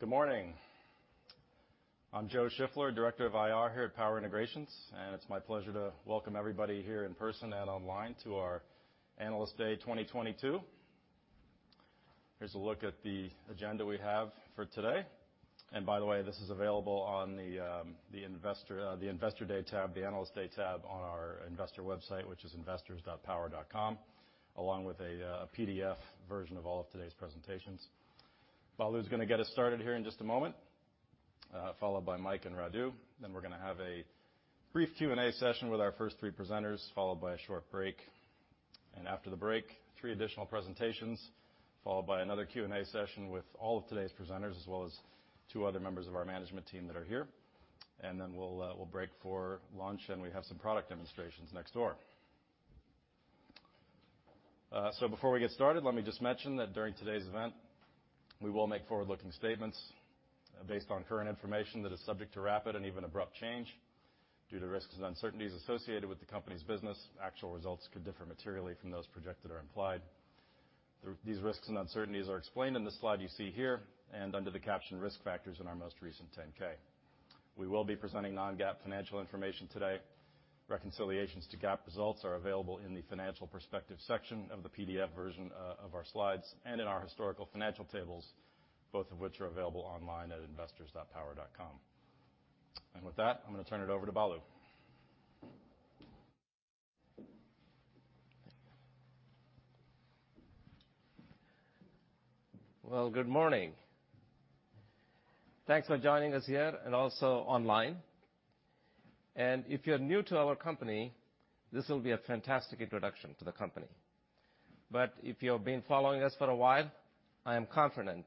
Good morning. I'm Joe Shiffler, Director of IR here at Power Integrations, and it's my pleasure to welcome everybody here in person and online to our Analyst Day 2022. Here's a look at the agenda we have for today. By the way, this is available on the Investor Day tab, the Analyst Day tab on our investor website, which is investors.power.com, along with a PDF version of all of today's presentations. Balu's gonna get us started here in just a moment, followed by Mike and Radu. Then we're gonna have a brief Q&A session with our first three presenters, followed by a short break. After the break, three additional presentations, followed by another Q&A session with all of today's presenters as well as two other members of our management team that are here. Then we'll break for lunch, and we have some product demonstrations next door. So before we get started, let me just mention that during today's event, we will make forward-looking statements based on current information that is subject to rapid and even abrupt change. Due to risks and uncertainties associated with the company's business, actual results could differ materially from those projected or implied. These risks and uncertainties are explained in the slide you see here and under the caption Risk Factors in our most recent 10-K. We will be presenting non-GAAP financial information today. Reconciliations to GAAP results are available in the financial perspective section of the PDF version of our slides and in our historical financial tables, both of which are available online at investors.power.com. With that, I'm gonna turn it over to Balu. Well, good morning. Thanks for joining us here and also online. If you're new to our company, this will be a fantastic introduction to the company. If you've been following us for a while, I am confident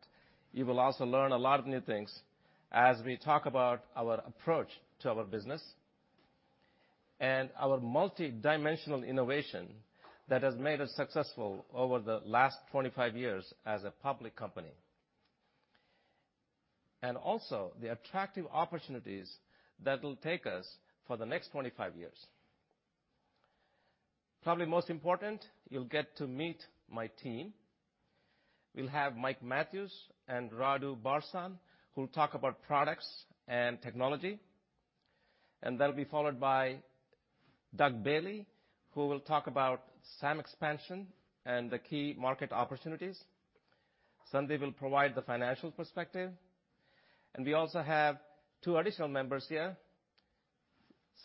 you will also learn a lot of new things as we talk about our approach to our business and our multidimensional innovation that has made us successful over the last 25 years as a public company. Also the attractive opportunities that'll take us for the next 25 years. Probably most important, you'll get to meet my team. We'll have Mike Matthews and Radu Barsan who'll talk about products and technology, and that'll be followed by Doug Bailey, who will talk about SAM expansion and the key market opportunities. Sandeep will provide the financial perspective. We also have two additional members here,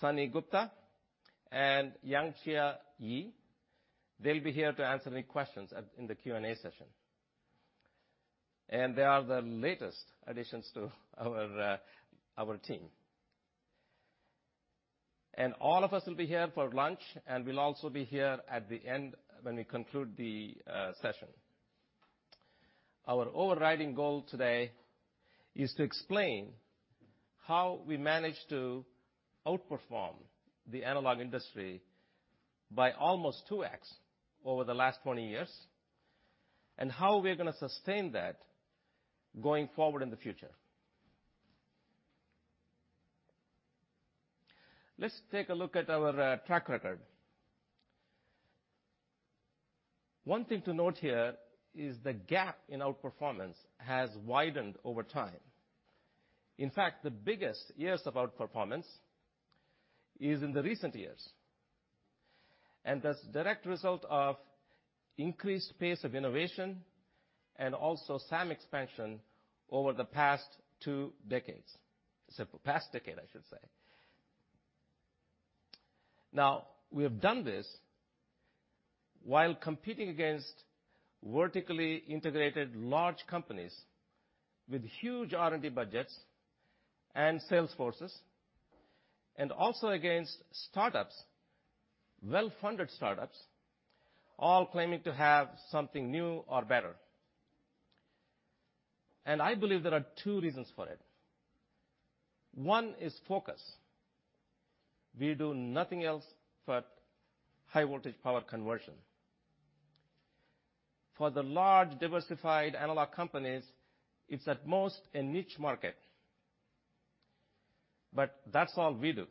Sunny Gupta and Yang Chiah Yee. They'll be here to answer any questions in the Q&A session. They are the latest additions to our team. All of us will be here for lunch, and we'll also be here at the end when we conclude the session. Our overriding goal today is to explain how we managed to outperform the analog industry by almost 2x over the last 20 years, and how we're gonna sustain that going forward in the future. Let's take a look at our track record. One thing to note here is the gap in outperformance has widened over time. In fact, the biggest years of outperformance is in the recent years. That's direct result of increased pace of innovation and also SAM expansion over the past two decades. Past decade, I should say. Now, we have done this while competing against vertically integrated large companies with huge R&D budgets and sales forces, and also against startups, well-funded startups, all claiming to have something new or better. I believe there are two reasons for it. One is focus. We do nothing else but high-voltage power conversion. For the large diversified analog companies, it's at most a niche market. That's all we do,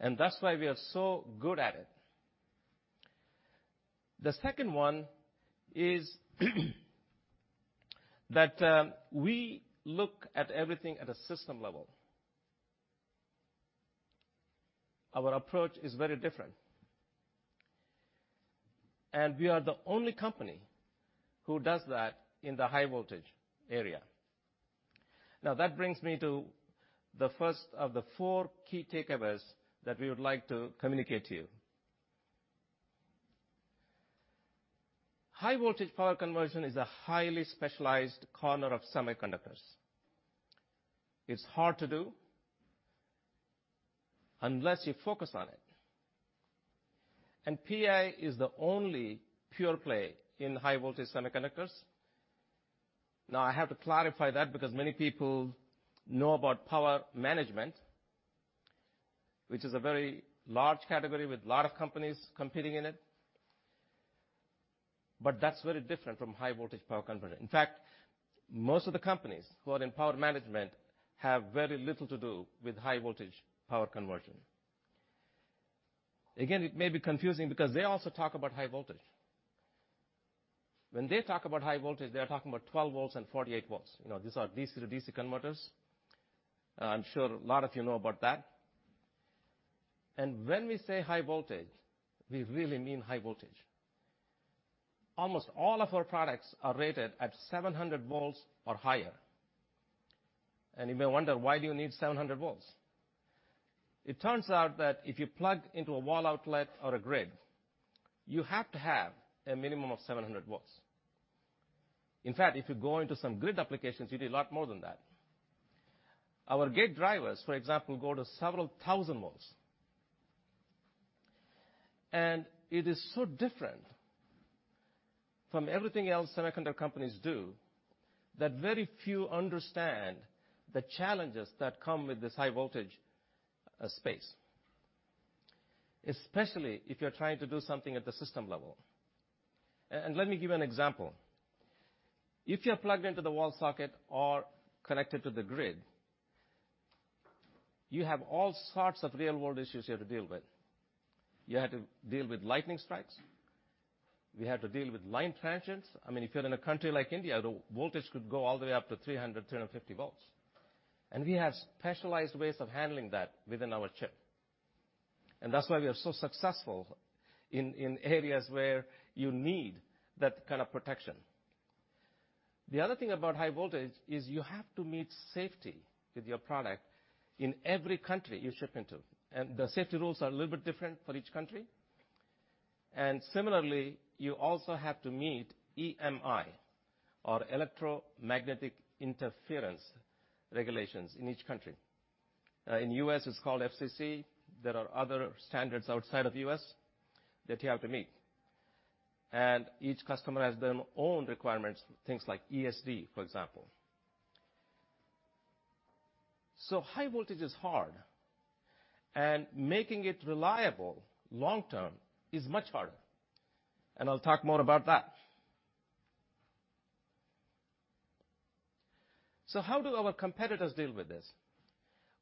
and that's why we are so good at it. The second one is that, we look at everything at a system level. Our approach is very different. We are the only company who does that in the high voltage area. Now that brings me to the first of the four key takeaways that we would like to communicate to you. High-voltage power conversion is a highly specialized corner of semiconductors. It's hard to do unless you focus on it. PI is the only pure play in high-voltage semiconductors. Now I have to clarify that because many people know about power management, which is a very large category with a lot of companies competing in it, but that's very different from high-voltage power conversion. In fact, most of the companies who are in power management have very little to do with high-voltage power conversion. Again, it may be confusing because they also talk about high voltage. When they talk about high voltage, they are talking about 12 V and 48 V. You know, these are DC to DC converters. I'm sure a lot of you know about that. When we say high voltage, we really mean high voltage. Almost all of our products are rated at 700 V or higher. You may wonder, why do you need 700 V? It turns out that if you plug into a wall outlet or a grid, you have to have a minimum of 700 V. In fact, if you go into some grid applications, you need a lot more than that. Our gate drivers, for example, go to several thousand volts. It is so different from everything else semiconductor companies do, that very few understand the challenges that come with this high voltage space, especially if you're trying to do something at the system level. Let me give you an example. If you're plugged into the wall socket or connected to the grid, you have all sorts of real-world issues you have to deal with. You have to deal with lightning strikes. We have to deal with line transients. I mean, if you're in a country like India, the voltage could go all the way up to 300 V, 350 V. We have specialized ways of handling that within our chip. That's why we are so successful in areas where you need that kind of protection. The other thing about high voltage is you have to meet safety with your product in every country you ship into, and the safety rules are a little bit different for each country. Similarly, you also have to meet EMI or electromagnetic interference regulations in each country. In the U.S. it's called FCC. There are other standards outside of the U.S. that you have to meet, and each customer has their own requirements, things like ESD, for example. High voltage is hard, and making it reliable long-term is much harder. I'll talk more about that. How do our competitors deal with this?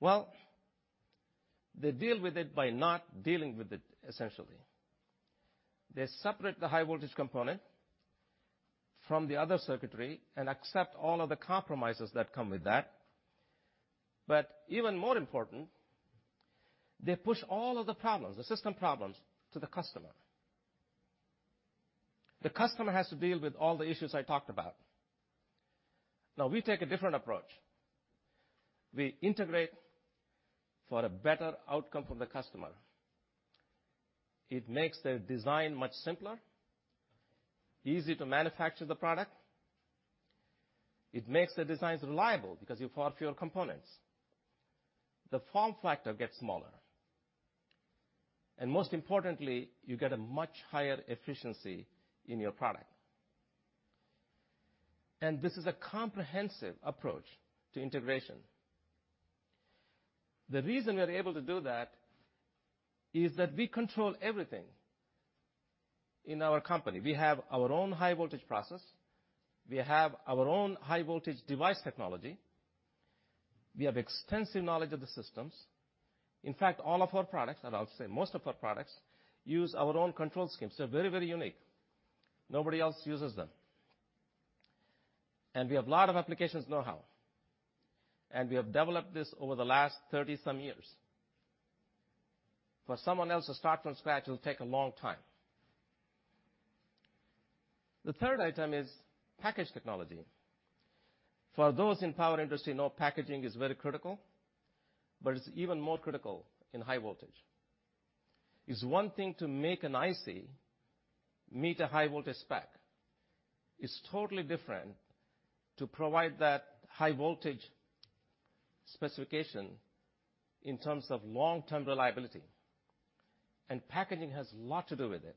Well, they deal with it by not dealing with it, essentially. They separate the high voltage component from the other circuitry and accept all of the compromises that come with that. Even more important, they push all of the problems, the system problems, to the customer. The customer has to deal with all the issues I talked about. Now we take a different approach. We integrate for a better outcome for the customer. It makes the design much simpler, easy to manufacture the product. It makes the designs reliable because you've far fewer components. The form factor gets smaller. Most importantly, you get a much higher efficiency in your product. This is a comprehensive approach to integration. The reason we are able to do that is that we control everything in our company. We have our own high voltage process. We have our own high voltage device technology. We have extensive knowledge of the systems. In fact, all of our products, and I'll say most of our products, use our own control schemes. They're very, very unique. Nobody else uses them. We have a lot of applications know-how, and we have developed this over the last 30-some years. For someone else to start from scratch, it'll take a long time. The third item is package technology. For those in power industry, know packaging is very critical, but it's even more critical in high voltage. It's one thing to make an IC meet a high voltage spec. It's totally different to provide that high voltage specification in terms of long-term reliability, and packaging has a lot to do with it.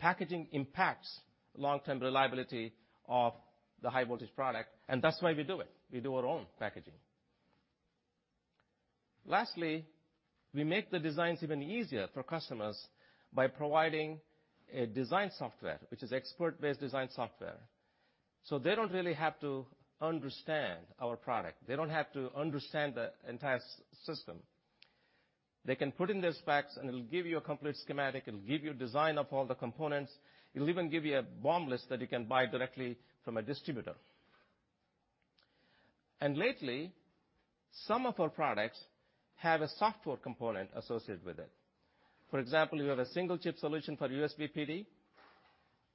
Packaging impacts long-term reliability of the high voltage product, and that's why we do it. We do our own packaging. Lastly, we make the designs even easier for customers by providing a design software, which is PI Expert design software. They don't really have to understand our product. They don't have to understand the entire system. They can put in the specs and it'll give you a complete schematic. It'll give you a design of all the components. It'll even give you a BOM list that you can buy directly from a distributor. Lately, some of our products have a software component associated with it. For example, we have a single chip solution for USB PD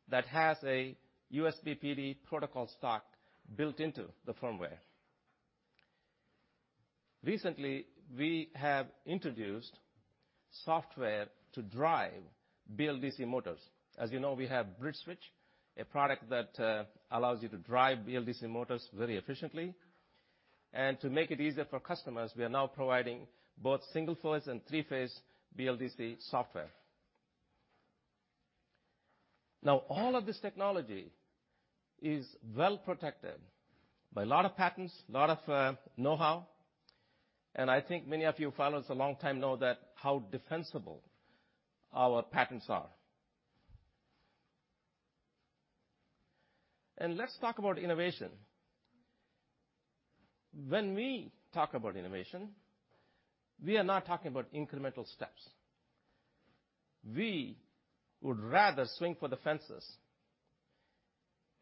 that has a USB PD protocol stack built into the firmware. Recently, we have introduced software to drive BLDC motors. As you know, we have BridgeSwitch, a product that allows you to drive BLDC motors very efficiently. To make it easier for customers, we are now providing both single phase and three-phase BLDC software. Now, all of this technology is well protected by a lot of patents, a lot of know-how, and I think many of you who've followed us a long time know that how defensible our patents are. Let's talk about innovation. When we talk about innovation, we are not talking about incremental steps. We would rather swing for the fences.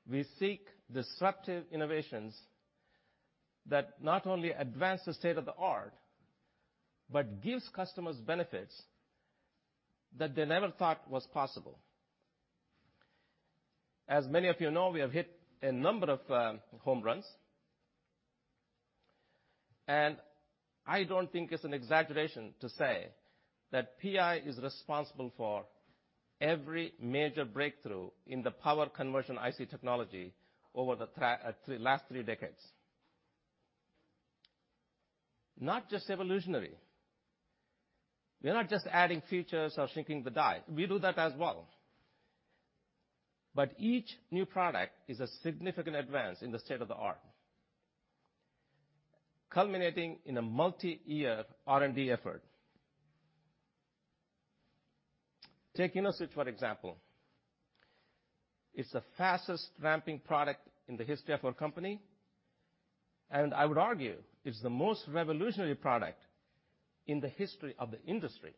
We seek disruptive innovations that not only advance the state of the art, but gives customers benefits that they never thought was possible. As many of you know, we have hit a number of home runs. I don't think it's an exaggeration to say that PI is responsible for every major breakthrough in the power conversion IC technology over the last three decades. Not just evolutionary. We're not just adding features or shrinking the die. We do that as well. But each new product is a significant advance in the state of the art, culminating in a multi-year R&D effort. Take InnoSwitch, for example. It's the fastest ramping product in the history of our company, and I would argue it's the most revolutionary product in the history of the industry.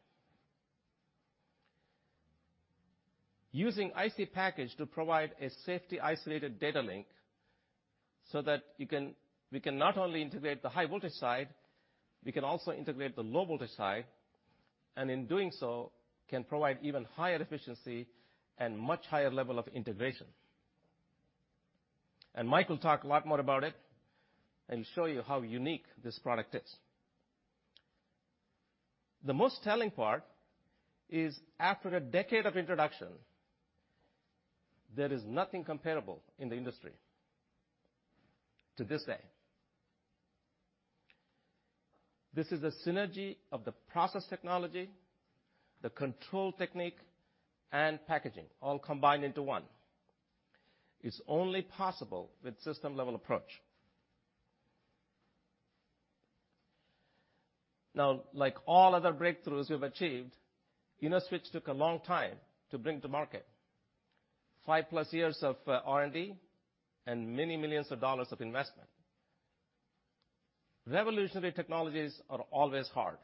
Using IC package to provide a safety isolated data link so that we can not only integrate the high voltage side, we can also integrate the low voltage side, and in doing so, can provide even higher efficiency and much higher level of integration. Mike will talk a lot more about it and show you how unique this product is. The most telling part is after a decade of introduction, there is nothing comparable in the industry to this day. This is a synergy of the process technology, the control technique, and packaging all combined into one. It's only possible with system-level approach. Now, like all other breakthroughs we've achieved, InnoSwitch took a long time to bring to market. 5+ years of R&D and many millions of dollars of investment. Revolutionary technologies are always hard,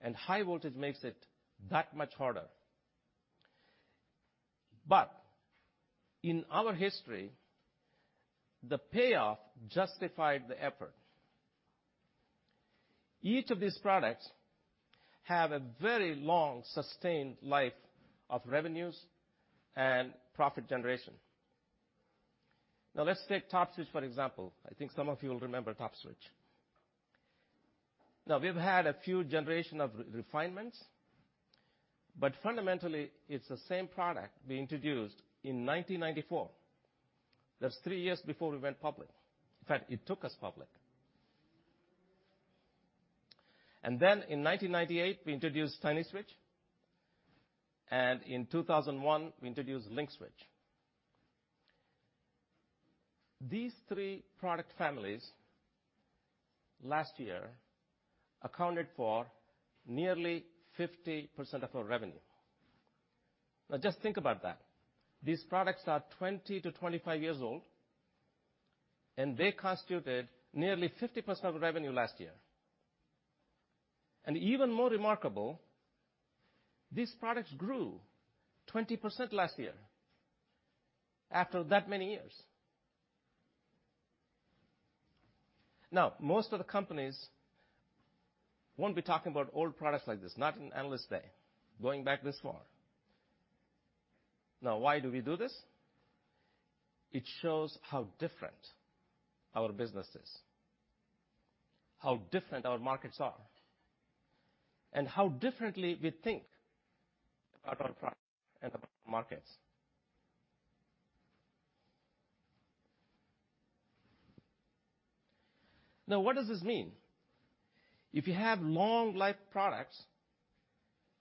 and high voltage makes it that much harder. But in our history, the payoff justified the effort. Each of these products have a very long sustained life of revenues and profit generation. Now let's take TOPSwitch, for example. I think some of you will remember TOPSwitch. Now, we've had a few generations of refinements, but fundamentally, it's the same product we introduced in 1994. That's three years before we went public. In fact, it took us public. In 1998, we introduced TinySwitch, and in 2001, we introduced LinkSwitch. These three product families last year accounted for nearly 50% of our revenue. Now just think about that. These products are 20-25 years old, and they constituted nearly 50% of revenue last year. Even more remarkable, these products grew 20% last year after that many years. Now, most of the companies won't be talking about old products like this, not in Analyst Day, going back this far. Why do we do this? It shows how different our business is, how different our markets are, and how differently we think about our products and about markets. Now, what does this mean? If you have long life products,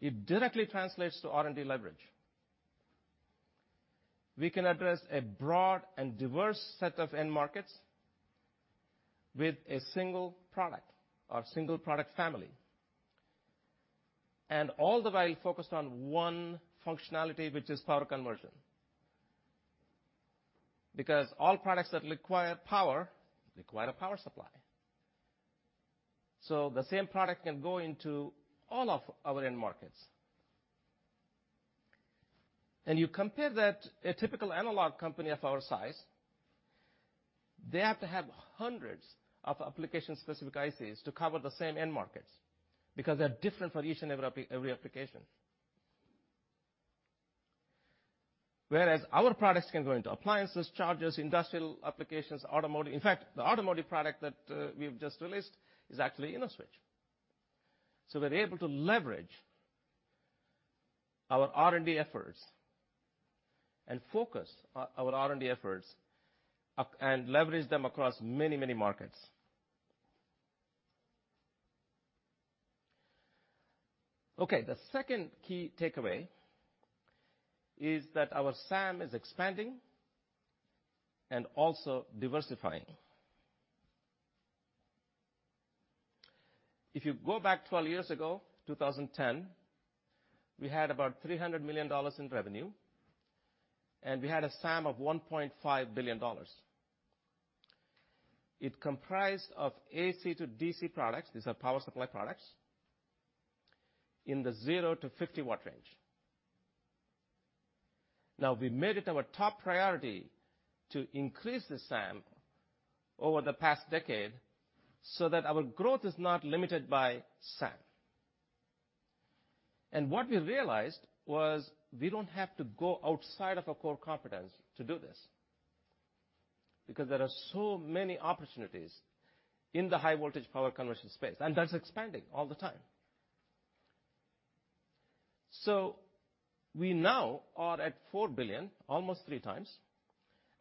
it directly translates to R&D leverage. We can address a broad and diverse set of end markets with a single product or single product family, and all the while focused on one functionality, which is power conversion. Because all products that require power require a power supply. The same product can go into all of our end markets. You compare that, a typical analog company of our size, they have to have hundreds of application-specific ICs to cover the same end markets because they're different for each and every application. Whereas our products can go into appliances, chargers, industrial applications, automotive. In fact, the automotive product that we've just released is actually InnoSwitch. We're able to leverage our R&D efforts and focus our R&D efforts and leverage them across many markets. Okay, the second key takeaway is that our SAM is expanding and also diversifying. If you go back 12 years ago, 2010, we had about $300 million in revenue, and we had a SAM of $1.5 billion. It comprised of AC/DC products, these are power supply products, in the 0-50 W range. Now we made it our top priority to increase the SAM over the past decade so that our growth is not limited by SAM. What we realized was we don't have to go outside of our core competence to do this because there are so many opportunities in the high voltage power conversion space, and that's expanding all the time. We now are at $4 billion, almost 3x,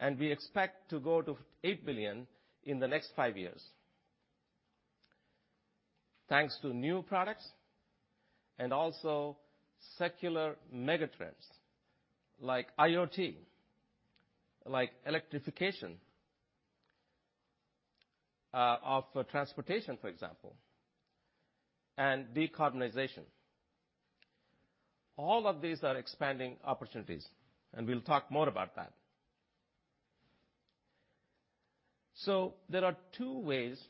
and we expect to go to $8 billion in the next five years. Thanks to new products and also secular megatrends like IoT, like electrification, of transportation, for example, and decarbonization. All of these are expanding opportunities, and we'll talk more about that. There are two ways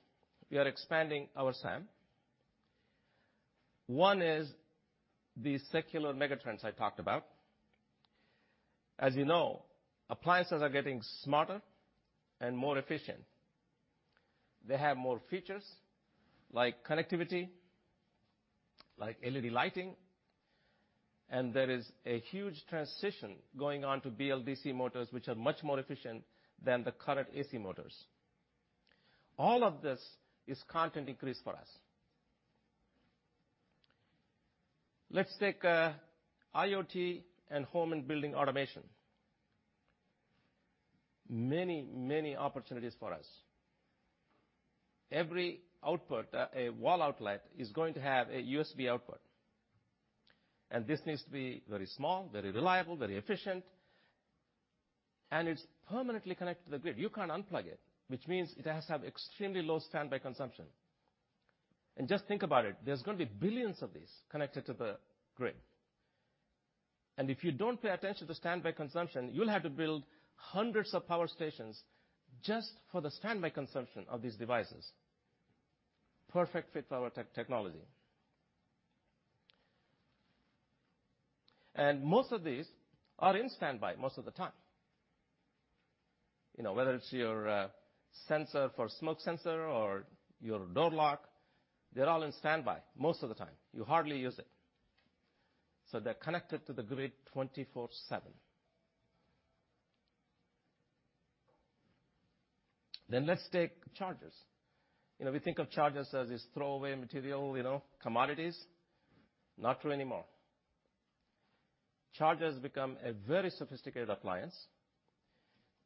we are expanding our SAM. One is these secular megatrends I talked about. As you know, appliances are getting smarter and more efficient. They have more features like connectivity, like LED lighting, and there is a huge transition going on to BLDC motors, which are much more efficient than the current AC motors. All of this is content increase for us. Let's take IoT and home and building automation. Many, many opportunities for us. Every output, a wall outlet is going to have a USB output. This needs to be very small, very reliable, very efficient, and it's permanently connected to the grid. You can't unplug it, which means it has to have extremely low standby consumption. Just think about it, there's gonna be billions of these connected to the grid. If you don't pay attention to standby consumption, you'll have to build hundreds of power stations just for the standby consumption of these devices. Perfect fit for our technology. Most of these are in standby most of the time. You know, whether it's your smoke sensor or your door lock, they're all in standby most of the time. You hardly use it. They're connected to the grid 24/7. Let's take chargers. You know, we think of chargers as this throwaway material, you know, commodities. Not true anymore. Chargers become a very sophisticated appliance.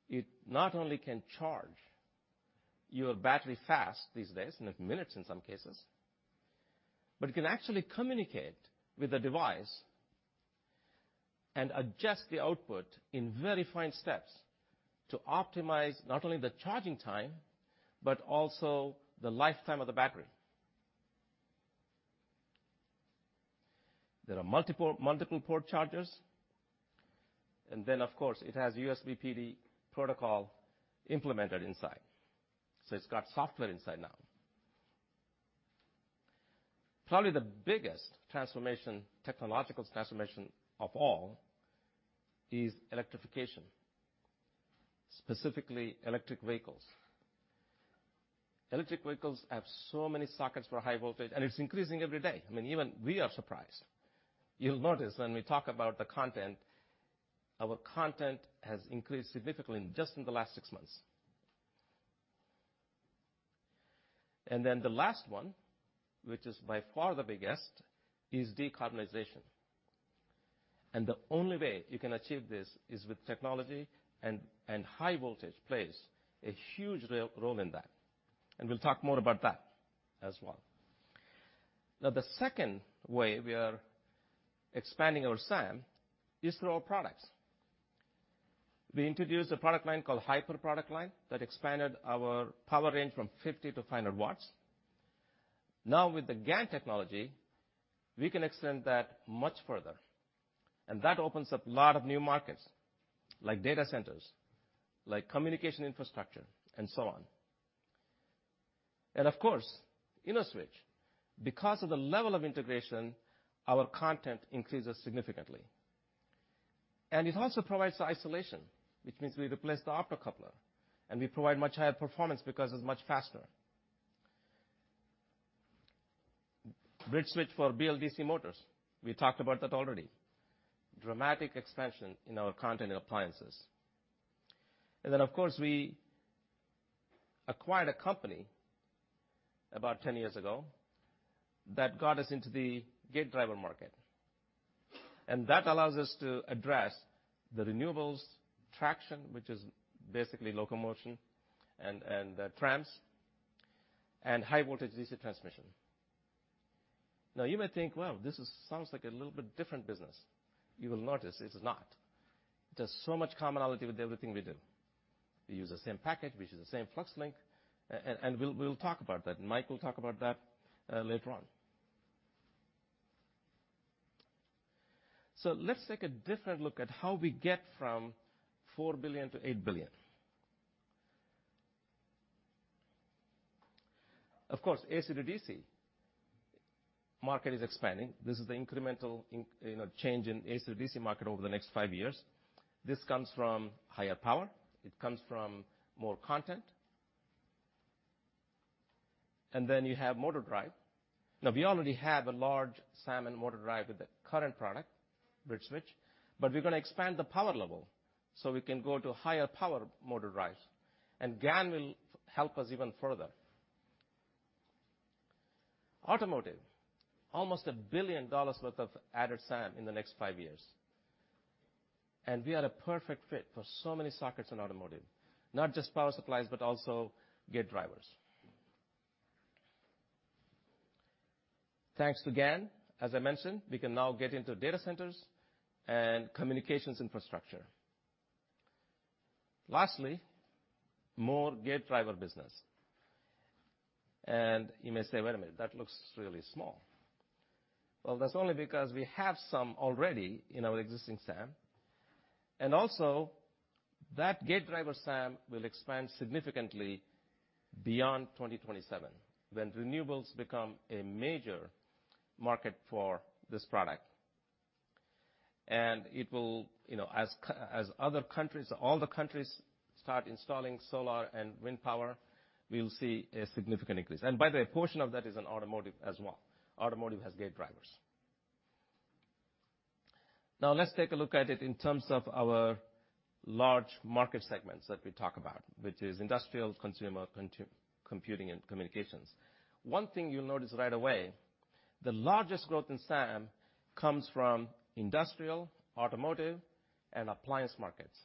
It not only can charge your battery fast these days, in minutes in some cases, but it can actually communicate with the device and adjust the output in very fine steps to optimize not only the charging time, but also the lifetime of the battery. There are multiple port chargers, and then of course, it has USB PD protocol implemented inside. So it's got software inside now. Probably the biggest transformation, technological transformation of all is electrification, specifically electric vehicles. Electric vehicles have so many sockets for high voltage, and it's increasing every day. I mean, even we are surprised. You'll notice when we talk about the content, our content has increased significantly just in the last six months. The last one, which is by far the biggest, is decarbonization. The only way you can achieve this is with technology, and high voltage plays a huge role in that. We'll talk more about that as well. Now the second way we are expanding our SAM is through our products. We introduced a product line called HiperPFS product line that expanded our power range from 50 W-500 W. Now with the GaN technology, we can extend that much further, and that opens up a lot of new markets like data centers, like communication infrastructure, and so on. Of course, InnoSwitch, because of the level of integration, our content increases significantly. It also provides isolation, which means we replace the optocoupler, and we provide much higher performance because it's much faster. BridgeSwitch for BLDC motors, we talked about that already. Dramatic expansion in our content in appliances. Of course, we acquired a company about 10 years ago that got us into the gate driver market. That allows us to address the renewables, traction, which is basically locomotion and trams, and high voltage DC transmission. Now you may think, wow, this sounds like a little bit different business. You will notice it's not. There's so much commonality with everything we do. We use the same package, we use the same FluxLink, and we'll talk about that. Mike will talk about that later on. Let's take a different look at how we get from $4 billion to $8 billion. Of course, AC/DC market is expanding. This is the incremental, you know, change in AC/DC market over the next five years. This comes from higher power, it comes from more content. Then you have motor drive. Now we already have a large SAM and motor drive with the current product, BridgeSwitch, but we're gonna expand the power level, so we can go to higher power motor drives, and GaN will help us even further. Automotive, almost $1 billion worth of added SAM in the next five years. We are a perfect fit for so many sockets in automotive, not just power supplies, but also gate drivers. Thanks to GaN, as I mentioned, we can now get into data centers and communications infrastructure. Lastly, more gate driver business. You may say, "Wait a minute, that looks really small." Well, that's only because we have some already in our existing SAM, and also that gate driver SAM will expand significantly beyond 2027 when renewables become a major market for this product. It will, you know, as other countries, all the countries start installing solar and wind power, we'll see a significant increase. By the way, a portion of that is in automotive as well. Automotive has gate drivers. Now let's take a look at it in terms of our large market segments that we talk about, which is industrial, consumer, computing, and communications. One thing you'll notice right away, the largest growth in SAM comes from industrial, automotive, and appliance markets.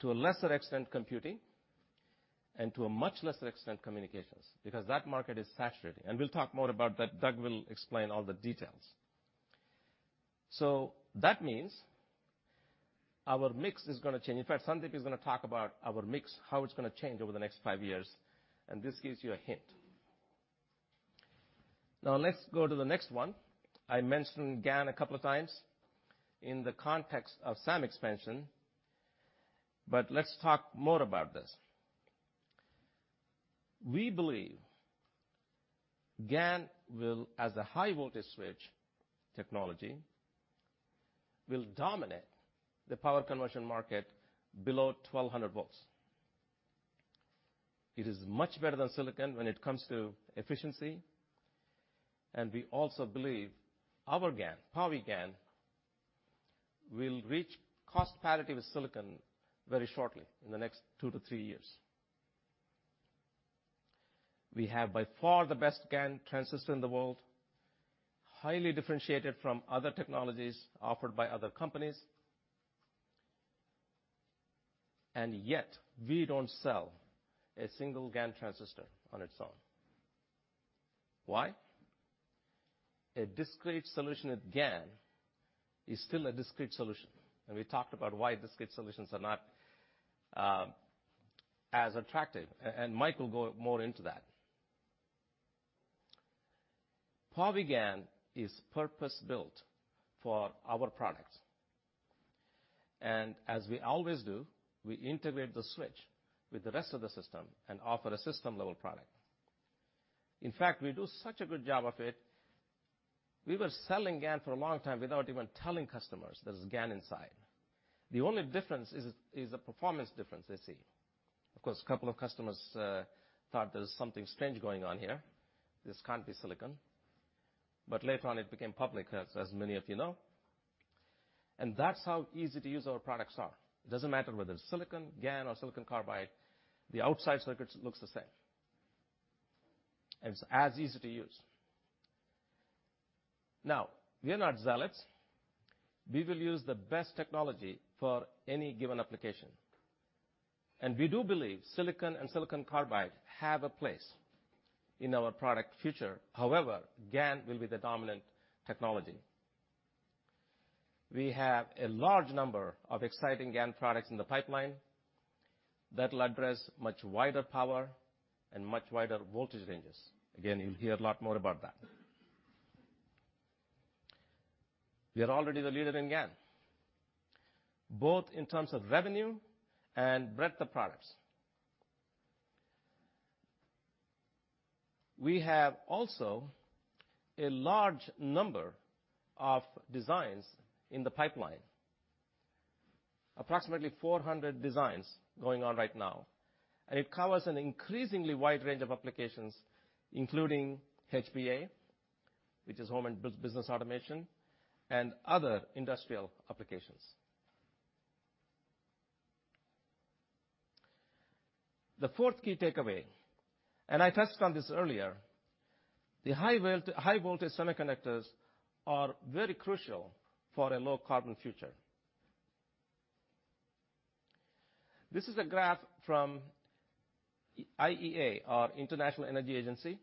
To a lesser extent, computing, and to a much lesser extent, communications, because that market is saturated. We'll talk more about that. Doug will explain all the details. That means our mix is gonna change. In fact, Sandeep is gonna talk about our mix, how it's gonna change over the next five years, and this gives you a hint. Now let's go to the next one. I mentioned GaN a couple of times in the context of SAM expansion, but let's talk more about this. We believe GaN will, as a high voltage switch technology, dominate the power conversion market below 1,200 V. It is much better than silicon when it comes to efficiency, and we also believe our GaN, PowiGaN, will reach cost parity with silicon very shortly in the two to three years. we have by far the best GaN transistor in the world, highly differentiated from other technologies offered by other companies. Yet we don't sell a single GaN transistor on its own. Why? A discrete solution with GaN is still a discrete solution, and we talked about why discrete solutions are not as attractive, and Mike will go more into that. PowiGaN is purpose-built for our products, and as we always do, we integrate the switch with the rest of the system and offer a system-level product. In fact, we do such a good job of it, we were selling GaN for a long time without even telling customers there's GaN inside. The only difference is the performance difference they see. Of course, a couple of customers thought there's something strange going on here. This can't be silicon. Later on, it became public, as many of you know. That's how easy to use our products are. It doesn't matter whether it's silicon, GaN, or silicon carbide, the outside circuits looks the same, and it's as easy to use. Now, we are not zealots. We will use the best technology for any given application, and we do believe silicon and silicon carbide have a place in our product future. However, GaN will be the dominant technology. We have a large number of exciting GaN products in the pipeline that'll address much wider power and much wider voltage ranges. Again, you'll hear a lot more about that. We are already the leader in GaN, both in terms of revenue and breadth of products. We have also a large number of designs in the pipeline, approximately 400 designs going on right now. It covers an increasingly wide range of applications, including H&BA, which is home and building automation, and other industrial applications. The fourth key takeaway, and I touched on this earlier, the high-voltage semiconductors are very crucial for a low carbon future. This is a graph from IEA, or International Energy Agency,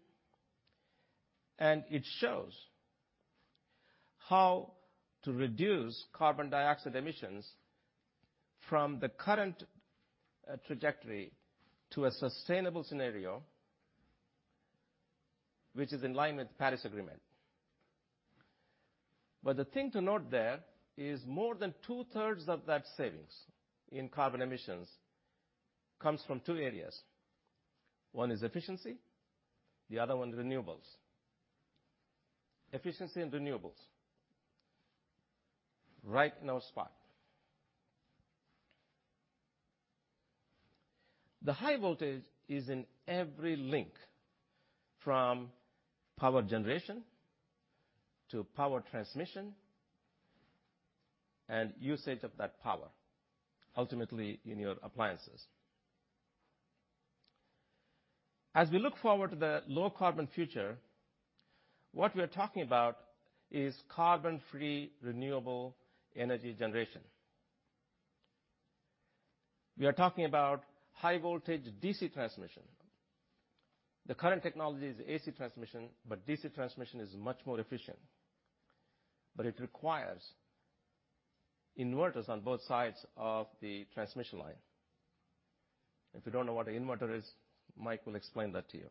and it shows how to reduce carbon dioxide emissions from the current trajectory to a sustainable scenario, which is in line with the Paris Agreement. The thing to note there is more than 2/3 of that savings in carbon emissions comes from two areas. One is efficiency, the other one renewables. Efficiency and renewables. Right in our spot. The high voltage is in every link from power generation to power transmission and usage of that power, ultimately in your appliances. As we look forward to the low carbon future, what we're talking about is carbon free renewable energy generation. We are talking about high voltage DC transmission. The current technology is AC transmission, but DC transmission is much more efficient, but it requires inverters on both sides of the transmission line. If you don't know what an inverter is, Mike will explain that to you.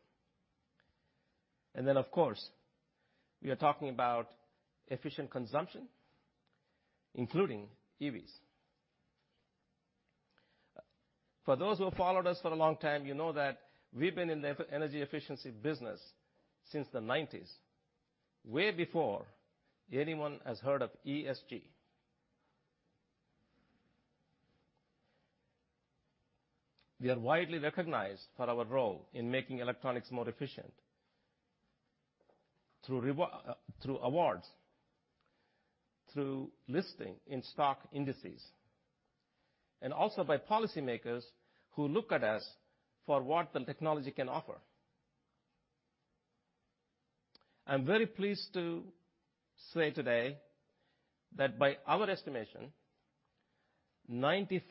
Of course, we are talking about efficient consumption, including EVs. For those who have followed us for a long time, you know that we've been in the energy efficiency business since the 1990s, way before anyone has heard of ESG. We are widely recognized for our role in making electronics more efficient through awards, through listing in stock indices, and also by policymakers who look at us for what the technology can offer. I'm very pleased to say today that by our estimation, 95%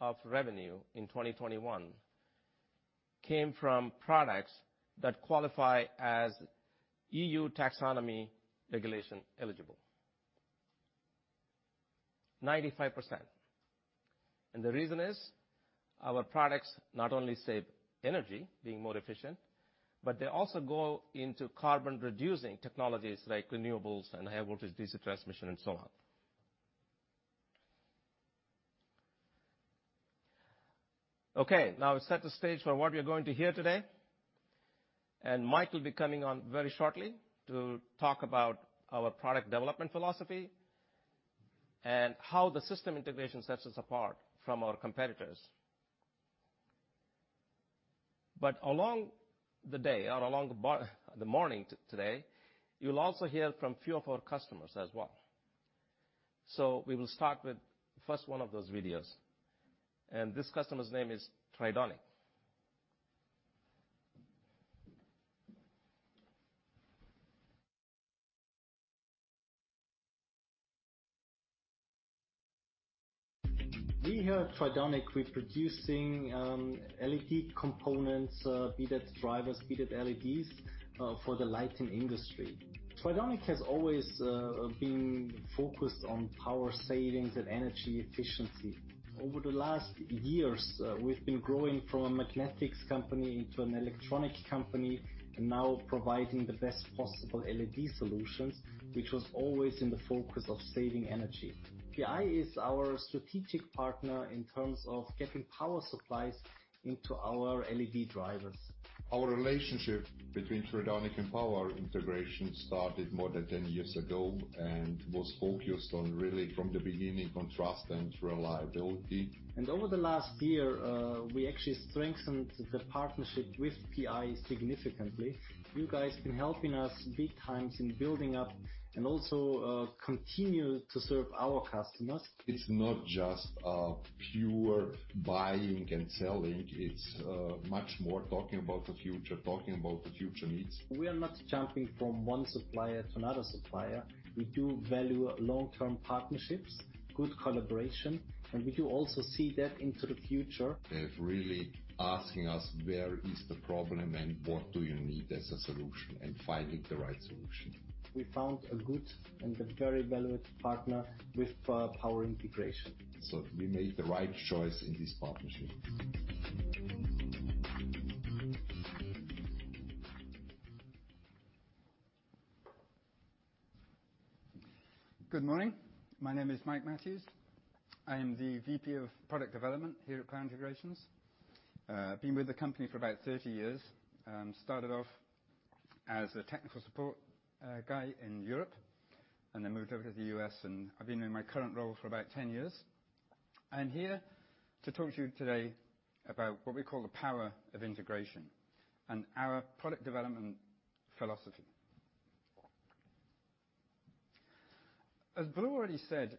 of revenue in 2021 came from products that qualify as EU Taxonomy Regulation eligible. 95%. The reason is our products not only save energy being more efficient, but they also go into carbon reducing technologies like renewables and high voltage DC transmission and so on. Okay, now we set the stage for what we're going to hear today, and Mike will be coming on very shortly to talk about our product development philosophy and how the system integration sets us apart from our competitors. Along the day or along the morning today, you'll also hear from few of our customers as well. We will start with first one of those videos, and this customer's name is Tridonic. We here at Tridonic, we're producing LED components, be that drivers, be that LEDs, for the lighting industry. Tridonic has always been focused on power savings and energy efficiency. Over the last years, we've been growing from a magnetics company into an electronics company and now providing the best possible LED solutions, which was always in the focus of saving energy. PI is our strategic partner in terms of getting power supplies into our LED drivers. Our relationship between Tridonic and Power Integrations started more than 10 years ago and was focused on really from the beginning, on trust and reliability. Over the last year, we actually strengthened the partnership with PI significantly. You guys been helping us big times in building up and also continue to serve our customers. It's not just a pure buying and selling. It's much more talking about the future needs. We are not jumping from one supplier to another supplier. We do value long-term partnerships, good collaboration, and we do also see that into the future. They're really asking us, where is the problem, and what do you need as a solution? Finding the right solution. We found a good and a very valued partner with Power Integrations. We made the right choice in this partnership. Good morning. My name is Mike Matthews. I am the VP of Product Development here at Power Integrations. Been with the company for about 30 years. Started off as a technical support guy in Europe, and then moved over to the U.S., and I've been in my current role for about 10 years. I'm here to talk to you today about what we call the power of integration and our product development philosophy. As Balu already said,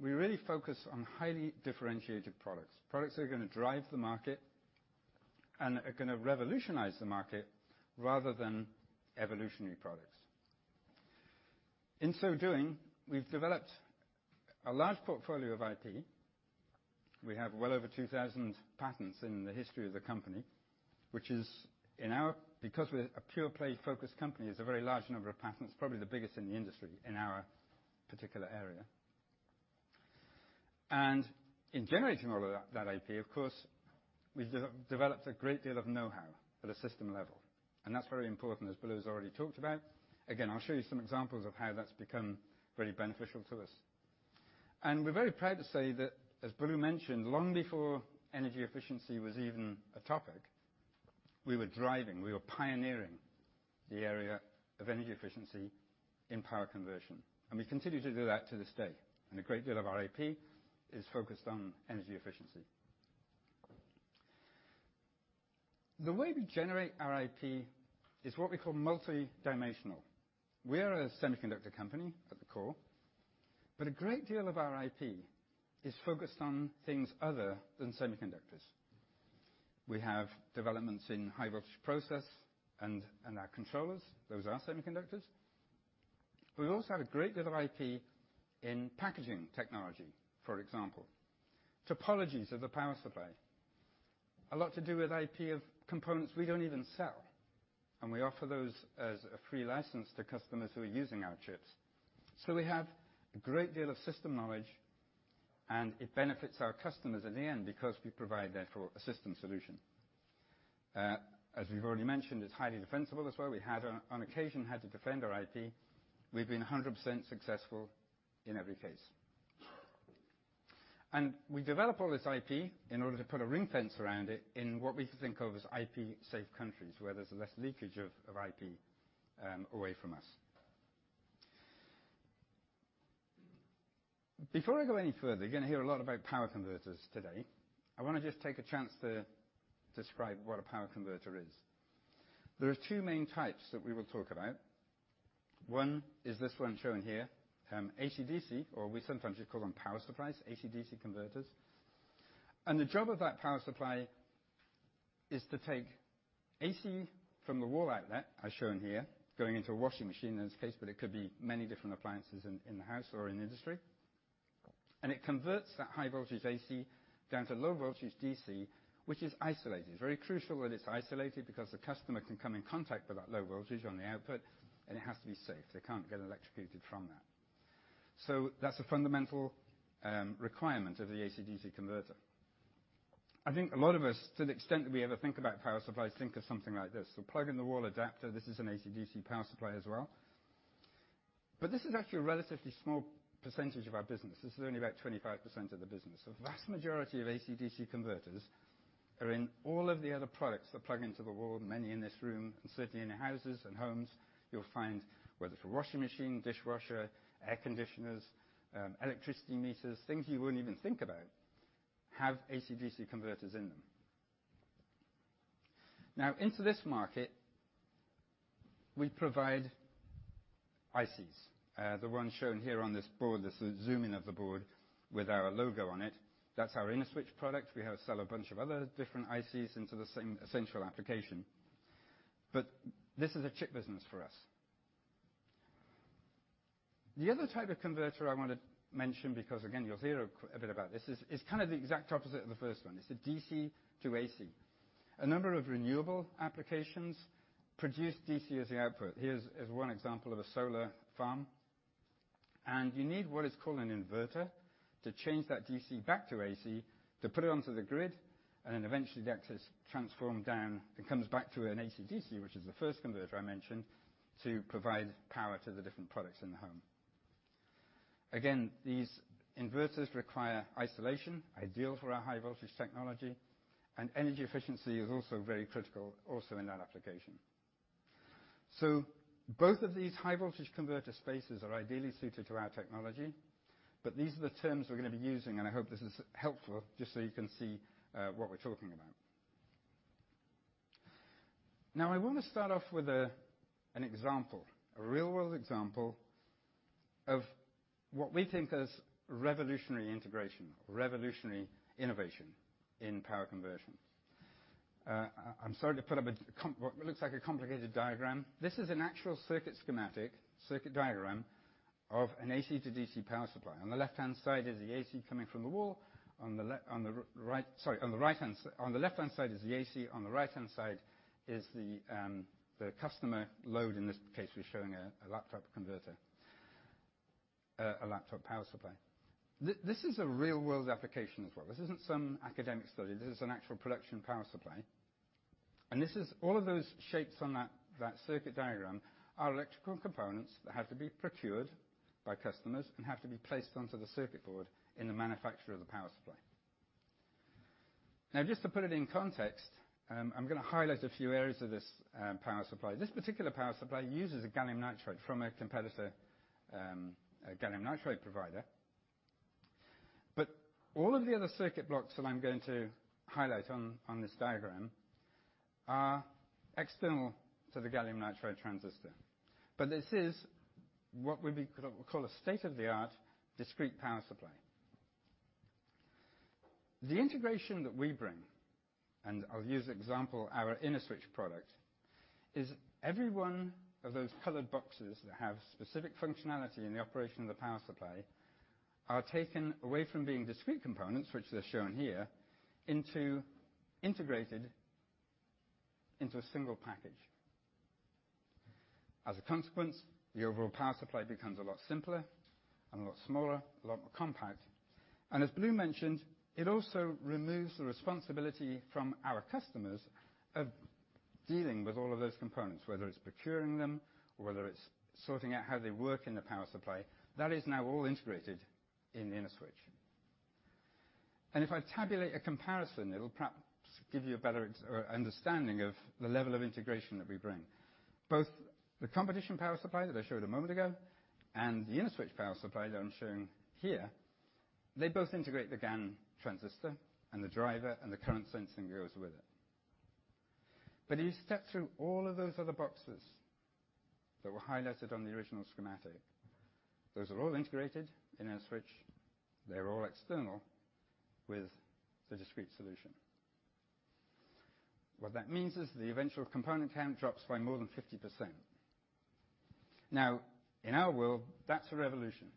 we really focus on highly differentiated products. Products that are gonna drive the market and are gonna revolutionize the market rather than evolutionary products. In so doing, we've developed a large portfolio of IP. We have well over 2,000 patents in the history of the company, which, because we're a pure-play focused company, is a very large number of patents, probably the biggest in the industry in our particular area. In generating all of that IP, of course, we've developed a great deal of know-how at a system level, and that's very important, as Balu has already talked about. Again, I'll show you some examples of how that's become very beneficial to us. We're very proud to say that, as Balu mentioned, long before energy efficiency was even a topic, we were driving, we were pioneering the area of energy efficiency in power conversion, and we continue to do that to this day. A great deal of our IP is focused on energy efficiency. The way we generate our IP is what we call multidimensional. We are a semiconductor company at the core, but a great deal of our IP is focused on things other than semiconductors. We have developments in high voltage process and our controllers. Those are semiconductors. We also have a great deal of IP in packaging technology. For example, topologies of the power supply. A lot to do with IP of components we don't even sell, and we offer those as a free license to customers who are using our chips. We have a great deal of system knowledge, and it benefits our customers in the end because we provide therefore a system solution. As we've already mentioned, it's highly defensible as well. We had on occasion had to defend our IP. We've been 100% successful in every case. We develop all this IP in order to put a ring fence around it in what we think of as IP safe countries, where there's less leakage of IP away from us. Before I go any further, you're gonna hear a lot about power converters today. I wanna just take a chance to describe what a power converter is. There are two main types that we will talk about. One is this one shown here, AC/DC, or we sometimes just call them power supplies, AC/DC converters. The job of that power supply is to take AC from the wall outlet, as shown here, going into a washing machine in this case, but it could be many different appliances in the house or in the industry. It converts that high voltage AC down to low voltage DC, which is isolated. It's very crucial that it's isolated because the customer can come in contact with that low voltage on the output, and it has to be safe. They can't get electrocuted from that. That's a fundamental requirement of the AC/DC converter. I think a lot of us, to the extent that we ever think about power supplies, think of something like this. Plug in the wall adapter. This is an AC/DC power supply as well. This is actually a relatively small percentage of our business. This is only about 25% of the business. The vast majority of AC/DC converters are in all of the other products that plug into the wall. Many in this room and certainly in your houses and homes, you'll find whether it's a washing machine, dishwasher, air conditioners, electricity meters, things you wouldn't even think about, have AC/DC converters in them. Now into this market, we provide ICs. The one shown here on this board, this is a zoom-in of the board with our logo on it. That's our InnoSwitch product. We sell a bunch of other different ICs into the same essential application. This is a chip business for us. The other type of converter I want to mention, because again, you'll hear a bit about this, is kind of the exact opposite of the first one. It's a DC to AC. A number of renewable applications produce DC as the output. Here's one example of a solar farm, and you need what is called an inverter to change that DC back to AC to put it onto the grid, and then eventually that is transformed down and comes back to an AC/DC, which is the first converter I mentioned, to provide power to the different products in the home. These inverters require isolation, ideal for our high voltage technology, and energy efficiency is also very critical in that application. Both of these high voltage converter spaces are ideally suited to our technology. These are the terms we're gonna be using, and I hope this is helpful just so you can see what we're talking about. Now, I want to start off with an example, a real-world example of what we think is revolutionary integration, revolutionary innovation in power conversion. I'm sorry to put up what looks like a complicated diagram. This is an actual circuit schematic, circuit diagram of an AC/DC power supply. On the left-hand side is the AC coming from the wall. On the left-hand side is the AC, on the right-hand side is the customer load. In this case, we're showing a laptop converter, a laptop power supply. This is a real-world application as well. This isn't some academic study. This is an actual production power supply. This is all of those shapes on that circuit diagram are electrical components that have to be procured by customers and have to be placed onto the circuit board in the manufacture of the power supply. Now, just to put it in context, I'm gonna highlight a few areas of this power supply. This particular power supply uses a gallium nitride from a competitor, a gallium nitride provider. All of the other circuit blocks that I'm going to highlight on this diagram are external to the gallium nitride transistor. This is what we'd call a state-of-the-art discrete power supply. The integration that we bring, and I'll use the example our InnoSwitch product, is every one of those colored boxes that have specific functionality in the operation of the power supply are taken away from being discrete components, which they're shown here, into integrated into a single package. As a consequence, the overall power supply becomes a lot simpler and a lot smaller, a lot more compact. As Balu mentioned, it also removes the responsibility from our customers of dealing with all of those components, whether it's procuring them, or whether it's sorting out how they work in the power supply. That is now all integrated in InnoSwitch. If I tabulate a comparison, it'll perhaps give you a better understanding of the level of integration that we bring. Both the competition power supply that I showed a moment ago and the InnoSwitch power supply that I'm showing here, they both integrate the GaN transistor and the driver and the current sensing goes with it. If you step through all of those other boxes that were highlighted on the original schematic, those are all integrated in InnoSwitch, they're all external with the discrete solution. What that means is the eventual component count drops by more than 50%. Now, in our world, that's a revolution.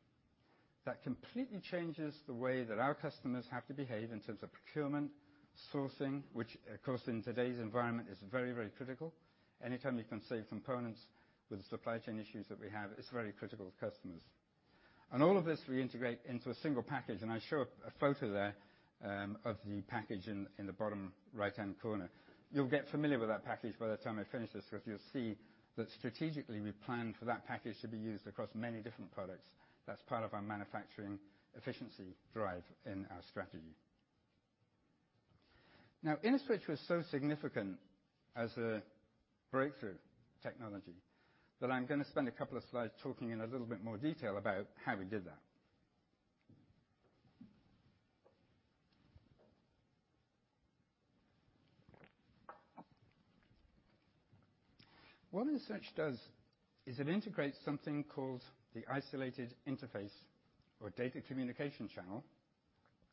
That completely changes the way that our customers have to behave in terms of procurement, sourcing, which of course, in today's environment is very, very critical. Anytime you can save components with the supply chain issues that we have, it's very critical to customers. And all of this we integrate into a single package, and I show a photo there, of the package in the bottom right-hand corner. You'll get familiar with that package by the time I finish this, 'cause you'll see that strategically, we plan for that package to be used across many different products. That's part of our manufacturing efficiency drive in our strategy. Now, InnoSwitch was so significant as a breakthrough technology that I'm gonna spend a couple of slides talking in a little bit more detail about how we did that. What InnoSwitch does is it integrates something called the isolated interface or data communication channel,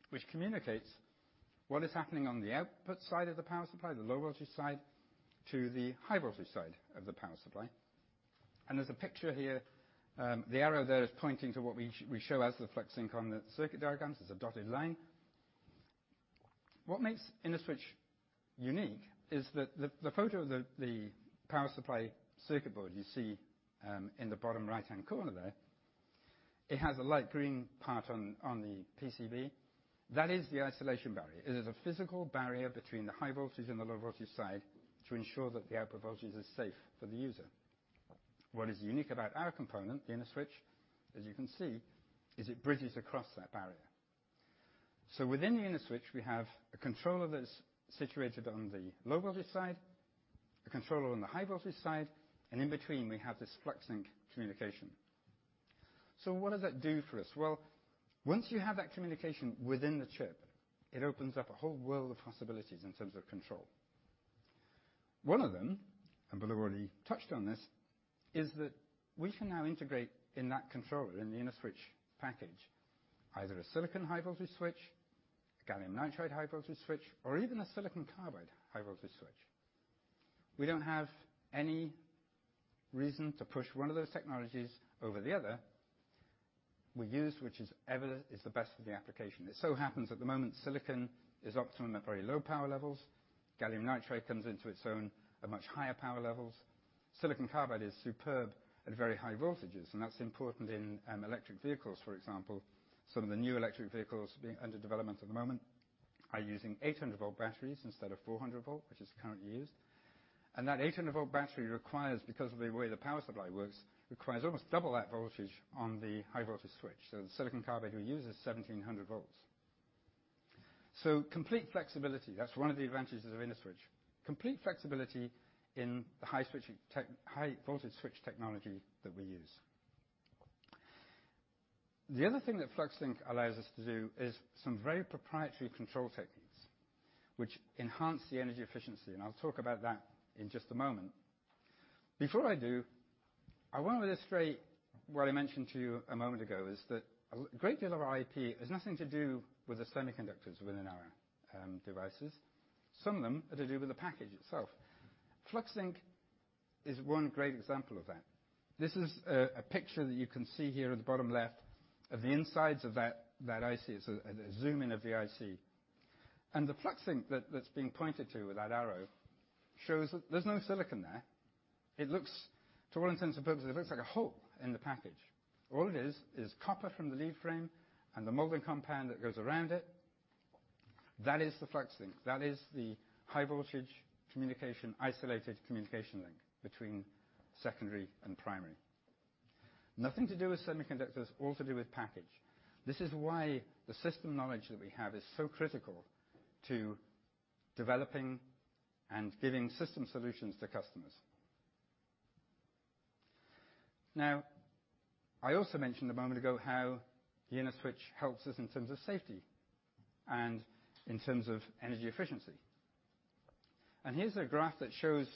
which communicates what is happening on the output side of the power supply, the low voltage side, to the high voltage side of the power supply. There's a picture here. The arrow there is pointing to what we show as the FluxLink on the circuit diagrams. There's a dotted line. What makes InnoSwitch unique is that the photo of the power supply circuit board you see in the bottom right-hand corner there, it has a light green part on the PCB. That is the isolation barrier. It is a physical barrier between the high voltage and the low voltage side to ensure that the output voltages is safe for the user. What is unique about our component, the InnoSwitch, as you can see, is it bridges across that barrier. Within the InnoSwitch, we have a controller that is situated on the low voltage side, a controller on the high voltage side, and in between, we have this FluxLink communication. What does that do for us? Well, once you have that communication within the chip, it opens up a whole world of possibilities in terms of control. One of them, and Balu already touched on this, is that we can now integrate in that controller in the InnoSwitch package, either a silicon high voltage switch, gallium nitride high voltage switch, or even a silicon carbide high voltage switch. We don't have any reason to push one of those technologies over the other. We use which is the best for the application. It so happens at the moment, silicon is optimum at very low power levels. Gallium nitride comes into its own at much higher power levels. Silicon carbide is superb at very high voltages, and that's important in electric vehicles, for example. Some of the new electric vehicles being under development at the moment are using 800 V batteries instead of 400 V, which is currently used. That 800 V battery requires, because of the way the power supply works, requires almost double that voltage on the high voltage switch. The silicon carbide that uses 1,700 V. Complete flexibility, that's one of the advantages of InnoSwitch. Complete flexibility in the high voltage switch technology that we use. The other thing that FluxLink allows us to do is some very proprietary control techniques which enhance the energy efficiency, and I'll talk about that in just a moment. Before I do, I want to illustrate what I mentioned to you a moment ago is that a great deal of our IP has nothing to do with the semiconductors within our devices. Some of them are to do with the package itself. FluxLink is one great example of that. This is a picture that you can see here at the bottom left of the insides of that IC. It's a zoom in of the IC. The FluxLink that's being pointed to with that arrow shows that there's no silicon there. It looks, to all intents and purposes, like a hole in the package. All it is is copper from the lead frame and the molding compound that goes around it. That is the FluxLink. That is the high voltage communication, isolated communication link between secondary and primary. Nothing to do with semiconductors, all to do with package. This is why the system knowledge that we have is so critical to developing and giving system solutions to customers. Now, I also mentioned a moment ago how the InnoSwitch helps us in terms of safety and in terms of energy efficiency. Here's a graph that shows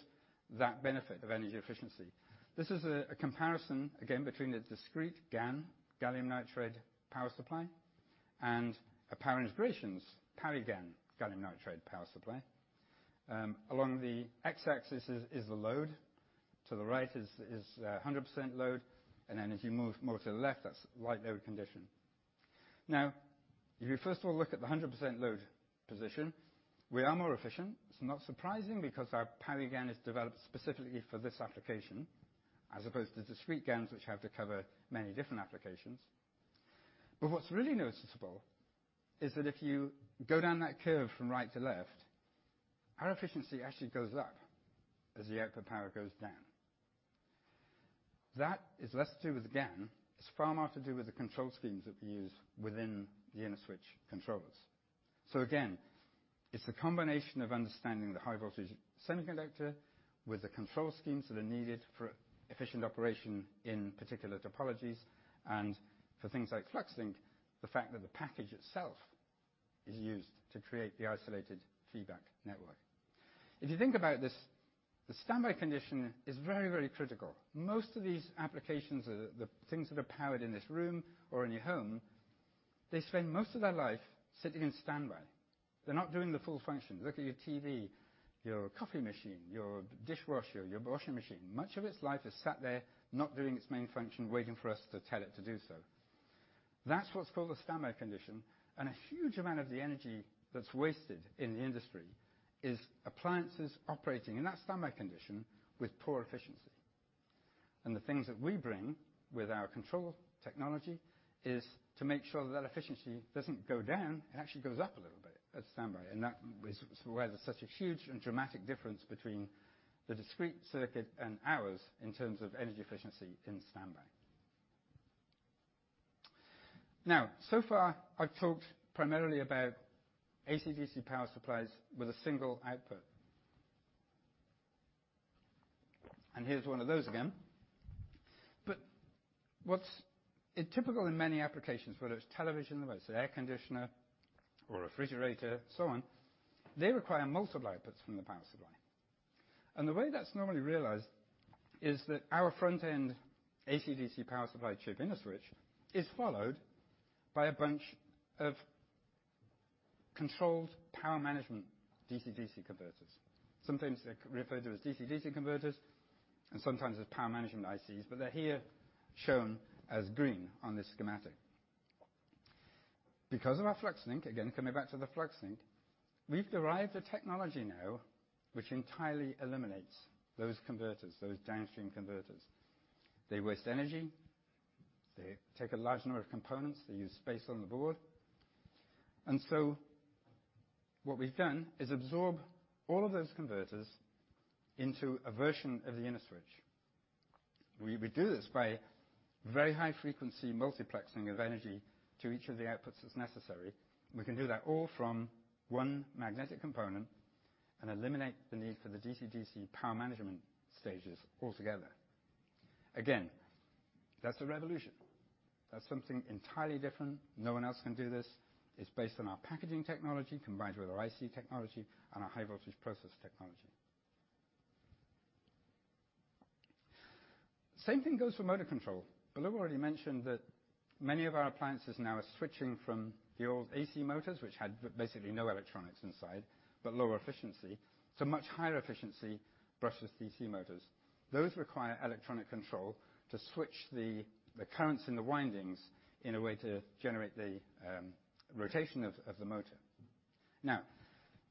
that benefit of energy efficiency. This is a comparison, again, between a discrete GaN, gallium nitride power supply, and a Power Integrations PowiGaN, gallium nitride power supply. Along the x-axis is the load. To the right is 100% load, and then as you move more to the left, that's light load condition. Now, if you first of all look at the 100% load position, we are more efficient. It's not surprising because our PowiGaN is developed specifically for this application as opposed to the discrete GaNs which have to cover many different applications. What's really noticeable is that if you go down that curve from right to left, our efficiency actually goes up as the output power goes down. That is less to do with GaN. It's far more to do with the control schemes that we use within the InnoSwitch controllers. Again, it's a combination of understanding the high voltage semiconductor with the control schemes that are needed for efficient operation in particular topologies and for things like FluxLink, the fact that the package itself is used to create the isolated feedback network. If you think about this, the standby condition is very, very critical. Most of these applications are the things that are powered in this room or in your home. They spend most of their life sitting in standby. They're not doing the full function. Look at your TV, your coffee machine, your dishwasher, your washing machine. Much of its life is sat there, not doing its main function, waiting for us to tell it to do so. That's what's called a standby condition, and a huge amount of the energy that's wasted in the industry is appliances operating in that standby condition with poor efficiency. The things that we bring with our control technology is to make sure that that efficiency doesn't go down. It actually goes up a little bit at standby, and that is why there's such a huge and dramatic difference between the discrete circuit and ours in terms of energy efficiency in standby. Now, so far I've talked primarily about AC/DC power supplies with a single output. Here's one of those again. But in typical and many applications, whether it's television, whether it's air conditioner or a refrigerator and so on, they require multiple outputs from the power supply. The way that's normally realized is that our front end AC/DC power supply chip, InnoSwitch, is followed by a bunch of controlled power management DC/DC converters. Sometimes they're referred to as DC/DC converters and sometimes as power management ICs, but they're here shown as green on this schematic. Because of our FluxLink, again, coming back to the FluxLink, we've derived a technology now which entirely eliminates those converters, those downstream converters. They waste energy, they take a large number of components, they use space on the board. What we've done is absorb all of those converters into a version of the InnoSwitch. We do this by very high frequency multiplexing of energy to each of the outputs that's necessary. We can do that all from one magnetic component and eliminate the need for the DC/DC power management stages altogether. Again, that's a revolution. That's something entirely different. No one else can do this. It's based on our packaging technology combined with our IC technology and our high voltage process technology. Same thing goes for motor control. Oliver already mentioned that many of our appliances now are switching from the old AC motors, which had basically no electronics inside, but lower efficiency to much higher efficiency brushless DC motors. Those require electronic control to switch the currents in the windings in a way to generate the rotation of the motor.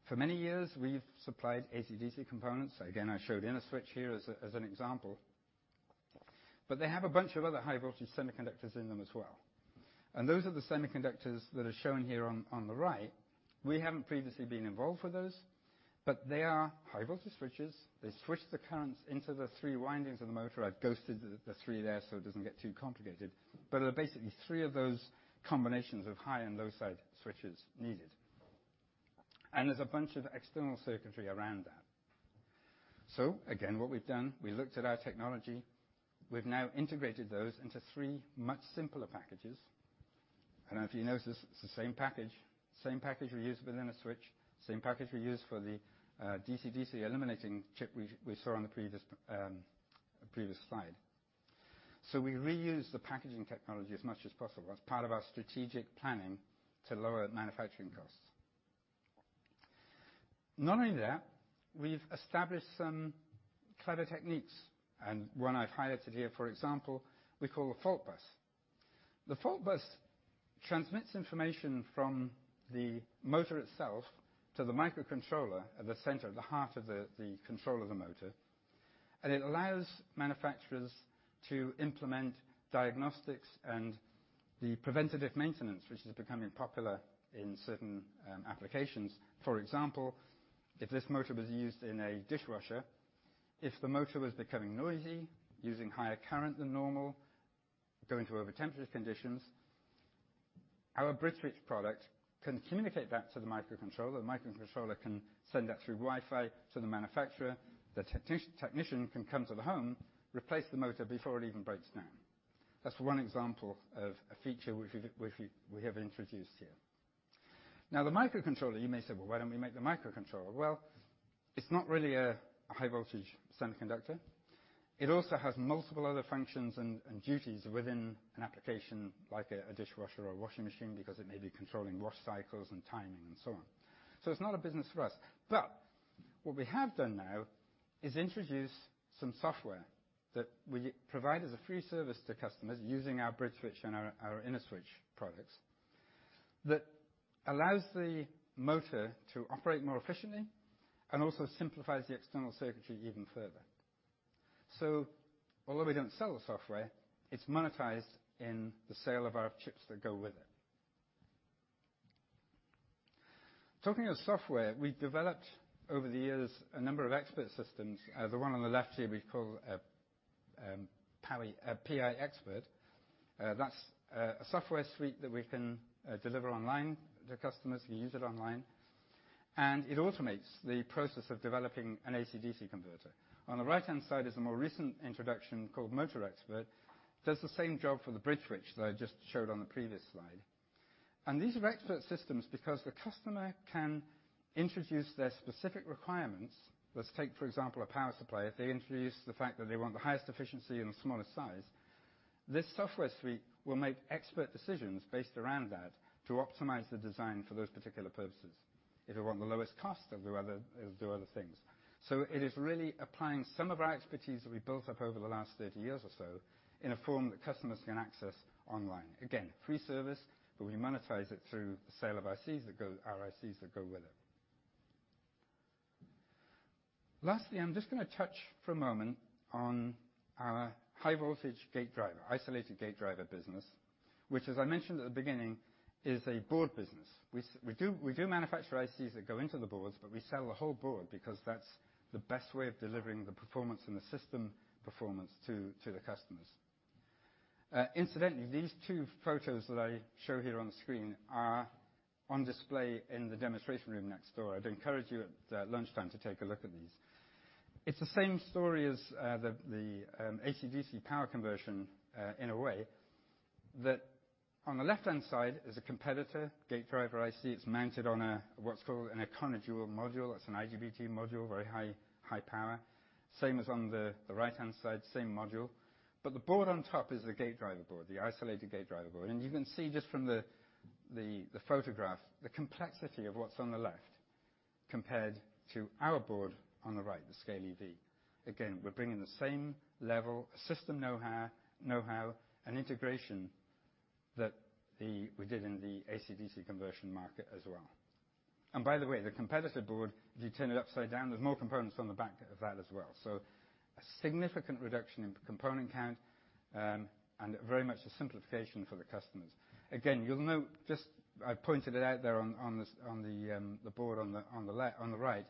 For many years, we've supplied AC/DC components. Again, I showed InnoSwitch here as an example. But they have a bunch of other high voltage semiconductors in them as well, and those are the semiconductors that are shown here on the right. We haven't previously been involved with those, but they are high voltage switches. They switch the currents into the three windings of the motor. I've ghosted the three there so it doesn't get too complicated. There are basically three of those combinations of high and low side switches needed. There's a bunch of external circuitry around that. Again, what we've done, we looked at our technology, we've now integrated those into three much simpler packages. If you notice, it's the same package, same package we use with InnoSwitch, same package we use for the DC/DC eliminating chip we saw on the previous slide. We reuse the packaging technology as much as possible. That's part of our strategic planning to lower manufacturing costs. Not only that, we've established some clever techniques, and one I've highlighted here, for example, we call a fault bus. The fault bus transmits information from the motor itself to the microcontroller at the center, the heart of the control of the motor. It allows manufacturers to implement diagnostics and the preventative maintenance, which is becoming popular in certain applications. For example, if this motor was used in a dishwasher, if the motor was becoming noisy, using higher current than normal, going to overtemperature conditions, our BridgeSwitch product can communicate that to the microcontroller. The microcontroller can send that through Wi-Fi to the manufacturer. The technician can come to the home, replace the motor before it even breaks down. That's one example of a feature which we have introduced here. Now, the microcontroller, you may say, "Well, why don't we make the microcontroller?" Well, it's not really a high voltage semiconductor. It also has multiple other functions and duties within an application, like a dishwasher or a washing machine because it may be controlling wash cycles and timing and so on. It's not a business for us. What we have done now is introduce some software that we provide as a free service to customers using our BridgeSwitch and our InnoSwitch products that allows the motor to operate more efficiently and also simplifies the external circuitry even further. Although we don't sell the software, it's monetized in the sale of our chips that go with it. Talking of software, we've developed over the years a number of expert systems. The one on the left here we call PI Expert. That's a software suite that we can deliver online. The customers can use it online, and it automates the process of developing an AC/DC converter. On the right-hand side is a more recent introduction called MotorXpert. does the same job for the BridgeSwitch that I just showed on the previous slide. These are expert systems because the customer can introduce their specific requirements. Let's take, for example, a power supply. If they introduce the fact that they want the highest efficiency and the smallest size, this software suite will make expert decisions based around that to optimize the design for those particular purposes. If they want the lowest cost, they'll do other things. It is really applying some of our expertise that we've built up over the last 30 years or so in a form that customers can access online. Again, free service, but we monetize it through the sale of our ICs that go with it. Lastly, I'm just gonna touch for a moment on our high voltage gate driver, isolated gate driver business, which as I mentioned at the beginning is a board business. We do manufacture ICs that go into the boards, but we sell the whole board because that's the best way of delivering the performance and the system performance to the customers. Incidentally, these two photos that I show here on the screen are on display in the demonstration room next door. I'd encourage you at lunchtime to take a look at these. It's the same story as the AC/DC power conversion in a way. That on the left-hand side is a competitor gate driver IC. It's mounted on a, what's called an EconoDUAL module. That's an IGBT module, very high power. Same as on the right-hand side, same module. The board on top is the gate driver board, the isolated gate driver board. You can see just from the photograph, the complexity of what's on the left compared to our board on the right, the SCALE EV. Again, we're bringing the same level of system knowhow and integration that we did in the AC/DC conversion market as well. By the way, the competitor board, if you turn it upside down, there's more components on the back of that as well. A significant reduction in component count, and very much a simplification for the customers. Again, you'll note just I've pointed it out there on the board on the right,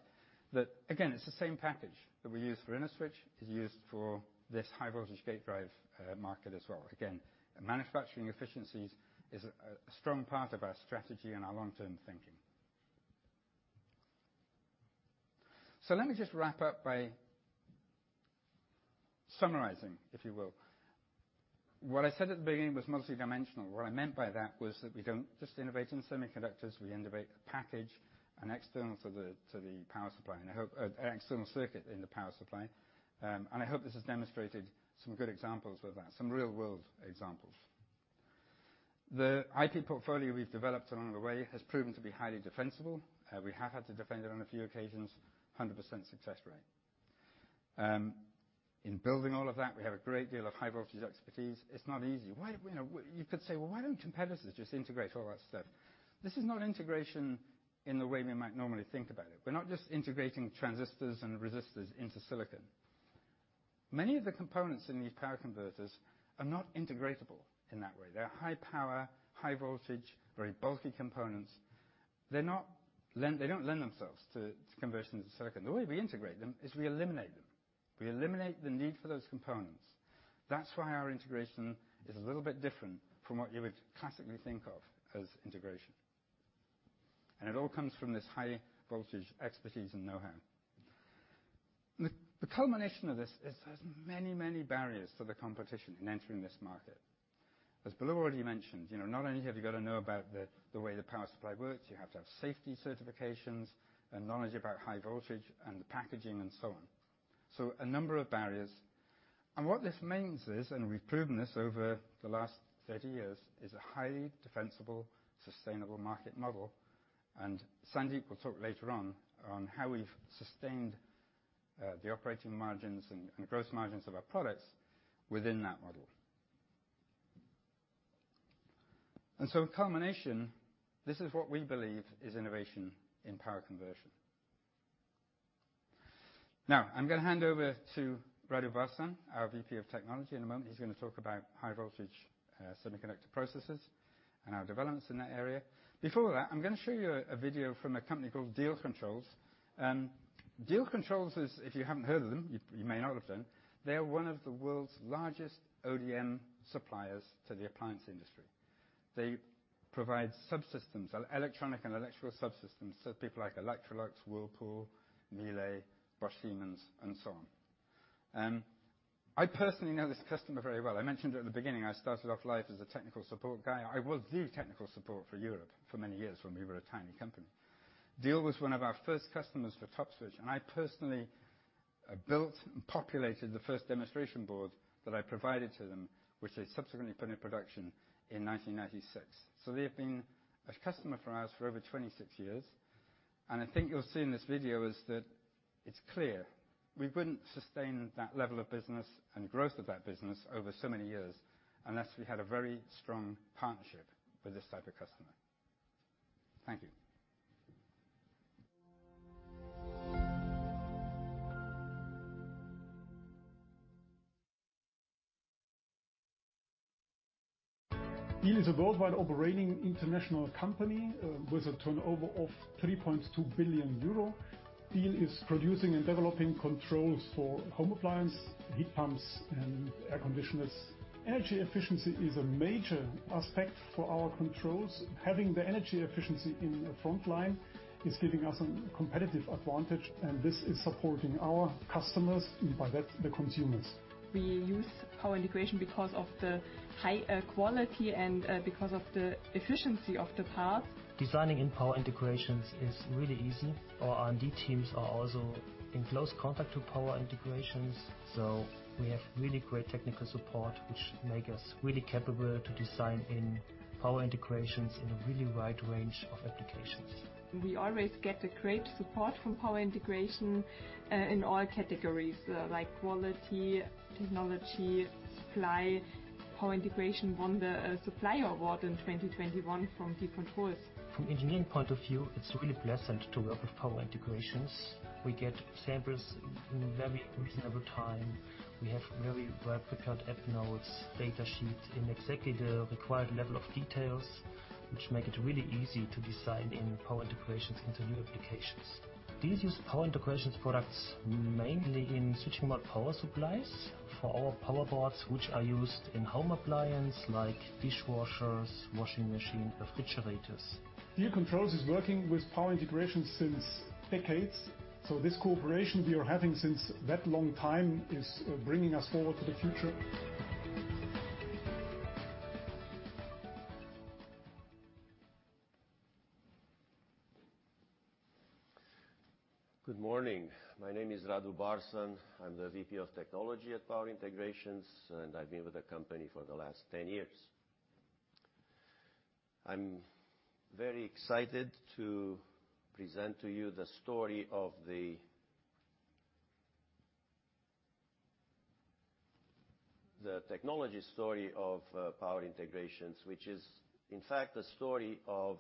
that again, it's the same package that we use for InnoSwitch is used for this high voltage gate drive market as well. Again, manufacturing efficiencies is a strong part of our strategy and our long-term thinking. Let me just wrap up by summarizing, if you will. What I said at the beginning was multidimensional. What I meant by that was that we don't just innovate in semiconductors. We innovate the package and external to the power supply and external circuit in the power supply. I hope this has demonstrated some good examples of that, some real world examples. The IP portfolio we've developed along the way has proven to be highly defensible. We have had to defend it on a few occasions, 100% success rate. In building all of that, we have a great deal of high voltage expertise. It's not easy. You know, you could say, "Well, why don't competitors just integrate all that stuff?" This is not integration in the way we might normally think about it. We're not just integrating transistors and resistors into silicon. Many of the components in these power converters are not integratable in that way. They're high power, high voltage, very bulky components. They don't lend themselves to conversion into silicon. The way we integrate them is we eliminate them. We eliminate the need for those components. That's why our integration is a little bit different from what you would classically think of as integration. It all comes from this high voltage expertise and know-how. The culmination of this is there's many, many barriers to the competition in entering this market. As Balu already mentioned, you know, not only have you got to know about the way the power supply works, you have to have safety certifications and knowledge about high voltage and the packaging and so on. So a number of barriers. What this means is, and we've proven this over the last 30 years, is a highly defensible, sustainable market model. Sandeep will talk later on how we've sustained the operating margins and gross margins of our products within that model. In culmination, this is what we believe is innovation in power conversion. Now, I'm gonna hand over to Radu Barsan, our VP of Technology, in a moment. He's gonna talk about high voltage semiconductor processes and our developments in that area. Before that, I'm gonna show you a video from a company called Diehl Controls. Diehl Controls is, if you haven't heard of them, you may not have done, they are one of the world's largest ODM suppliers to the appliance industry. They provide subsystems, electronic and electrical subsystems to people like Electrolux, Whirlpool, Miele, Bosch, Siemens, and so on. I personally know this customer very well. I mentioned at the beginning, I started off life as a technical support guy. I was the technical support for Europe for many years when we were a tiny company. Diehl was one of our first customers for TOPSwitch, and I personally built and populated the first demonstration board that I provided to them, which they subsequently put in production in 1996. They have been a customer for us for over 26 years, and I think you'll see in this video is that it's clear we wouldn't sustain that level of business and growth of that business over so many years unless we had a very strong partnership with this type of customer. Thank you. Diehl is a worldwide operating international company with a turnover of 3.2 billion euro. Diehl is producing and developing controls for home appliance, heat pumps, and air conditioners. Energy efficiency is a major aspect for our controls. Having the energy efficiency in the front line is giving us a competitive advantage, and this is supporting our customers, and by that, the consumers. We use Power Integrations because of the high quality and because of the efficiency of the part. Designing in Power Integrations is really easy. Our R&D teams are also in close contact to Power Integrations, so we have really great technical support which make us really capable to design in Power Integrations in a really wide range of applications. We always get the great support from Power Integrations in all categories like quality, technology, supply. Power Integrations won the Supplier Award in 2021 from Diehl Controls. From engineering point of view, it's really pleasant to work with Power Integrations. We get samples in very reasonable time. We have very well prepared app notes, data sheets in exactly the required level of details, which make it really easy to design in Power Integrations into new applications. Diehl use Power Integrations products mainly in switching mode power supplies for our power boards, which are used in home appliance like dishwashers, washing machine, refrigerators. Diehl Controls is working with Power Integrations since decades, so this cooperation we are having since that long time is bringing us forward to the future. Good morning. My name is Radu Barsan. I'm the VP of Technology at Power Integrations, and I've been with the company for the last 10 years. I'm very excited to present to you the technology story of Power Integrations, which is in fact the story of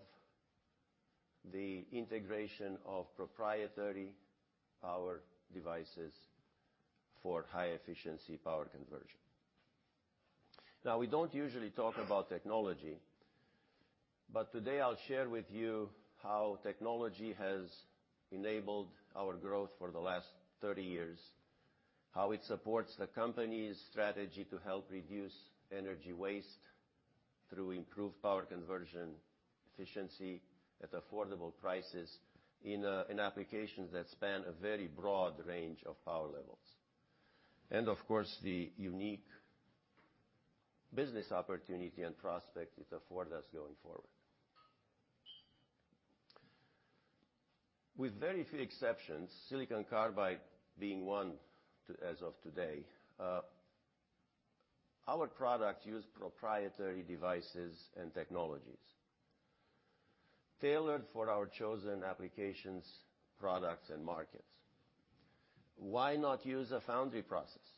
the integration of proprietary power devices for high efficiency power conversion. Now we don't usually talk about technology, but today I'll share with you how technology has enabled our growth for the last 30 years, how it supports the company's strategy to help reduce energy waste through improved power conversion efficiency at affordable prices in applications that span a very broad range of power levels, and of course, the unique business opportunity and prospect it afford us going forward. With very few exceptions, silicon carbide being one as of today, our products use proprietary devices and technologies tailored for our chosen applications, products and markets. Why not use a foundry process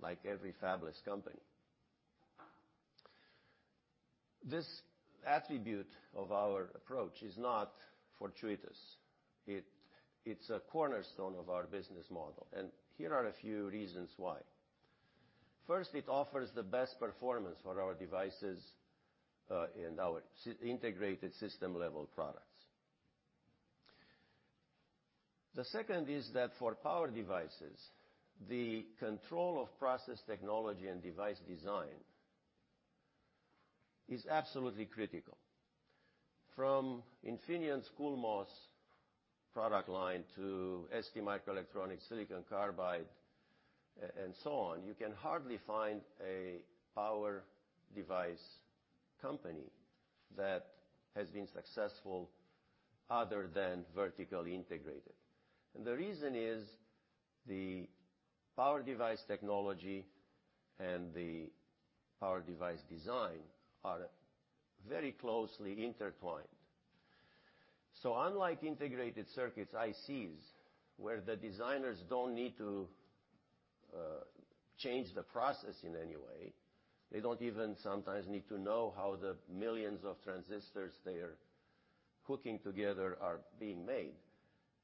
like every fabless company? This attribute of our approach is not fortuitous. It's a cornerstone of our business model, and here are a few reasons why. First, it offers the best performance for our devices and our integrated system level products. The second is that for power devices, the control of process technology and device design is absolutely critical. From Infineon's CoolMOS product line to STMicroelectronics, silicon carbide, and so on, you can hardly find a power device company that has been successful other than vertically integrated. The reason is the power device technology and the power device design are very closely intertwined. Unlike integrated circuits, ICs, where the designers don't need to change the process in any way, they don't even sometimes need to know how the millions of transistors they are hooking together are being made,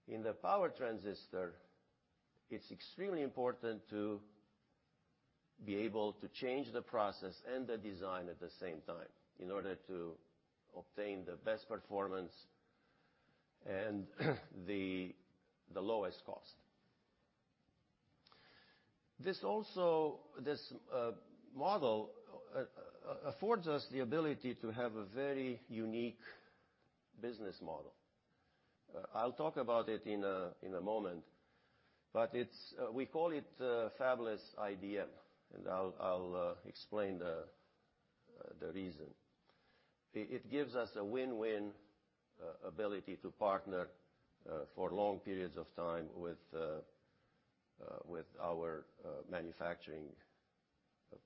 in the power transistor, it's extremely important to be able to change the process and the design at the same time in order to obtain the best performance and the lowest cost. This model affords us the ability to have a very unique business model. I'll talk about it in a moment, but it's what we call fabless IDM, and I'll explain the reason. It gives us a win-win ability to partner for long periods of time with our manufacturing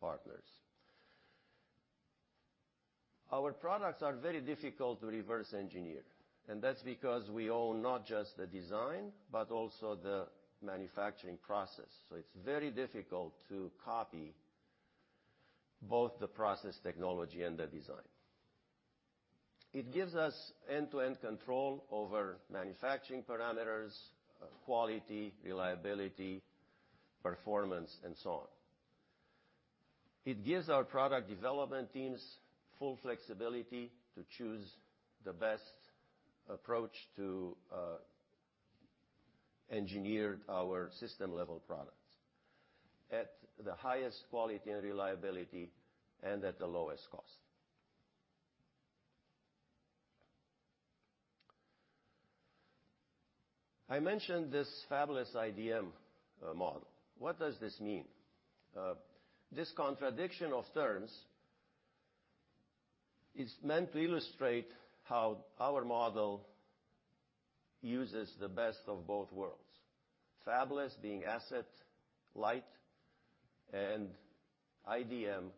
partners. Our products are very difficult to reverse engineer, and that's because we own not just the design, but also the manufacturing process. It's very difficult to copy both the process technology and the design. It gives us end-to-end control over manufacturing parameters, quality, reliability, performance, and so on. It gives our product development teams full flexibility to choose the best approach to engineer our system-level products at the highest quality and reliability and at the lowest cost. I mentioned this fabless IDM model. What does this mean? This contradiction of terms is meant to illustrate how our model uses the best of both worlds. Fabless being asset light, and IDM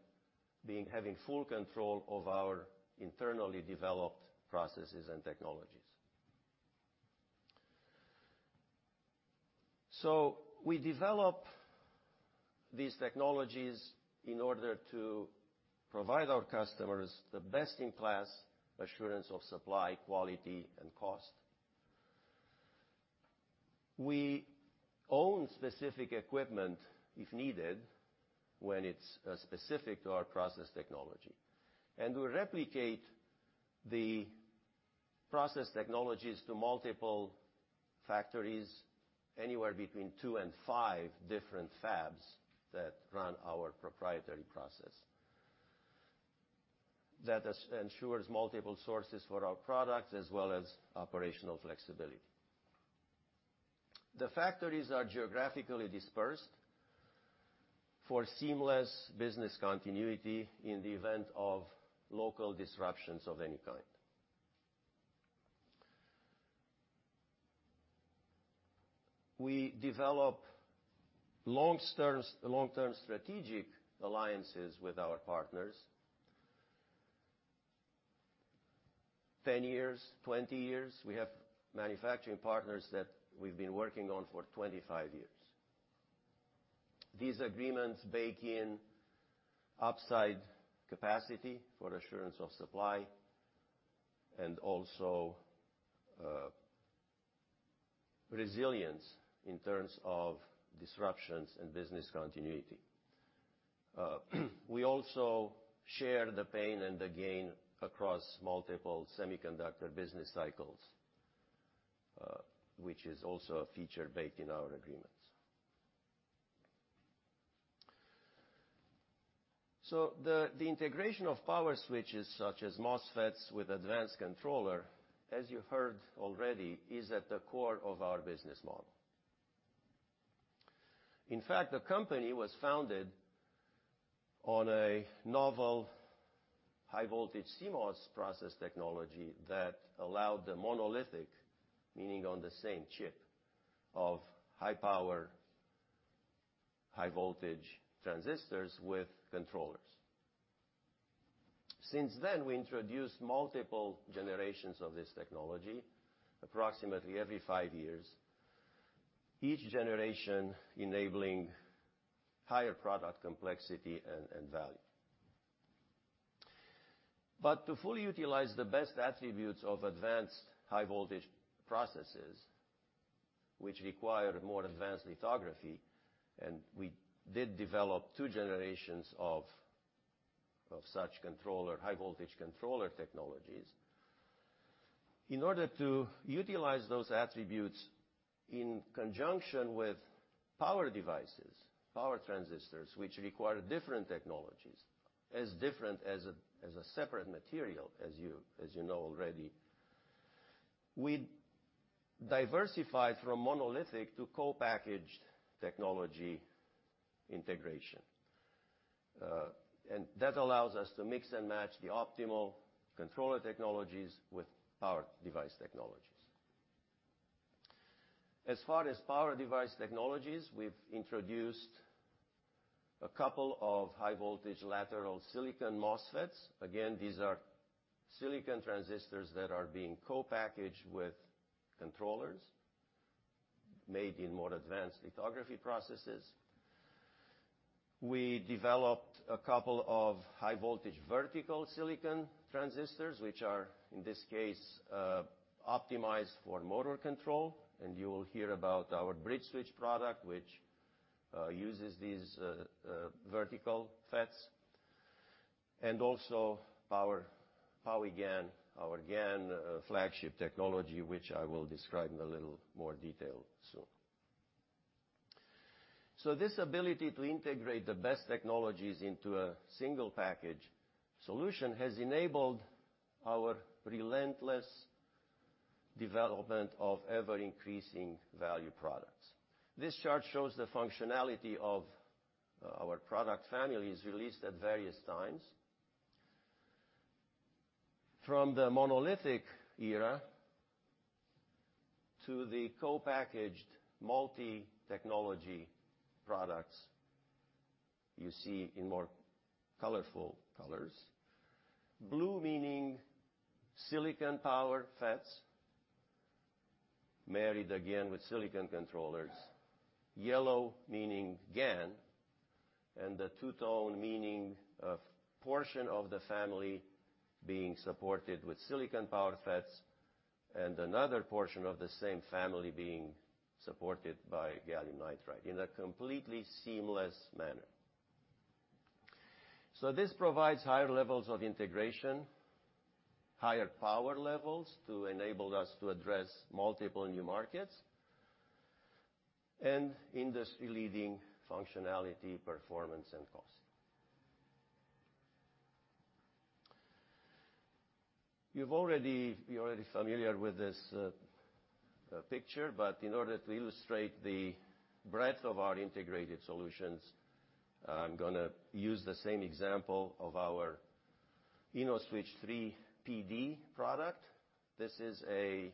being having full control of our internally developed processes and technologies. We develop these technologies in order to provide our customers the best-in-class assurance of supply, quality, and cost. We own specific equipment if needed when it's specific to our process technology, and we replicate the process technologies to multiple factories, anywhere between two and five different fabs that run our proprietary process. That ensures multiple sources for our products as well as operational flexibility. The factories are geographically dispersed for seamless business continuity in the event of local disruptions of any kind. We develop long-term strategic alliances with our partners. 10 years, 20 years. We have manufacturing partners that we've been working on for 25 years. These agreements bake in upside capacity for assurance of supply and also resilience in terms of disruptions and business continuity. We also share the pain and the gain across multiple semiconductor business cycles, which is also a feature baked in our agreements. The integration of power switches such as MOSFETs with advanced controller, as you heard already, is at the core of our business model. In fact, the company was founded on a novel high-voltage CMOS process technology that allowed the monolithic, meaning on the same chip, of high-power, high-voltage transistors with controllers. Since then, we introduced multiple generations of this technology approximately every five years, each generation enabling higher product complexity and value. To fully utilize the best attributes of advanced high-voltage processes, which require more advanced lithography, and we did develop two generations of such controller, high-voltage controller technologies. In order to utilize those attributes in conjunction with power devices, power transistors, which require different technologies, as different as a separate material, as you know already, we diversified from monolithic to co-packaged technology integration. That allows us to mix and match the optimal controller technologies with power device technologies. As far as power device technologies, we've introduced a couple of high-voltage lateral silicon MOSFETs. Again, these are silicon transistors that are being co-packaged with controllers made in more advanced lithography processes. We developed a couple of high-voltage vertical silicon transistors, which are, in this case, optimized for motor control, and you will hear about our BridgeSwitch product, which uses these vertical FETs. PowiGaN, our GaN flagship technology, which I will describe in a little more detail soon. This ability to integrate the best technologies into a single package solution has enabled our relentless development of ever-increasing value products. This chart shows the functionality of our product families released at various times. From the monolithic era to the co-packaged multi-technology products you see in more colorful colors. Blue meaning silicon-powered FETs married again with silicon controllers, yellow meaning GaN, and the two-tone meaning a portion of the family being supported with silicon-powered FETs, and another portion of the same family being supported by gallium nitride in a completely seamless manner. This provides higher levels of integration, higher power levels to enable us to address multiple new markets, and industry-leading functionality, performance and cost. You're already familiar with this picture, but in order to illustrate the breadth of our integrated solutions, I'm gonna use the same example of our InnoSwitch3-PD product. This is a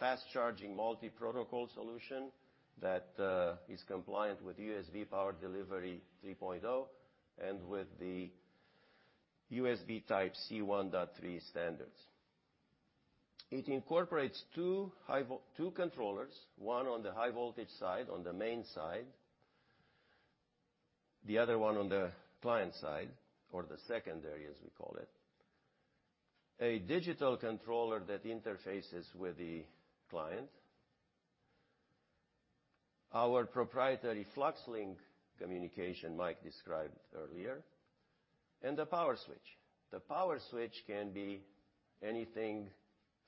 fast-charging multi-protocol solution that is compliant with USB power delivery 3.0, and with the USB Type-C 1.3 standards. It incorporates two controllers, one on the high voltage side, on the main side, the other one on the client side or the secondary, as we call it, a digital controller that interfaces with the client, our proprietary FluxLink communication Mike described earlier, and the power switch. The power switch can be anything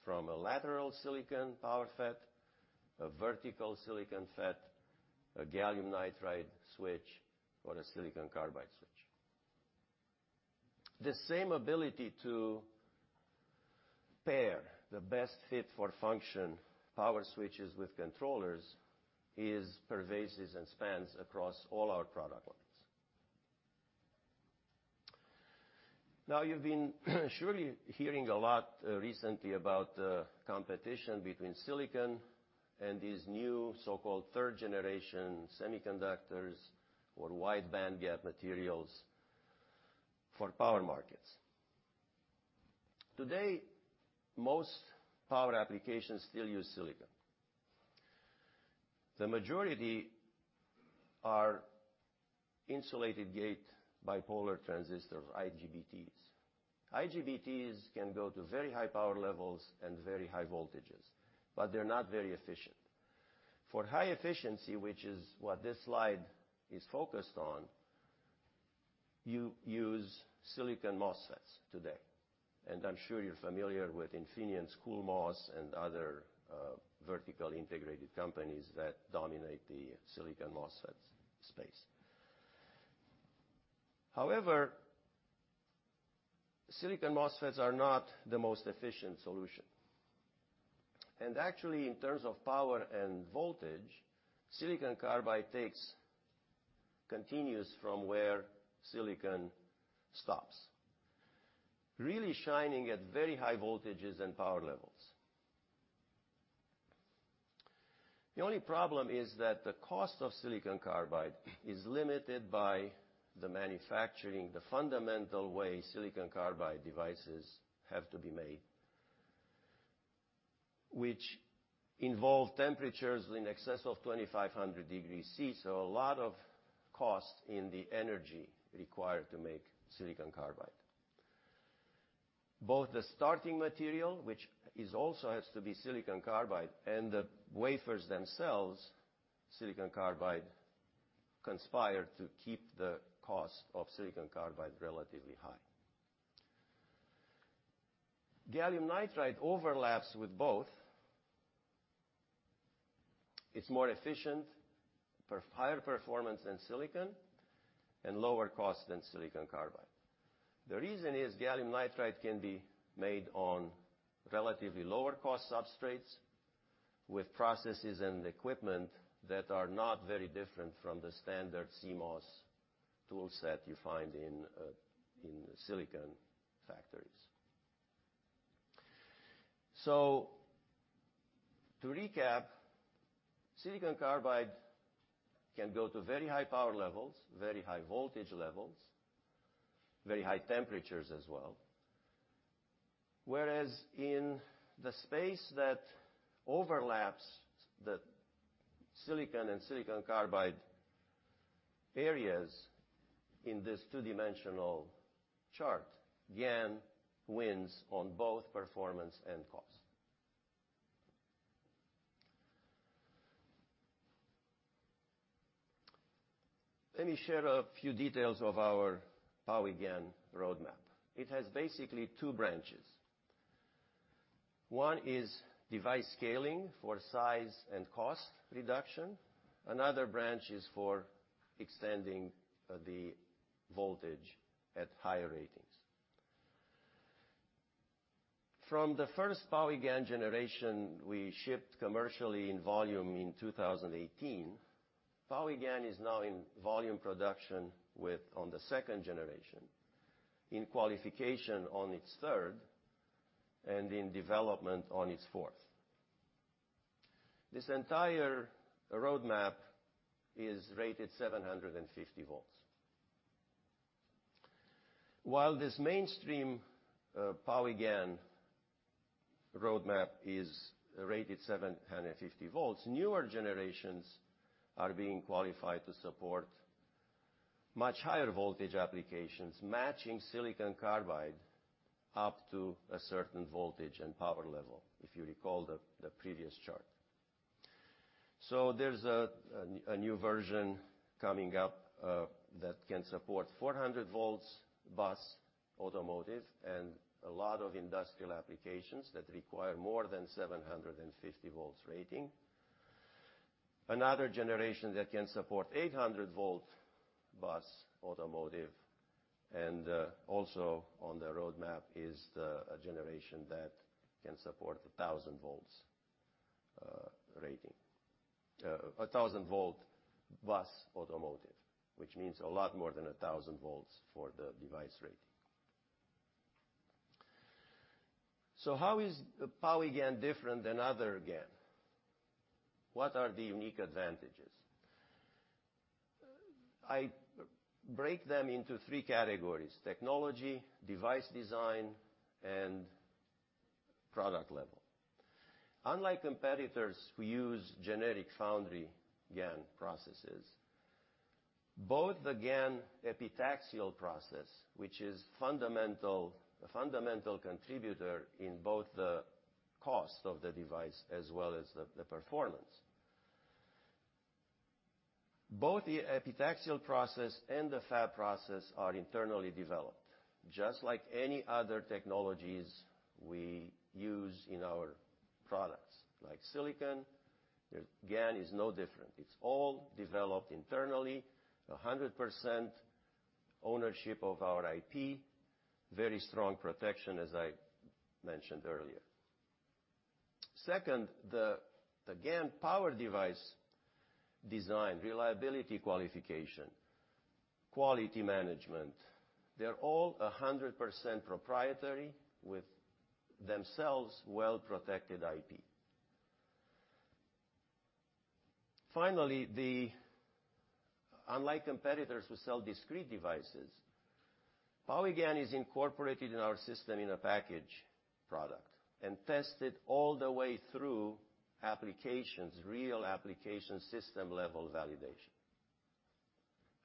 from a lateral silicon power FET, a vertical silicon FET, a gallium nitride switch, or a silicon carbide switch. The same ability to pair the best fit for function power switches with controllers is pervasive and spans across all our product lines. Now, you've been surely hearing a lot recently about the competition between silicon and these new so-called third generation semiconductors or wide bandgap materials for power markets. Today, most power applications still use silicon. The majority are insulated gate bipolar transistors, IGBTs. IGBTs can go to very high power levels and very high voltages, but they're not very efficient. For high efficiency, which is what this slide is focused on, you use silicon MOSFETs today, and I'm sure you're familiar with Infineon's CoolMOS and other vertically integrated companies that dominate the silicon MOSFET space. However, silicon MOSFETs are not the most efficient solution, and actually, in terms of power and voltage, silicon carbide continues from where silicon stops. Really shining at very high voltages and power levels. The only problem is that the cost of silicon carbide is limited by the manufacturing, the fundamental way silicon carbide devices have to be made, which involve temperatures in excess of 2,500 degrees Celsius, so a lot of costs in the energy required to make silicon carbide. Both the starting material, which also has to be silicon carbide, and the wafers themselves, silicon carbide, conspire to keep the cost of silicon carbide relatively high. Gallium nitride overlaps with both. It's more efficient, higher performance than silicon and lower cost than silicon carbide. The reason is, gallium nitride can be made on relatively lower cost substrates with processes and equipment that are not very different from the standard CMOS toolset you find in silicon factories. To recap, silicon carbide can go to very high power levels, very high voltage levels, very high temperatures as well. Whereas in the space that overlaps the silicon and silicon carbide areas in this two-dimensional chart, GaN wins on both performance and cost. Let me share a few details of our PowiGaN roadmap. It has basically two branches. One is device scaling for size and cost reduction. Another branch is for extending the voltage at higher ratings. From the first PowiGaN generation we shipped commercially in volume in 2018, PowiGaN is now in volume production with on the second generation, in qualification on its third, and in development on its fourth. This entire roadmap is rated 750 V. While this mainstream PowiGaN roadmap is rated 750 V, newer generations are being qualified to support much higher voltage applications, matching silicon carbide up to a certain voltage and power level, if you recall the previous chart. There's a new version coming up that can support 400V bus automotive, and a lot of industrial applications that require more than 750 V rating. Another generation that can support 800 V bus automotive, and also on the roadmap is the generation that can support 1,000 V rating. A 1,000 V bus automotive, which means a lot more than 1,000 V for the device rating. How is PowiGaN different than other GaN? What are the unique advantages? I break them into three categories, technology, device design, and product level. Unlike competitors who use generic foundry GaN processes, both the GaN epitaxial process, which is a fundamental contributor in both the cost of the device as well as the performance. Both the epitaxial process and the fab process are internally developed, just like any other technologies we use in our products. Like silicon, their GaN is no different. It's all developed internally, 100% ownership of our IP, very strong protection, as I mentioned earlier. Second, the GaN power device design, reliability qualification, quality management, they're all 100% proprietary with themselves well-protected IP. Finally, unlike competitors who sell discrete devices, PowiGaN is incorporated in our system in a package product and tested all the way through applications, real application system-level validation.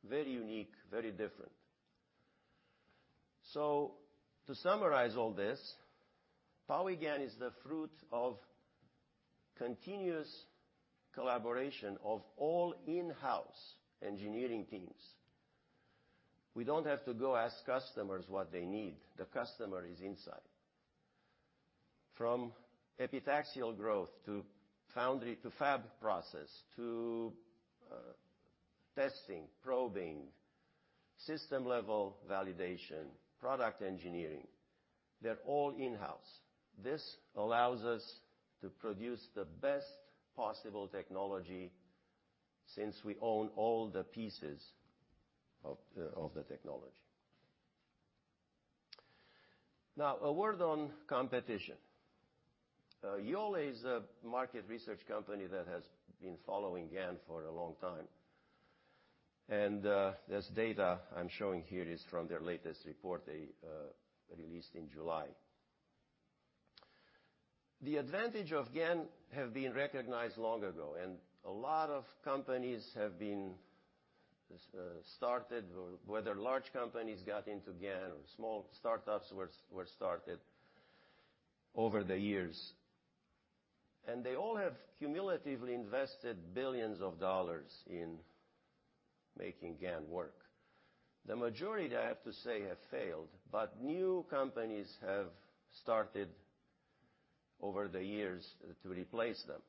Very unique, very different. To summarize all this, PowiGaN is the fruit of continuous collaboration of all in-house engineering teams. We don't have to go ask customers what they need. The customer is inside. From epitaxial growth to foundry to fab process to testing, probing, system-level validation, product engineering, they're all in-house. This allows us to produce the best possible technology since we own all the pieces of the technology. Now, a word on competition. Yole is a market research company that has been following GaN for a long time. This data I'm showing here is from their latest report they released in July. The advantage of GaN have been recognized long ago, and a lot of companies have been started, whether large companies got into GaN or small startups were started over the years. They all have cumulatively invested billions of dollars in making GaN work. The majority, I have to say, have failed, but new companies have started over the years to replace them,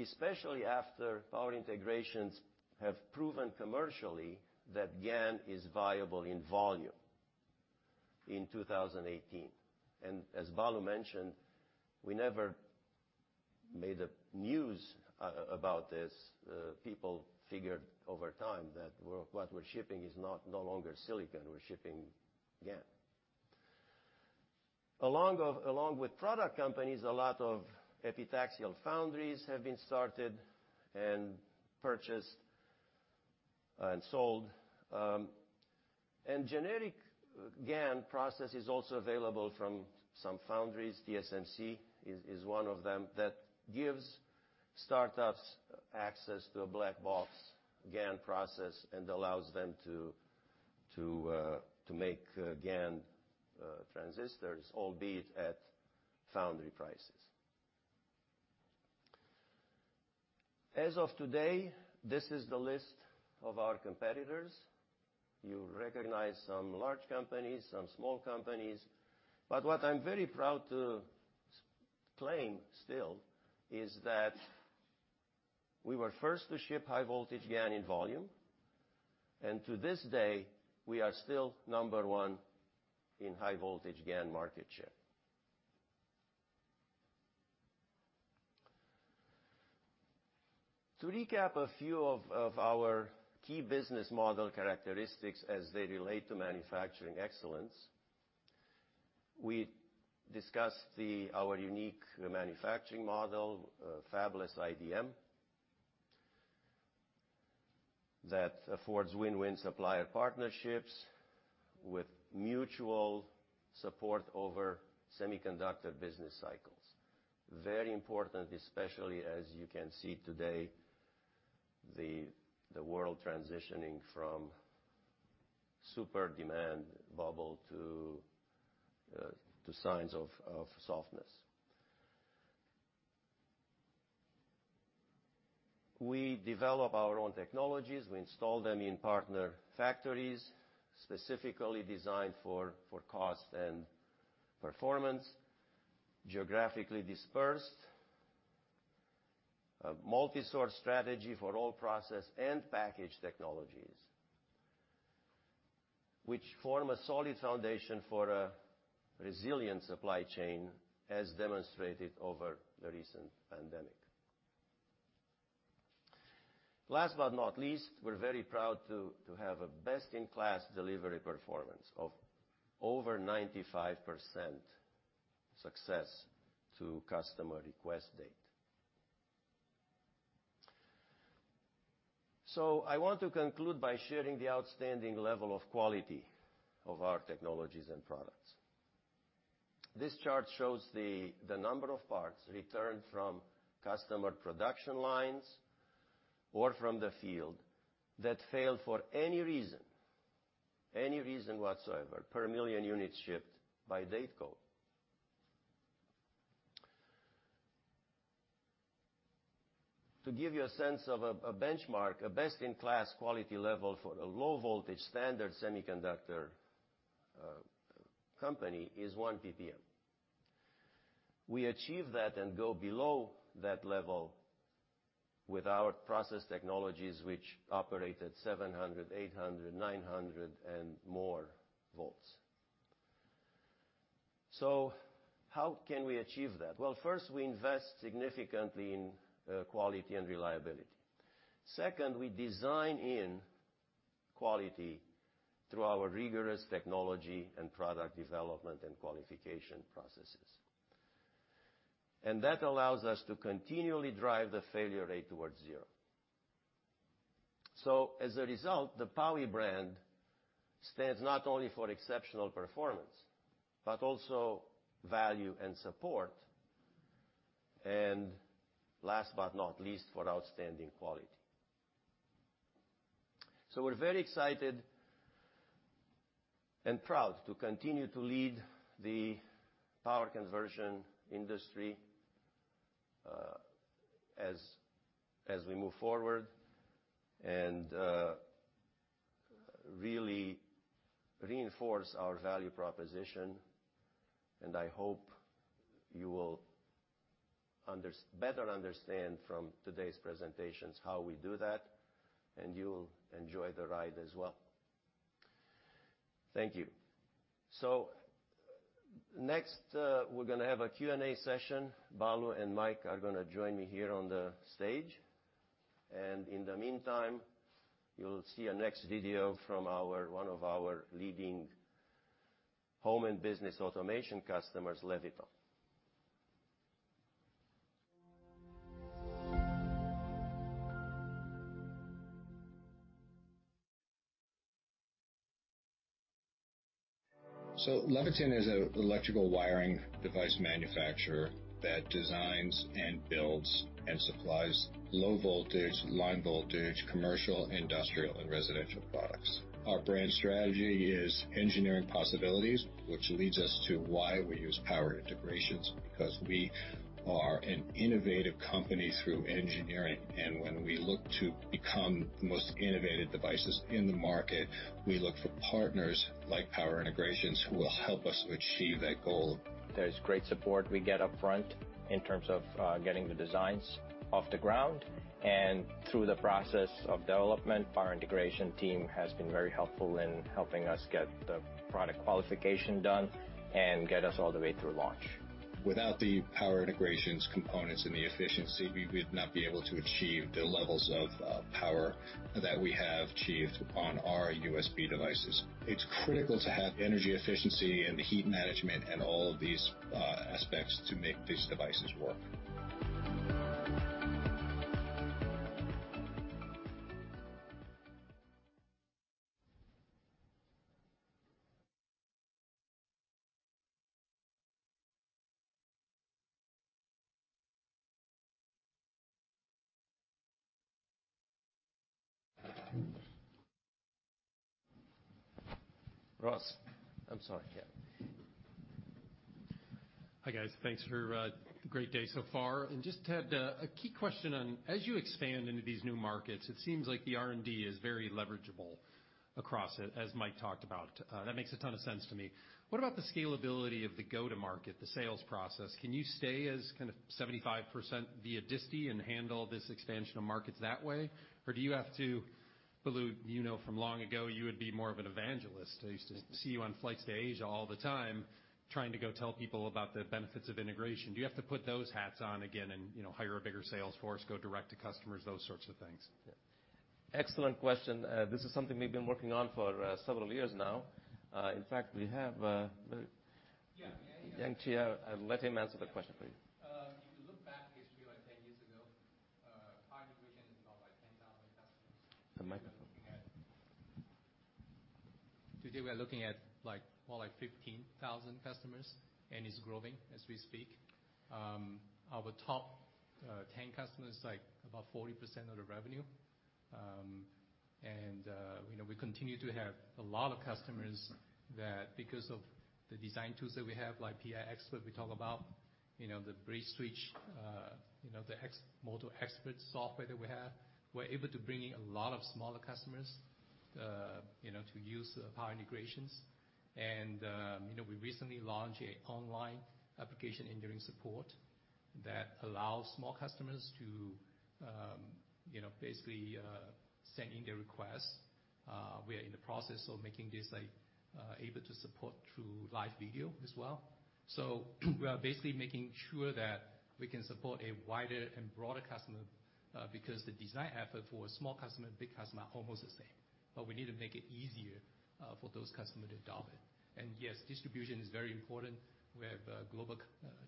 especially after Power Integrations have proven commercially that GaN is viable in volume in 2018. As Balu mentioned, we never made the news about this. People figured over time that we're, what we're shipping is not no longer silicon, we're shipping GaN. Along with product companies, a lot of epitaxial foundries have been started and purchased and sold. Generic GaN process is also available from some foundries. TSMC is one of them that gives startups access to a black box GaN process and allows them to make GaN transistors, albeit at foundry prices. As of today, this is the list of our competitors. You recognize some large companies, some small companies. What I'm very proud to claim still is that we were first to ship high voltage GaN in volume. To this day, we are still number one in high voltage GaN market share. To recap a few of our key business model characteristics as they relate to manufacturing excellence, we discussed our unique manufacturing model, fabless IDM, that affords win-win supplier partnerships with mutual support over semiconductor business cycles. Very important, especially as you can see today, the world transitioning from super demand bubble to signs of softness. We develop our own technologies. We install them in partner factories, specifically designed for cost and performance, geographically dispersed, a multi-source strategy for all process and package technologies, which form a solid foundation for a resilient supply chain, as demonstrated over the recent pandemic. Last but not least, we're very proud to have a best-in-class delivery performance of over 95% success to customer request date. I want to conclude by sharing the outstanding level of quality of our technologies and products. This chart shows the number of parts returned from customer production lines or from the field that failed for any reason whatsoever, per million units shipped by date code. To give you a sense of a benchmark, a best-in-class quality level for a low voltage standard semiconductor company is 1 PPM. We achieve that and go below that level with our process technologies which operate at 700, 800, 900 and more volts. How can we achieve that? Well, first we invest significantly in quality and reliability. Second, we design in quality through our rigorous technology and product development and qualification processes. That allows us to continually drive the failure rate towards zero. As a result, the Powi brand stands not only for exceptional performance, but also value and support, and last but not least, for outstanding quality. We're very excited and proud to continue to lead the power conversion industry, as we move forward and really reinforce our value proposition, and I hope you will better understand from today's presentations how we do that, and you'll enjoy the ride as well. Thank you. Next, we're gonna have a Q&A session. Balu and Mike are gonna join me here on the stage, and in the meantime, you'll see a next video from one of our leading home and business automation customers, Leviton. Leviton is an electrical wiring device manufacturer that designs and builds and supplies low voltage, line voltage, commercial, industrial, and residential products. Our brand strategy is engineering possibilities, which leads us to why we use Power Integrations, because we are an innovative company through engineering. When we look to become the most innovative devices in the market, we look for partners like Power Integrations who will help us achieve that goal. There's great support we get up front in terms of, getting the designs off the ground and through the process of development. Power Integrations team has been very helpful in helping us get the product qualification done and get us all the way through launch. Without the Power Integrations components and the efficiency, we would not be able to achieve the levels of power that we have achieved on our USB devices. It's critical to have energy efficiency and heat management and all of these aspects to make these devices work. Ross, I'm sorry, yeah. Hi, guys. Thanks for the great day so far. Just had a key question on, as you expand into these new markets, it seems like the R&D is very leverageable across it, as Mike talked about. That makes a ton of sense to me. What about the scalability of the go-to-market, the sales process? Can you stay as kind of 75% via disti and handle this expansion of markets that way? Or do you have to, Balu, you know, from long ago, you would be more of an evangelist. I used to see you on flights to Asia all the time trying to go tell people about the benefits of integration. Do you have to put those hats on again and, you know, hire a bigger sales force, go direct to customers, those sorts of things? Yeah. Excellent question. This is something we've been working on for several years now. In fact, we have very- Yeah, yeah. Yang Chiah Yee, I'll let him answer the question, please. If you look back history like 10 years ago, Power Division is about like 10,000 customers. The microphone. Today, we are looking at, like, more like 15,000 customers, and it's growing as we speak. Our top 10 customers is like about 40% of the revenue. You know, we continue to have a lot of customers that because of the design tools that we have, like PI Expert, we talk about, you know, the BridgeSwitch, you know, the MotorXpert software that we have, we're able to bring in a lot of smaller customers, you know, to use our Power Integrations. You know, we recently launched an online application engineering support that allows small customers to, you know, basically, send in their requests. We are in the process of making this like able to support through live video as well. We are basically making sure that we can support a wider and broader customer, because the design effort for a small customer and big customer are almost the same, but we need to make it easier for those customers to adopt it. Yes, distribution is very important. We have a global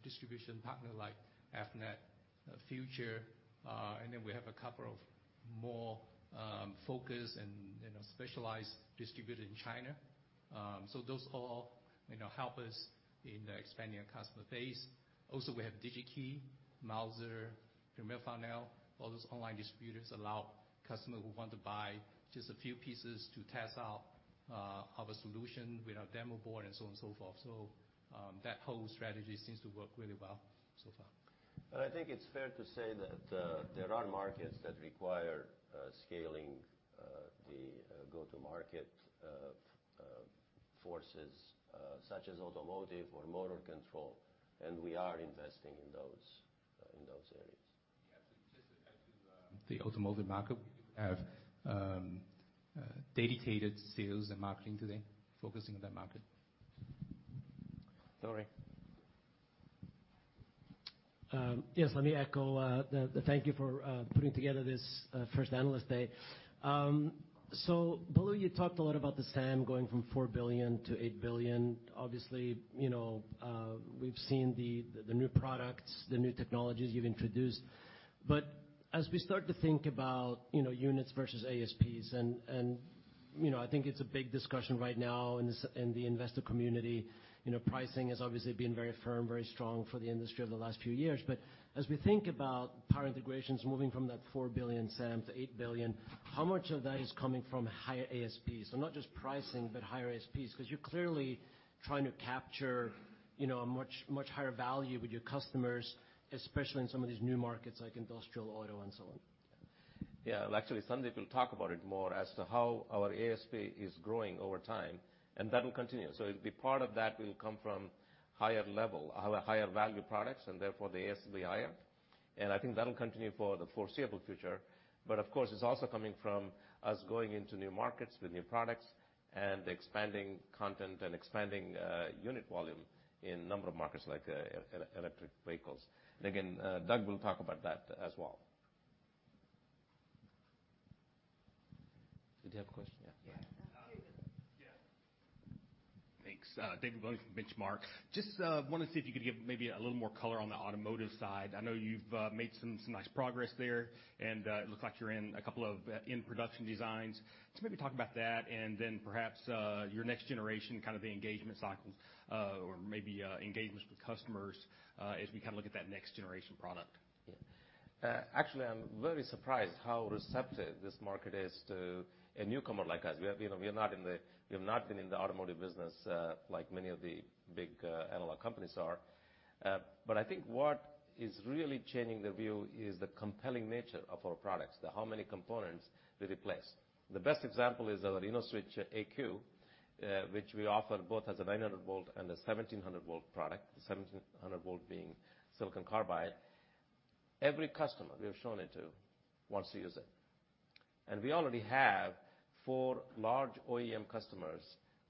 distribution partner like Avnet, Future, and then we have a couple of more focused and, you know, specialized distributor in China. Those all, you know, help us in the expanding our customer base. Also, we have DigiKey, Mouser, Premier Farnell, all those online distributors allow customer who want to buy just a few pieces to test out our solution with our demo board and so on and so forth. That whole strategy seems to work really well so far. I think it's fair to say that there are markets that require scaling the go-to-market forces such as automotive or motor control, and we are investing in those areas. Yeah. Just to add to the automotive market, we have dedicated sales and marketing today focusing on that market. Tore. Yes, let me echo the thank you for putting together this first analyst day. So Balu, you talked a lot about the SAM going from $4 billion to $8 billion. Obviously, you know, we've seen the new products, the new technologies you've introduced. As we start to think about, you know, units versus ASPs, and you know, I think it's a big discussion right now in the investor community, you know, pricing has obviously been very firm, very strong for the industry over the last few years. As we think about Power Integrations moving from that $4 billion SAM to $8 billion, how much of that is coming from higher ASPs? Not just pricing, but higher ASPs, 'cause you're clearly trying to capture, you know, a much, much higher value with your customers, especially in some of these new markets like industrial auto and so on. Yeah. Well, actually, Sandeep will talk about it more as to how our ASP is growing over time, and that will continue. The part of that will come from higher level our higher value products, and therefore, the ASP higher. I think that'll continue for the foreseeable future. Of course, it's also coming from us going into new markets with new products and expanding content and unit volume in a number of markets like electric vehicles. Again, Doug will talk about that as well. Did you have a question? Yeah. Yeah. Yeah. Thanks. David Williams from The Benchmark. Just wanna see if you could give maybe a little more color on the automotive side. I know you've made some nice progress there, and it looks like you're in a couple of in-production designs. Maybe talk about that and then perhaps your next generation, kind of the engagement cycles, or maybe engagements with customers, as we kinda look at that next generation product. Yeah. Actually, I'm very surprised how receptive this market is to a newcomer like us. We have not been in the automotive business, like many of the big analog companies are. But I think what is really changing the view is the compelling nature of our products. The how many components we replace. The best example is our InnoSwitch AQ, which we offer both as a 900 V and a 1,700 V product. The 1,700 V being silicon carbide. Every customer we have shown it to wants to use it. We already have four large OEM customers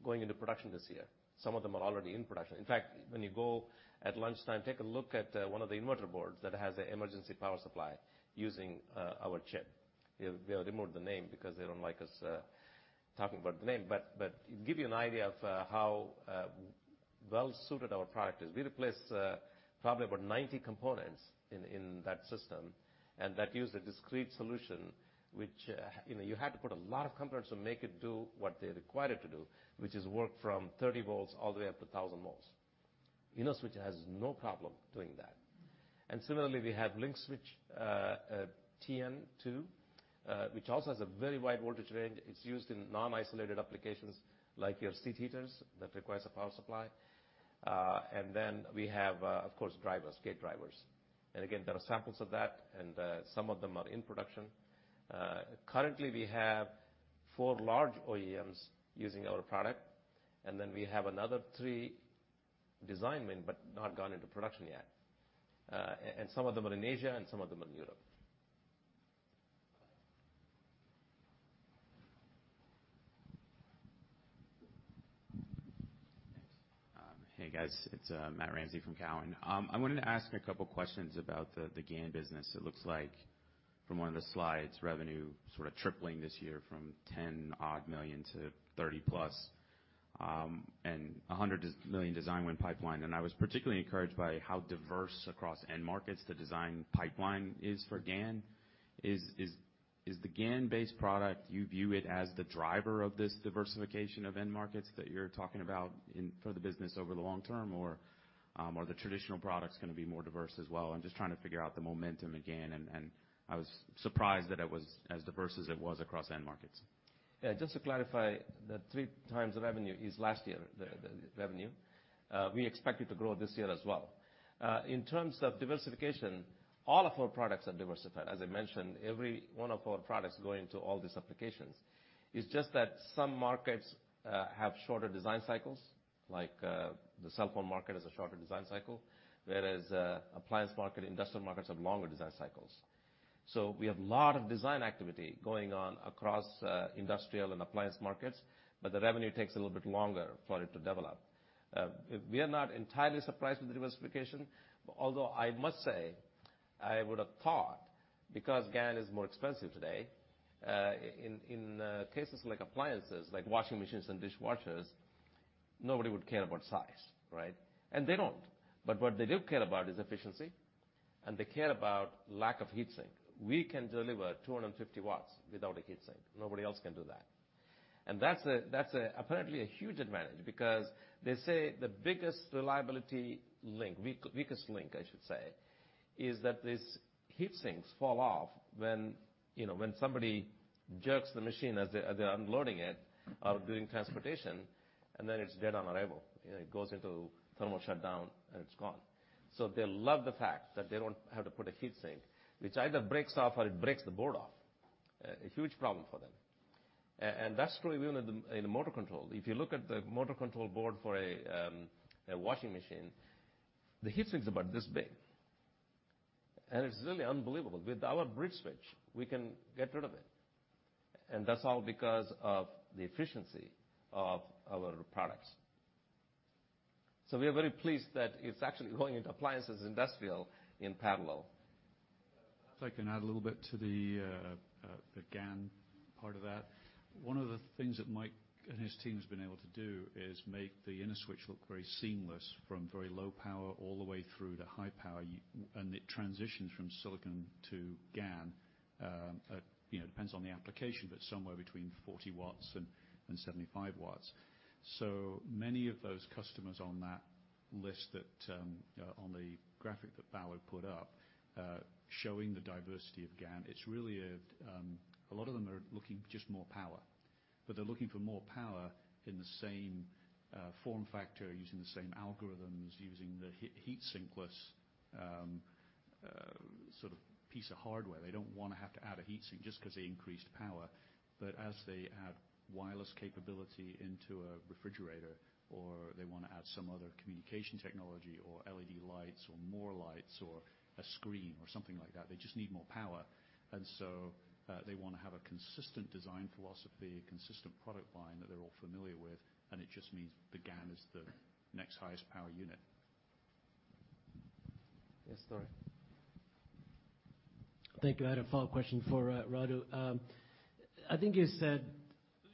going into production this year. Some of them are already in production. In fact, when you go at lunchtime, take a look at one of the inverter boards that has an emergency power supply using our chip. They removed the name because they don't like us talking about the name, but to give you an idea of how well-suited our product is. We replaced probably about 90 components in that system, and that used a discrete solution, which you know you had to put a lot of components to make it do what they required it to do, which is work from 30 V all the way up to 1000 V. InnoSwitch has no problem doing that. Similarly, we have LinkSwitch TN2, which also has a very wide voltage range. It's used in non-isolated applications like your seat heaters that requires a power supply. We have, of course, drivers, gate drivers. Again, there are samples of that, and some of them are in production. Currently, we have four large OEMs using our product, and then we have another three design win but not gone into production yet. Some of them are in Asia, and some of them are in Europe. Thanks. Hey, guys. It's Matt Ramsay from Cowen. I wanted to ask a couple questions about the GaN business. It looks like from one of the slides, revenue sort of tripling this year from $10-odd million to $30+ million, and $100 million design win pipeline. I was particularly encouraged by how diverse across end markets the design pipeline is for GaN. Is the GaN-based product you view it as the driver of this diversification of end markets that you're talking about, for the business over the long term, or are the traditional products gonna be more diverse as well? I'm just trying to figure out the momentum of GaN, and I was surprised that it was as diverse as it was across end markets. Yeah, just to clarify, the 3x the revenue is last year, the revenue. We expect it to grow this year as well. In terms of diversification, all of our products are diversified. As I mentioned, every one of our products go into all these applications. It's just that some markets have shorter design cycles, like the cell phone market has a shorter design cycle, whereas appliance market, industrial markets have longer design cycles. We have a lot of design activity going on across industrial and appliance markets, but the revenue takes a little bit longer for it to develop. We are not entirely surprised with the diversification, although I must say, I would've thought because GaN is more expensive today, in cases like appliances, like washing machines and dishwashers, nobody would care about size, right? They don't. What they do care about is efficiency, and they care about lack of heat sink. We can deliver 250 W without a heat sink. Nobody else can do that. That's a apparently a huge advantage because they say the biggest reliability link, weakest link, I should say, is that these heat sinks fall off when, you know, when somebody jerks the machine as they're unloading it or doing transportation, and then it's dead on arrival. You know, it goes into thermal shutdown, and it's gone. They love the fact that they don't have to put a heat sink, which either breaks off or it breaks the board off. A huge problem for them. And that's true even in the motor control. If you look at the motor control board for a washing machine, the heat sink's about this big. It's really unbelievable. With our BridgeSwitch, we can get rid of it, and that's all because of the efficiency of our products. We are very pleased that it's actually going into appliances and industrial in parallel. If I can add a little bit to the GaN part of that. One of the things that Mike and his team has been able to do is make the InnoSwitch look very seamless from very low power all the way through to high power. And it transitions from silicon to GaN at depends on the application, but somewhere between 40 W and 75 W. Many of those customers on that list that on the graphic that Balu put up showing the diversity of GaN, it's really a lot of them are looking just more power, but they're looking for more power in the same form factor, using the same algorithms, using the heat sinkless sort of piece of hardware. They don't wanna have to add a heat sink just 'cause they increased power. As they add wireless capability into a refrigerator, or they wanna add some other communication technology or LED lights or more lights or a screen or something like that, they just need more power. They wanna have a consistent design philosophy, a consistent product line that they're all familiar with, and it just means the GaN is the next highest power unit. Yes, Tore. Thank you. I had a follow-up question for Radu. I think you said,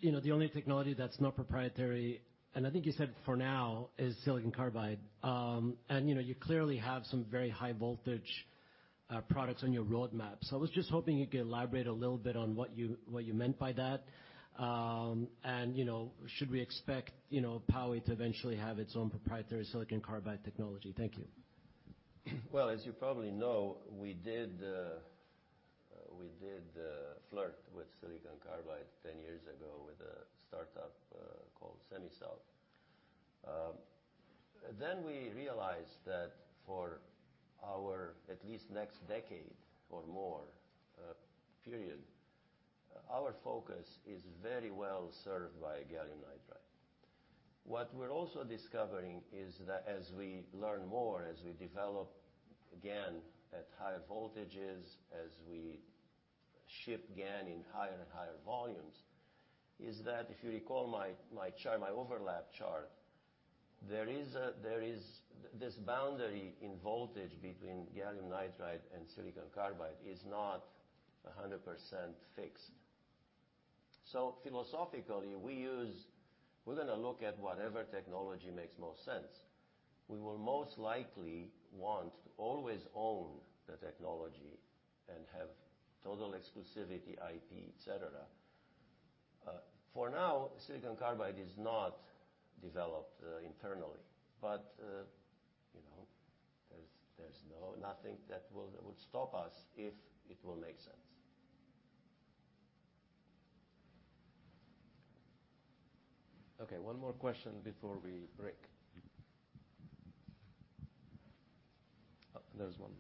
you know, the only technology that's not proprietary, and I think you said for now, is silicon carbide. You know, you clearly have some very high voltage products on your roadmap. I was just hoping you could elaborate a little bit on what you meant by that. You know, should we expect, you know, Powi to eventually have its own proprietary silicon carbide technology? Thank you. Well, as you probably know, we did flirt with silicon carbide ten years ago with a startup called SemiSouth. Then we realized that for our at least next decade or more period, our focus is very well served by gallium nitride. What we're also discovering is that as we learn more, as we develop GaN at higher voltages, as we ship GaN in higher and higher volumes, is that if you recall my overlap chart, there is this boundary in voltage between gallium nitride and silicon carbide is not 100% fixed. Philosophically, we're gonna look at whatever technology makes most sense. We will most likely want to always own the technology and have total exclusivity, IP, etc. For now, silicon carbide is not developed internally, but you know, there's nothing that would stop us if it will make sense. Okay, one more question before we break. Oh, there's one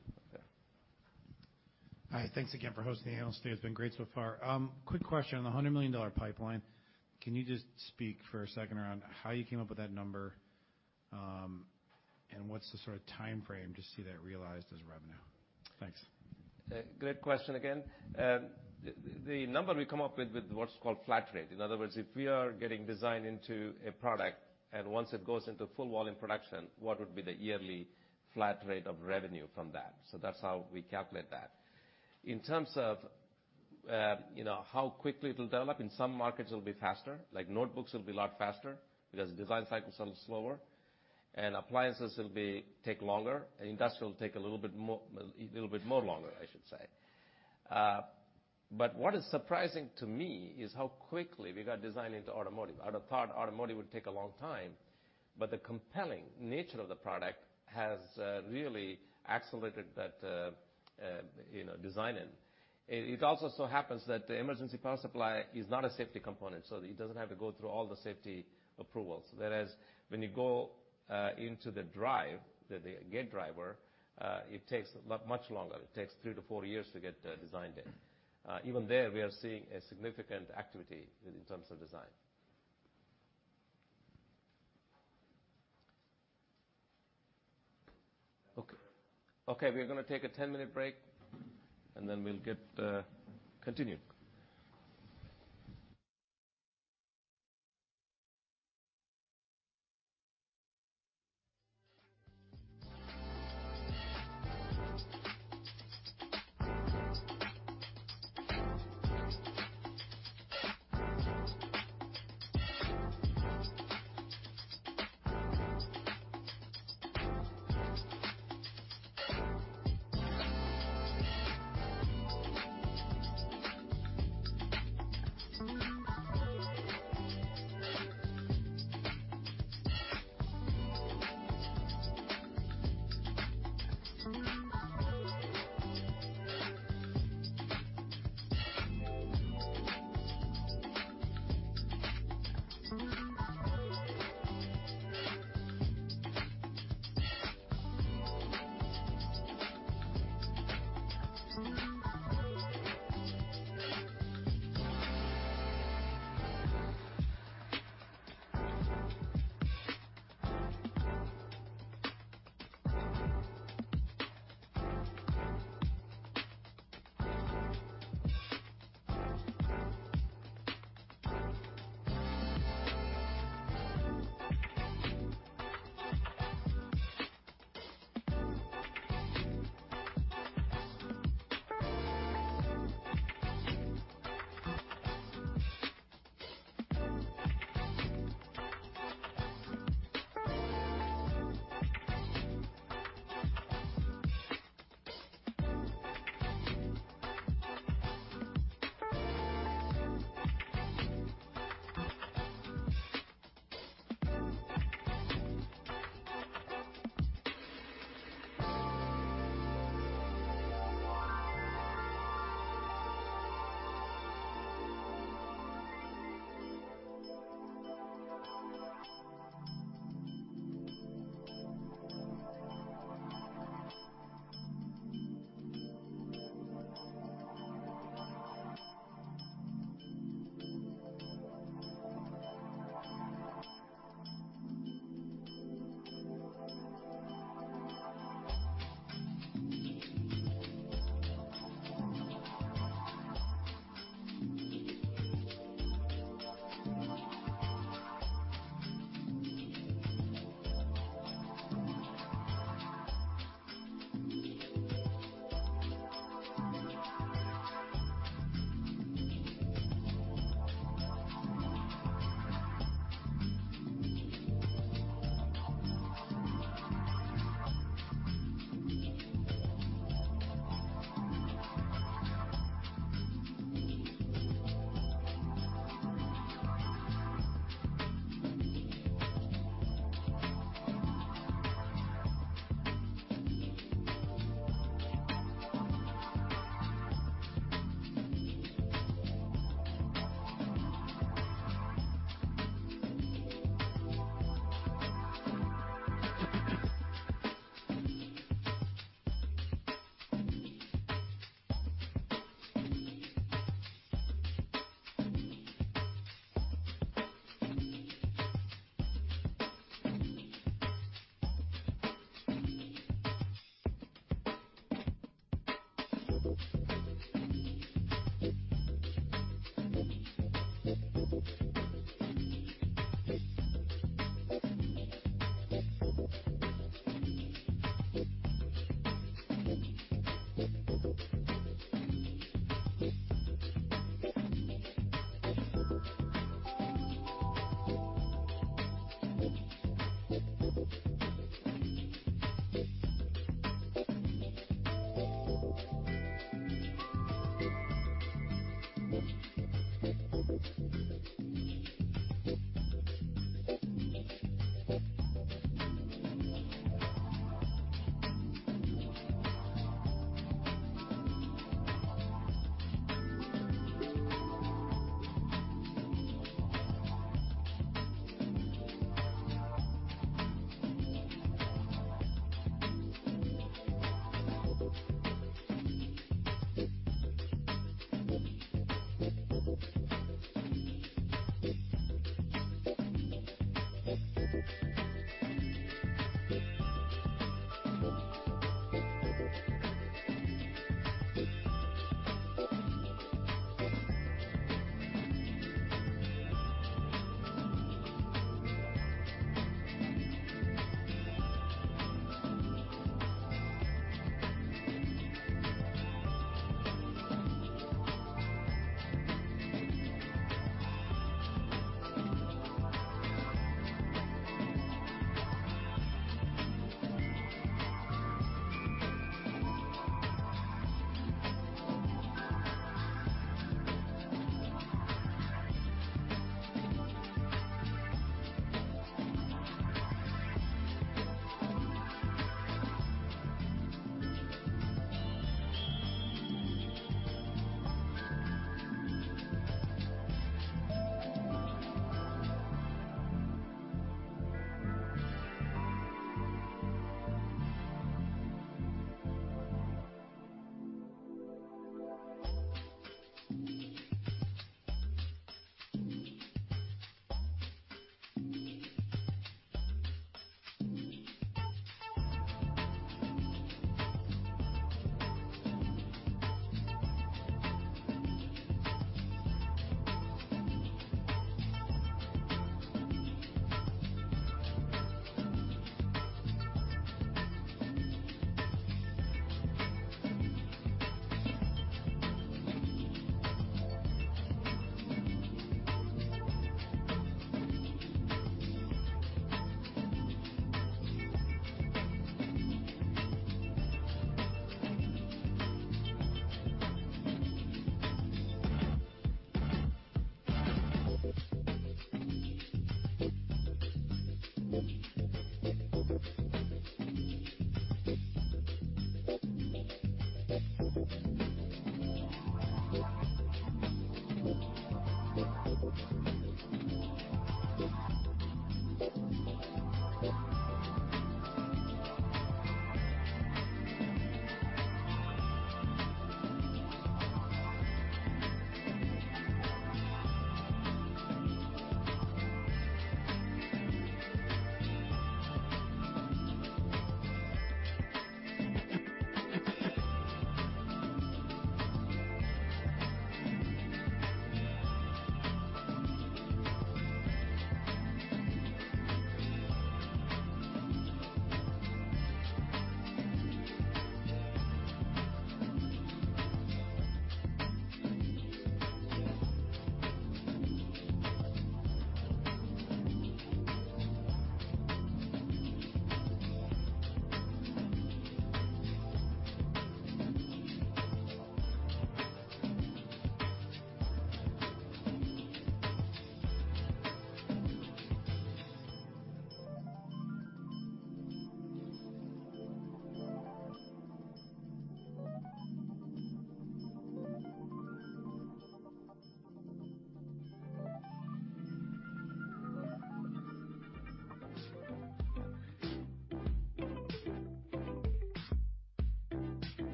up there. Hi. Thanks again for hosting the analyst day. It's been great so far. Quick question. On the $100 million pipeline, can you just speak for a second around how you came up with that number, and what's the sort of timeframe to see that realized as revenue? Thanks. Great question again. The number we come up with what's called flat rate. In other words, if we are getting designed into a product, and once it goes into full volume production, what would be the yearly flat rate of revenue from that? That's how we calculate that. In terms of, you know, how quickly it'll develop, in some markets it'll be faster. Like notebooks will be a lot faster because design cycles are shorter, and appliances will take longer, and industrial will take a little bit longer, I should say. What is surprising to me is how quickly we got designed into automotive. I'd have thought automotive would take a long time, but the compelling nature of the product has really accelerated that, you know, designing. It also so happens that the emergency power supply is not a safety component, so it doesn't have to go through all the safety approvals. Whereas when you go into the drive, the gate driver, it takes much longer. It takes three to four years to get designed in. Even there, we are seeing a significant activity in terms of design. Okay, we are gonna take a 10-minute break, and then we'll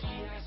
continue. Okay.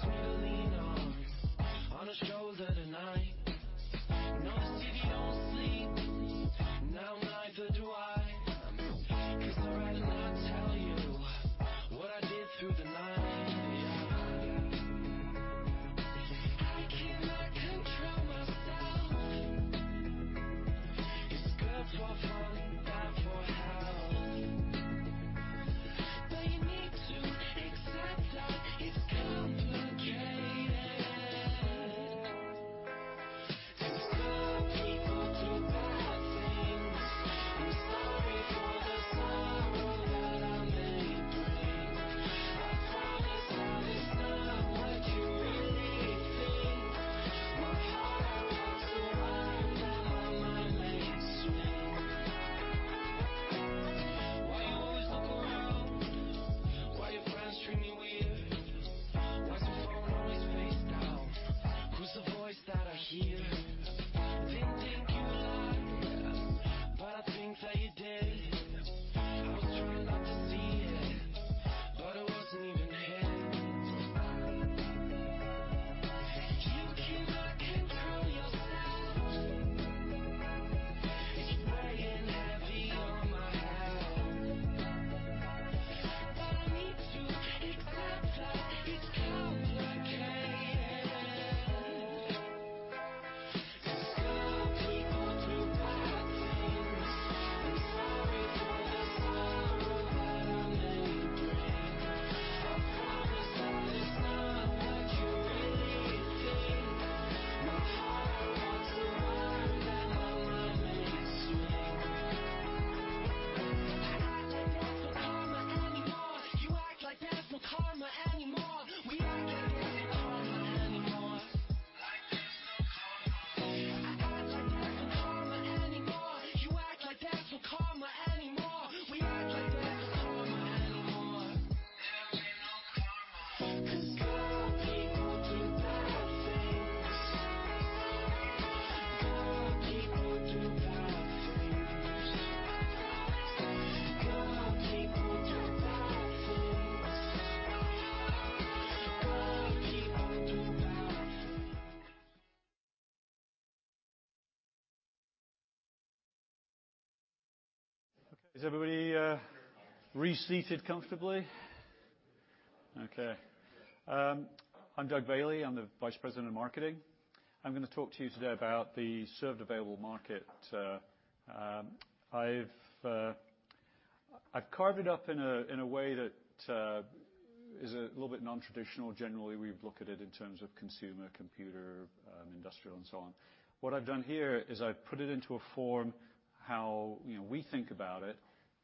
Is everybody reseated comfortably? Okay. I'm Doug Bailey. I'm the Vice President of Marketing. I'm gonna talk to you today about the Served Available Market. I've carved it up in a way that is a little bit non-traditional. Generally, we look at it in terms of consumer, computer, industrial and so on. What I've done here is I've put it into a form how, you know, we think about it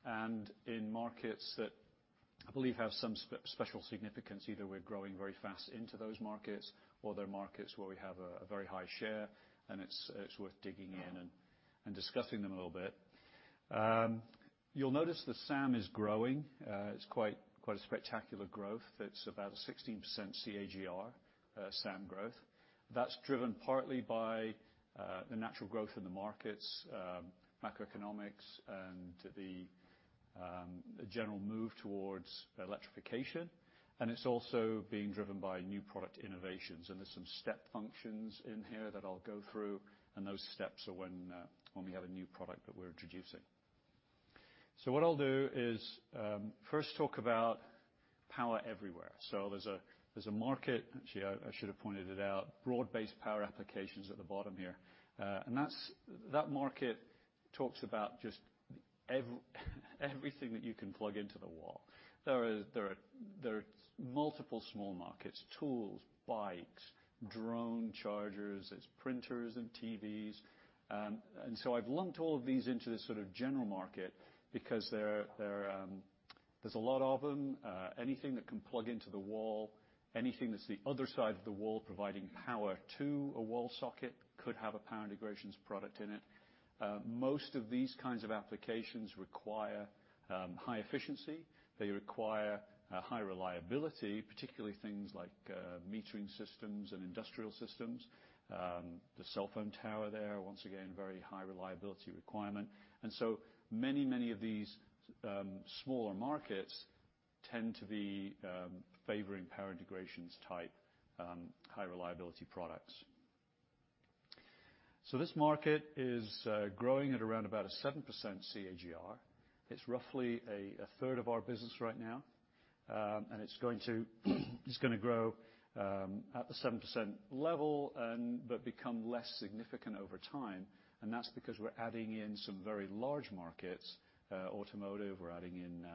and in markets that I believe have some special significance. Either we're growing very fast into those markets or they're markets where we have a very high share and it's worth digging in and discussing them a little bit. You'll notice that SAM is growing. It's quite a spectacular growth. It's about a 16% CAGR, SAM growth. That's driven partly by the natural growth in the markets, macroeconomics and the general move towards electrification, and it's also being driven by new product innovations. There's some step functions in here that I'll go through, and those steps are when we have a new product that we're introducing. What I'll do is first talk about power everywhere. There's a market. Actually, I should have pointed it out, broad-based power applications at the bottom here. That's, that market talks about just everything that you can plug into the wall. There are multiple small markets, tools, bikes, drone chargers, printers and TVs. I've lumped all of these into this sort of general market because there's a lot of them. Anything that can plug into the wall, anything that's the other side of the wall providing power to a wall socket could have a Power Integrations product in it. Most of these kinds of applications require high efficiency. They require a high reliability, particularly things like metering systems and industrial systems. The cell phone tower there, once again, very high reliability requirement. Many of these smaller markets tend to be favoring Power Integrations type high reliability products. This market is growing at around 7% CAGR. It's roughly 1/3 of our business right now. It's going to grow at the 7% level, but become less significant over time, and that's because we're adding in some very large markets, automotive. We're adding in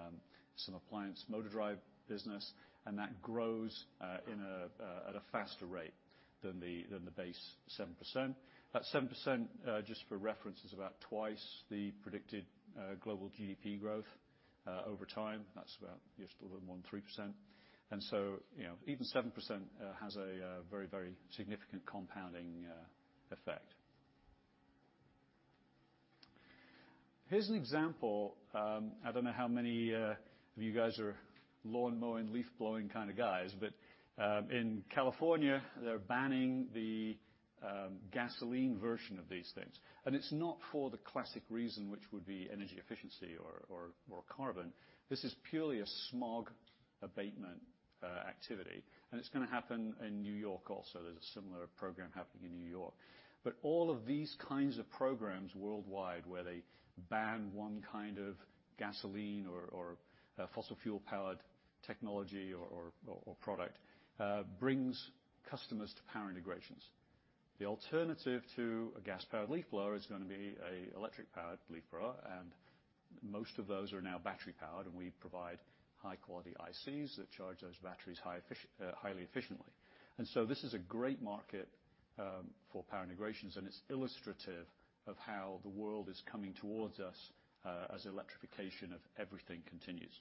some appliance motor drive business, and that grows at a faster rate than the base 7%. That 7%, just for reference, is about 2x the predicted global GDP growth over time. That's about just a little more than 3%. You know, even 7% has a very, very significant compounding effect. Here's an example. I don't know how many of you guys are lawn mowing, leaf blowing kind of guys, but in California, they're banning the gasoline version of these things. It's not for the classic reason, which would be energy efficiency or carbon. This is purely a smog abatement activity, and it's gonna happen in New York also. There's a similar program happening in New York. All of these kinds of programs worldwide, where they ban one kind of gasoline or fossil fuel-powered technology or product, brings customers to Power Integrations. The alternative to a gas-powered leaf blower is gonna be a electric-powered leaf blower, and most of those are now battery-powered, and we provide high-quality ICs that charge those batteries highly efficiently. This is a great market for Power Integrations, and it's illustrative of how the world is coming towards us as electrification of everything continues.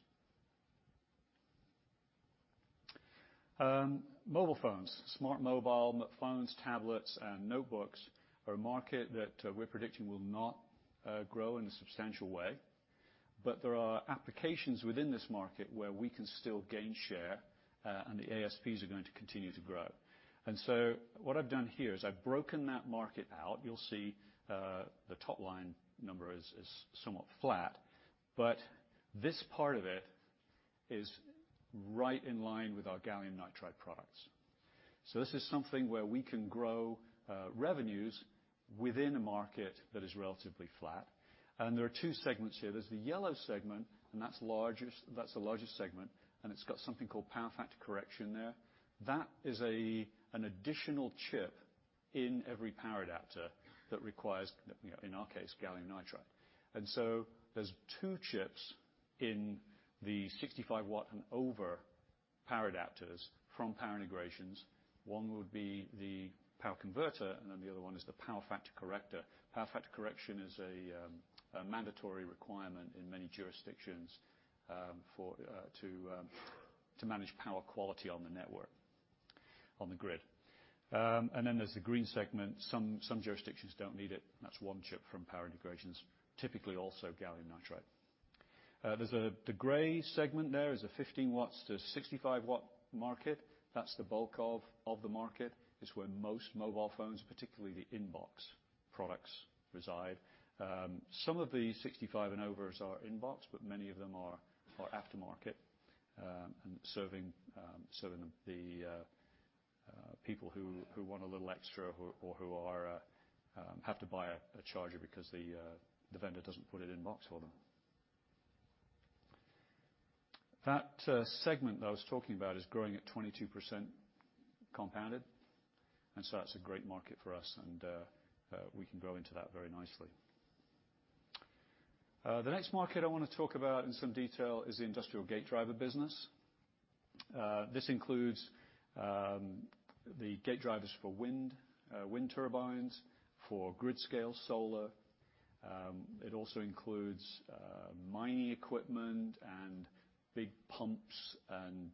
Mobile phones. Smart mobile phones, tablets, and notebooks are a market that we're predicting will not grow in a substantial way. There are applications within this market where we can still gain share, and the ASPs are going to continue to grow. What I've done here is I've broken that market out. You'll see the top line number is somewhat flat, but this part of it is right in line with our gallium nitride products. This is something where we can grow revenues within a market that is relatively flat. There are two segments here. There's the yellow segment, and that's the largest segment, and it's got something called power factor correction there. That is an additional chip in every power adapter that requires, you know, in our case, gallium nitride. There's two chips in the 65-W and over power adapters from Power Integrations. One would be the power converter, and then the other one is the power factor corrector. Power factor correction is a mandatory requirement in many jurisdictions to manage power quality on the network, on the grid. Then there's the green segment. Some jurisdictions don't need it. That's one chip from Power Integrations, typically also gallium nitride. There's the gray segment there is a 15-W to 65-W market. That's the bulk of the market. It's where most mobile phones, particularly the inbox products, reside. Some of the 65 and overs are inbox, but many of them are aftermarket. Serving the people who want a little extra or who have to buy a charger because the vendor doesn't put it in box for them. That segment that I was talking about is growing at 22% compounded, and so that's a great market for us, and we can grow into that very nicely. The next market I wanna talk about in some detail is the industrial gate driver business. This includes the gate drivers for wind turbines, for grid-scale solar. It also includes mining equipment and big pumps and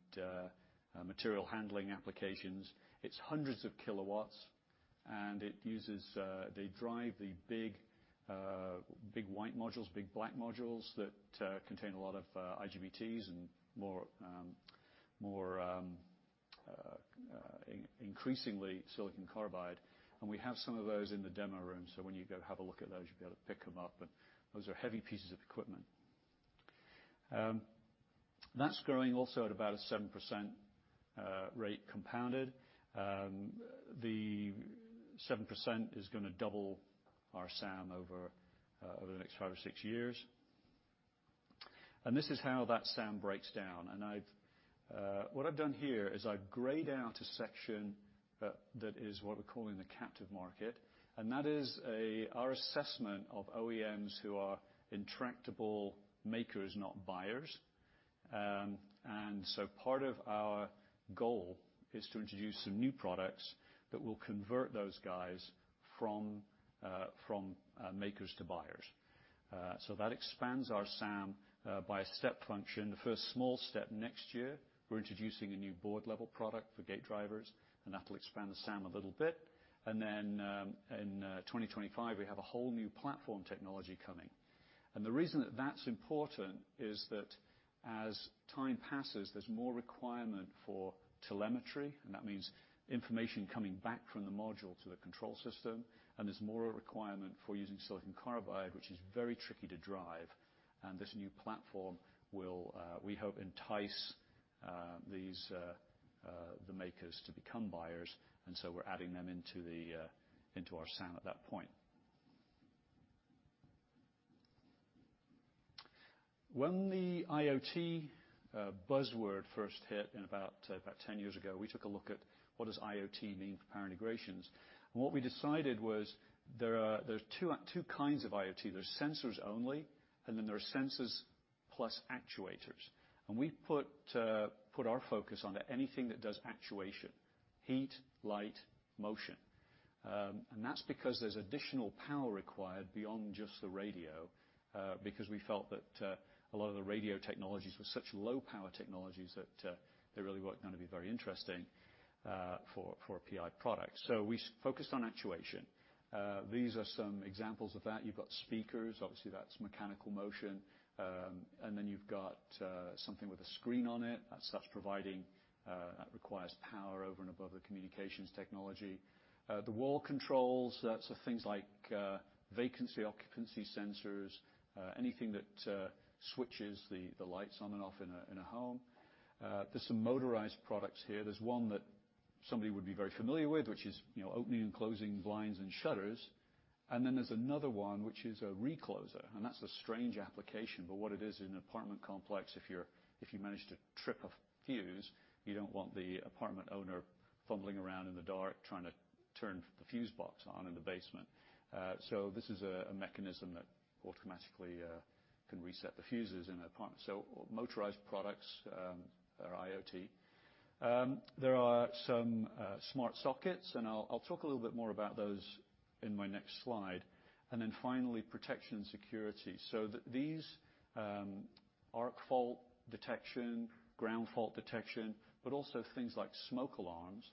material handling applications. It's hundreds of kilowatts, and they drive the big white modules, big black modules that contain a lot of IGBTs and more and more increasingly silicon carbide, and we have some of those in the demo room, so when you go have a look at those, you'll be able to pick them up, but those are heavy pieces of equipment. That's growing also at about a 7% rate compounded. The 7% is gonna double our SAM over the next five or six years. This is how that SAM breaks down. What I've done here is I've grayed out a section that is what we're calling the captive market, and that is our assessment of OEMs who are intractable makers, not buyers. Part of our goal is to introduce some new products that will convert those guys from makers to buyers. That expands our SAM by a step function. The first small step next year, we're introducing a new board-level product for gate drivers, and that'll expand the SAM a little bit. In 2025, we have a whole new platform technology coming. The reason that that's important is that as time passes, there's more requirement for telemetry, and that means information coming back from the module to the control system, and there's more a requirement for using silicon carbide, which is very tricky to drive. This new platform will, we hope, entice these the makers to become buyers, and so we're adding them into our SAM at that point. When the IoT buzzword first hit in about 10 years ago, we took a look at what does IoT mean for Power Integrations? What we decided was there's two kinds of IoT. There's sensors only, and then there are sensors plus actuators. We put our focus on anything that does actuation, heat, light, motion. That's because there's additional power required beyond just the radio, because we felt that a lot of the radio technologies were such low power technologies that they really weren't gonna be very interesting for PI products. We focused on actuation. These are some examples of that. You've got speakers, obviously that's mechanical motion. Then you've got something with a screen on it that's providing that requires power over and above the communications technology. The wall controls, that's the things like vacancy occupancy sensors, anything that switches the lights on and off in a home. There's some motorized products here. There's one that somebody would be very familiar with, which is, you know, opening and closing blinds and shutters. There's another one which is a recloser, and that's a strange application, but what it is, in an apartment complex, if you manage to trip a fuse, you don't want the apartment owner fumbling around in the dark trying to turn the fuse box on in the basement. This is a mechanism that automatically can reset the fuses in an apartment. Motorized products are IoT. There are some smart sockets, and I'll talk a little bit more about those in my next slide. Finally, protection security. These arc fault detection, ground fault detection, but also things like smoke alarms.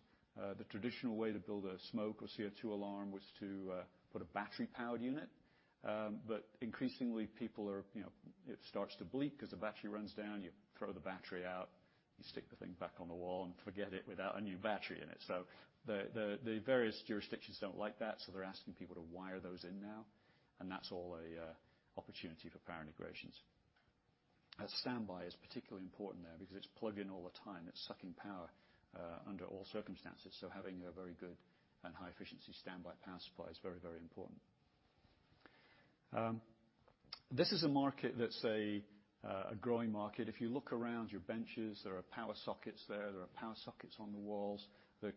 The traditional way to build a smoke or CO2 alarm was to put a battery powered unit. Increasingly people are, you know, it starts to bleep 'cause the battery runs down, you throw the battery out, you stick the thing back on the wall and forget it without a new battery in it. The various jurisdictions don't like that, so they're asking people to wire those in now, and that's all an opportunity for Power Integrations. As standby is particularly important there because it's plug in all the time. It's sucking power under all circumstances, so having a very good and high efficiency standby power supply is very, very important. This is a market that's a growing market. If you look around your benches, there are power sockets there are power sockets on the walls. The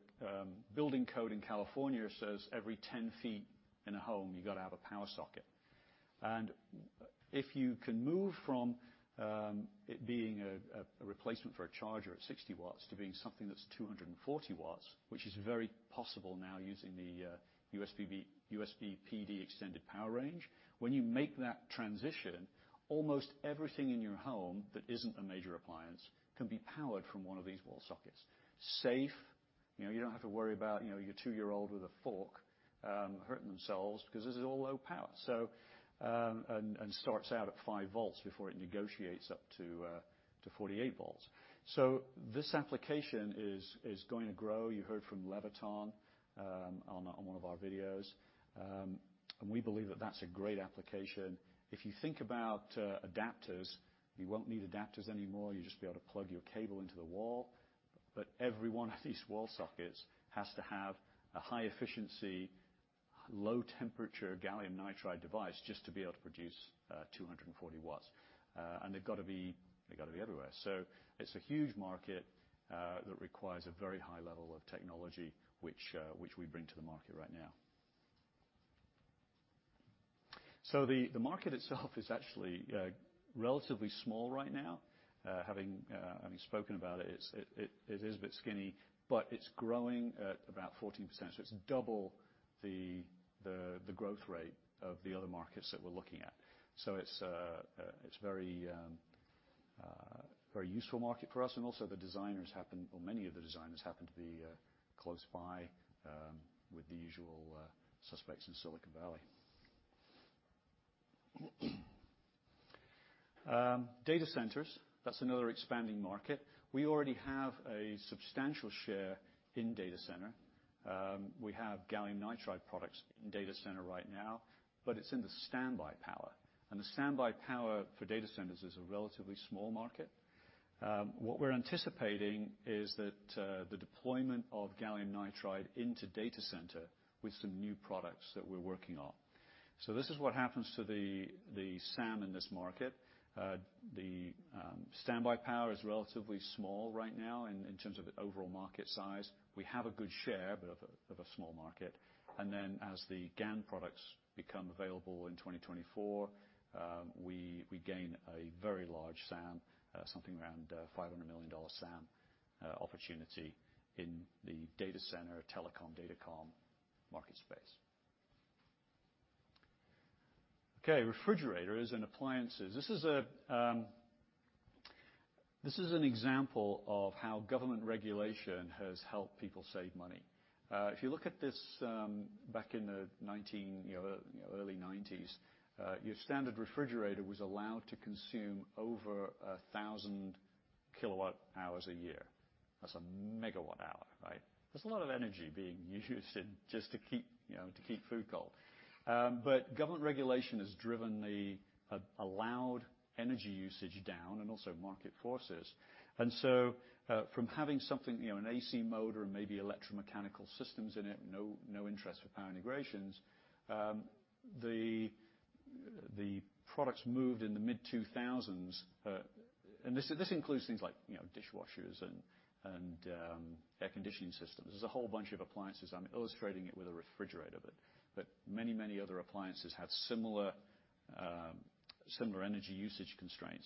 building code in California says every 10 feet in a home you gotta have a power socket. If you can move from it being a replacement for a charger at 60 W to being something that's 240 W, which is very possible now using the USB PD Extended Power Range. When you make that transition, almost everything in your home that isn't a major appliance can be powered from one of these wall sockets. Safe, you know, you don't have to worry about, you know, your two-year-old with a fork hurting themselves because this is all low power and starts out at 5 V before it negotiates up to 48 V. This application is going to grow. You heard from Leviton on one of our videos. We believe that that's a great application. If you think about adapters, you won't need adapters anymore. You'll just be able to plug your cable into the wall. Every one of these wall sockets has to have a high efficiency, low temperature gallium nitride device just to be able to produce 240 W. They've gotta be everywhere. It's a huge market that requires a very high level of technology, which we bring to the market right now. The market itself is actually relatively small right now. Having spoken about it is a bit skinny, but it's growing at about 14%. It's double the growth rate of the other markets that we're looking at. It's very useful market for us. The designers happen. For many of the designers happen to be close by with the usual suspects in Silicon Valley. Data centers, that's another expanding market. We already have a substantial share in data center. We have gallium nitride products in data center right now, but it's in the standby power. The standby power for data centers is a relatively small market. What we're anticipating is that the deployment of gallium nitride into data center with some new products that we're working on. This is what happens to the SAM in this market. The standby power is relatively small right now in terms of the overall market size. We have a good share, but of a small market. As the GaN products become available in 2024, we gain a very large SAM, something around $500 million SAM, opportunity in the data center, telecom, datacom market space. Okay, refrigerators and appliances. This is an example of how government regulation has helped people save money. If you look at this, back in the 1990s, your standard refrigerator was allowed to consume over 1,000 kWh a year. That's 1 MWh, right? That's a lot of energy being used just to keep food cold. Government regulation has driven the allowed energy usage down and also market forces. From having something, you know, an AC motor and maybe electromechanical systems in it, no interest for Power Integrations. The products moved in the mid-2000s, and this includes things like, you know, dishwashers and air conditioning systems. There's a whole bunch of appliances. I'm illustrating it with a refrigerator, but many other appliances have similar energy usage constraints.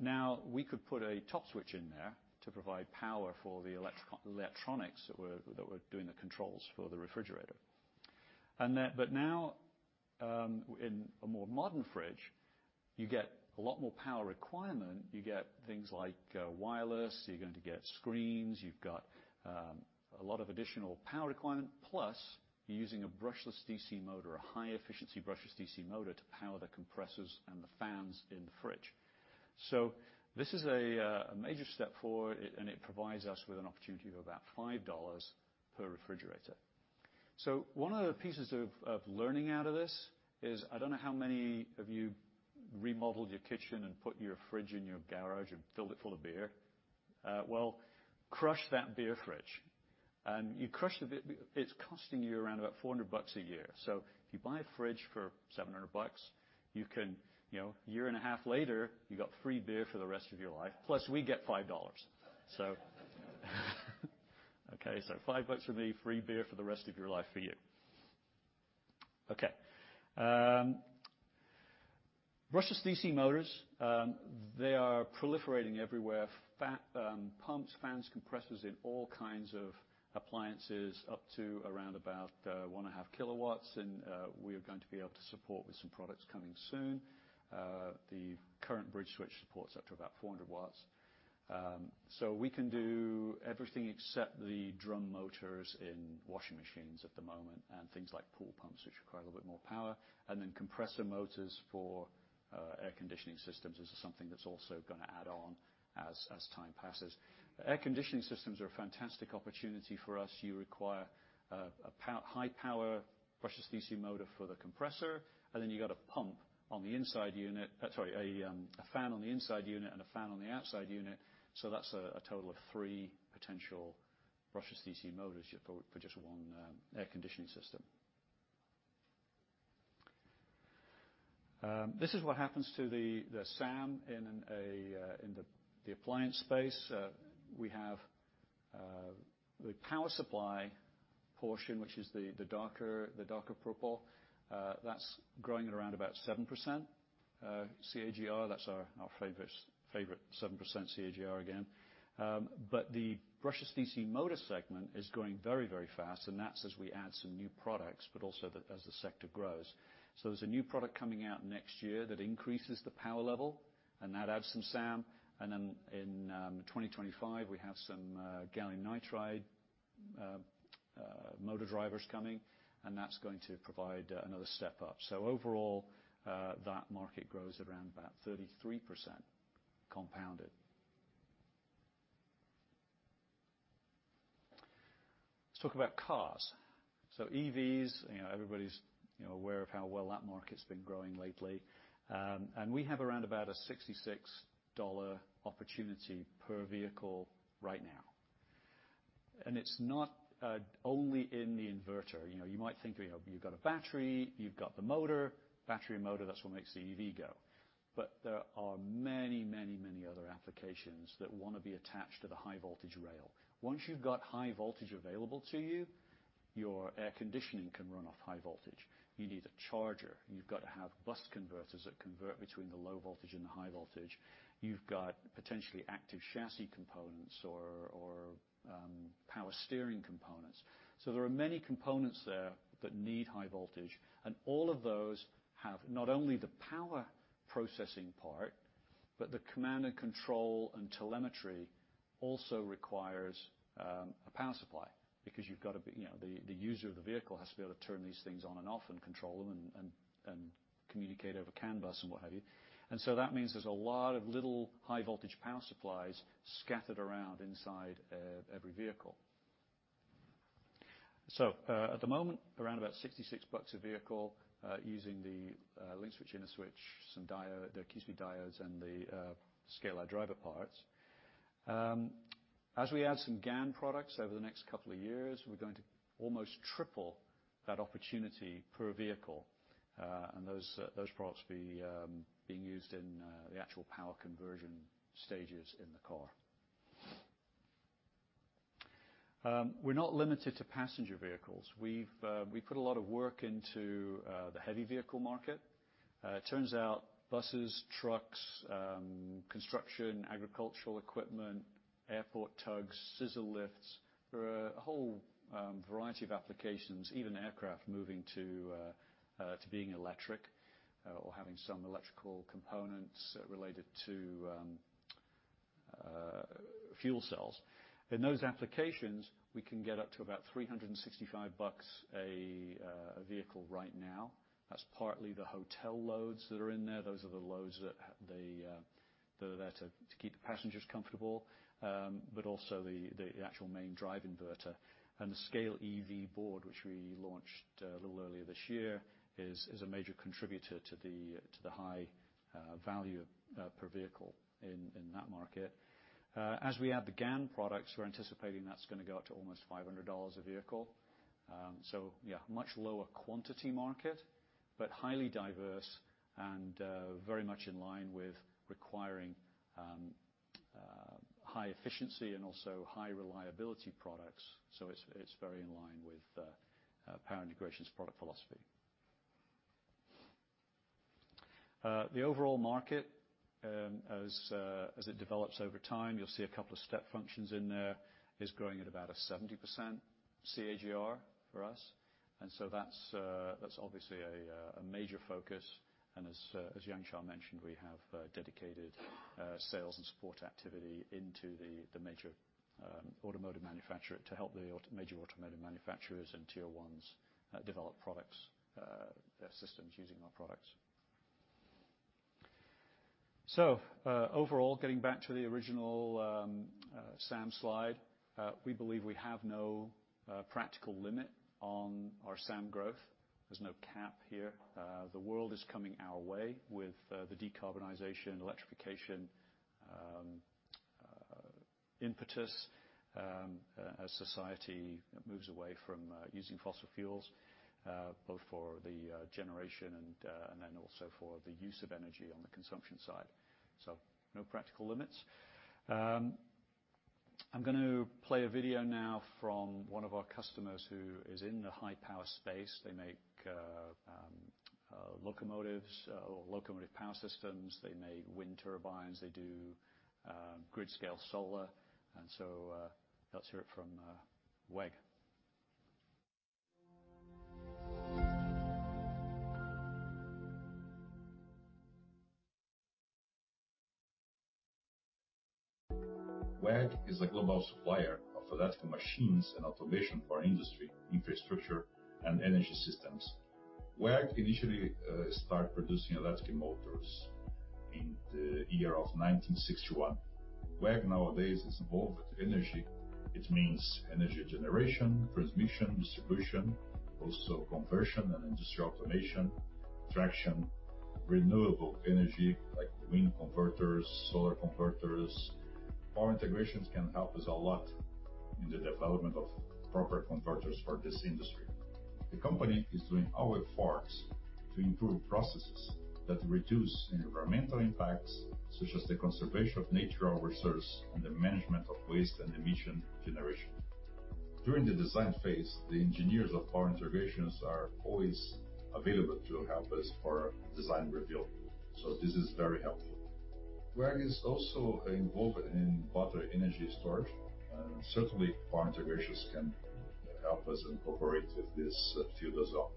Now we could put a TOPSwitch in there to provide power for the electronics that were doing the controls for the refrigerator. In a more modern fridge, you get a lot more power requirement. You get things like wireless, you're going to get screens, you've got a lot of additional power requirement, plus you're using a brushless DC motor, a high efficiency brushless DC motor to power the compressors and the fans in the fridge. This is a major step forward, and it provides us with an opportunity of about $5 per refrigerator. One of the pieces of learning out of this is, I don't know how many of you remodeled your kitchen and put your fridge in your garage and filled it full of beer. Crush that beer fridge. It's costing you around $400 a year. If you buy a fridge for $700, you can, you know, year and a half later, you got free beer for the rest of your life. Plus, we get $5. Okay, $5 for me, free beer for the rest of your life for you. Okay. Brushless DC motors, they are proliferating everywhere. For pumps, fans, compressors in all kinds of appliances, up to around about 1.5 kW. We're going to be able to support with some products coming soon. The current BridgeSwitch supports up to about 400 W. So we can do everything except the drum motors in washing machines at the moment, and things like pool pumps, which require a little bit more power. Compressor motors for air conditioning systems is something that's also gonna add on as time passes. Air conditioning systems are a fantastic opportunity for us. You require a high power brushless DC motor for the compressor, and then you got a fan on the inside unit and a fan on the outside unit. That's a total of three potential brushless DC motors for just one air conditioning system. This is what happens to the SAM in the appliance space. We have the power supply portion, which is the darker purple, that's growing at around about 7% CAGR. That's our favorite 7% CAGR again. The brushless DC motor segment is growing very fast, and that's as we add some new products, but also as the sector grows. There's a new product coming out next year that increases the power level and that adds some SAM. Then in 2025, we have some gallium nitride motor drivers coming, and that's going to provide another step up. Overall, that market grows around about 33% compounded. Let's talk about cars. EVs, you know, everybody's, you know, aware of how well that market's been growing lately. We have around about a $66 opportunity per vehicle right now. It's not only in the inverter. You know, you might think, you know, you've got a battery, you've got the motor. Battery, motor, that's what makes the EV go. There are many, many, many other applications that wanna be attached to the high voltage rail. Once you've got high voltage available to you, your air conditioning can run off high voltage. You need a charger. You've got to have bus converters that convert between the low voltage and the high voltage. You've got potentially active chassis components or power steering components. There are many components there that need high voltage, and all of those have not only the power processing part, but the command and control and telemetry also requires a power supply because you've got to You know, the user of the vehicle has to be able to turn these things on and off and control them and communicate over CAN bus and what have you. That means there's a lot of little high voltage power supplies scattered around inside every vehicle. At the moment, around $66 a vehicle, using the LinkSwitch, InnoSwitch, some diodes, the Qspeed diodes and the SCALE-iDriver parts. As we add some GaN products over the next couple of years, we're going to almost triple that opportunity per vehicle. Those products being used in the actual power conversion stages in the car. We're not limited to passenger vehicles. We've put a lot of work into the heavy vehicle market. It turns out buses, trucks, construction, agricultural equipment, airport tugs, scissor lifts. There are a whole variety of applications, even aircraft moving to being electric or having some electrical components related to fuel cells. In those applications, we can get up to about $365 a vehicle right now. That's partly the hotel loads that are in there. Those are the loads that are there to keep the passengers comfortable, but also the actual main drive inverter. The SCALE EV board, which we launched a little earlier this year, is a major contributor to the high value per vehicle in that market. As we add the GaN products, we're anticipating that's gonna go up to almost $500 a vehicle. It's a much lower quantity market, but highly diverse and very much in line with requiring high efficiency and also high reliability products. It's very in line with Power Integrations' product philosophy. The overall market, as it develops over time, you'll see a couple of step functions in there, is growing at about a 70% CAGR for us. That's obviously a major focus. As Yang Chiah Yee mentioned, we have dedicated sales and support activity into the major automotive manufacturers and tier ones develop products their systems using our products. Overall, getting back to the original SAM slide, we believe we have no practical limit on our SAM growth. There's no cap here. The world is coming our way with the decarbonization, electrification impetus as society moves away from using fossil fuels both for the generation and then also for the use of energy on the consumption side. No practical limits. I'm gonna play a video now from one of our customers who is in the high power space. They make locomotives or locomotive power systems. They make wind turbines. They do grid-scale solar. Let's hear it from WEG. WEG is a global supplier of electrical machines and automation for industry, infrastructure, and energy systems. WEG initially start producing electric motors in the year of 1961. WEG nowadays is involved with energy. It means energy generation, transmission, distribution, also conversion and industrial automation, traction, renewable energy like wind converters, solar converters. Power Integrations can help us a lot in the development of proper converters for this industry. The company is doing all efforts to improve processes that reduce environmental impacts, such as the conservation of natural resource and the management of waste and emission generation. During the design phase, the engineers of Power Integrations are always available to help us for design review, so this is very helpful. WEG is also involved in battery energy storage, and certainly Power Integrations can help us incorporate this field as well.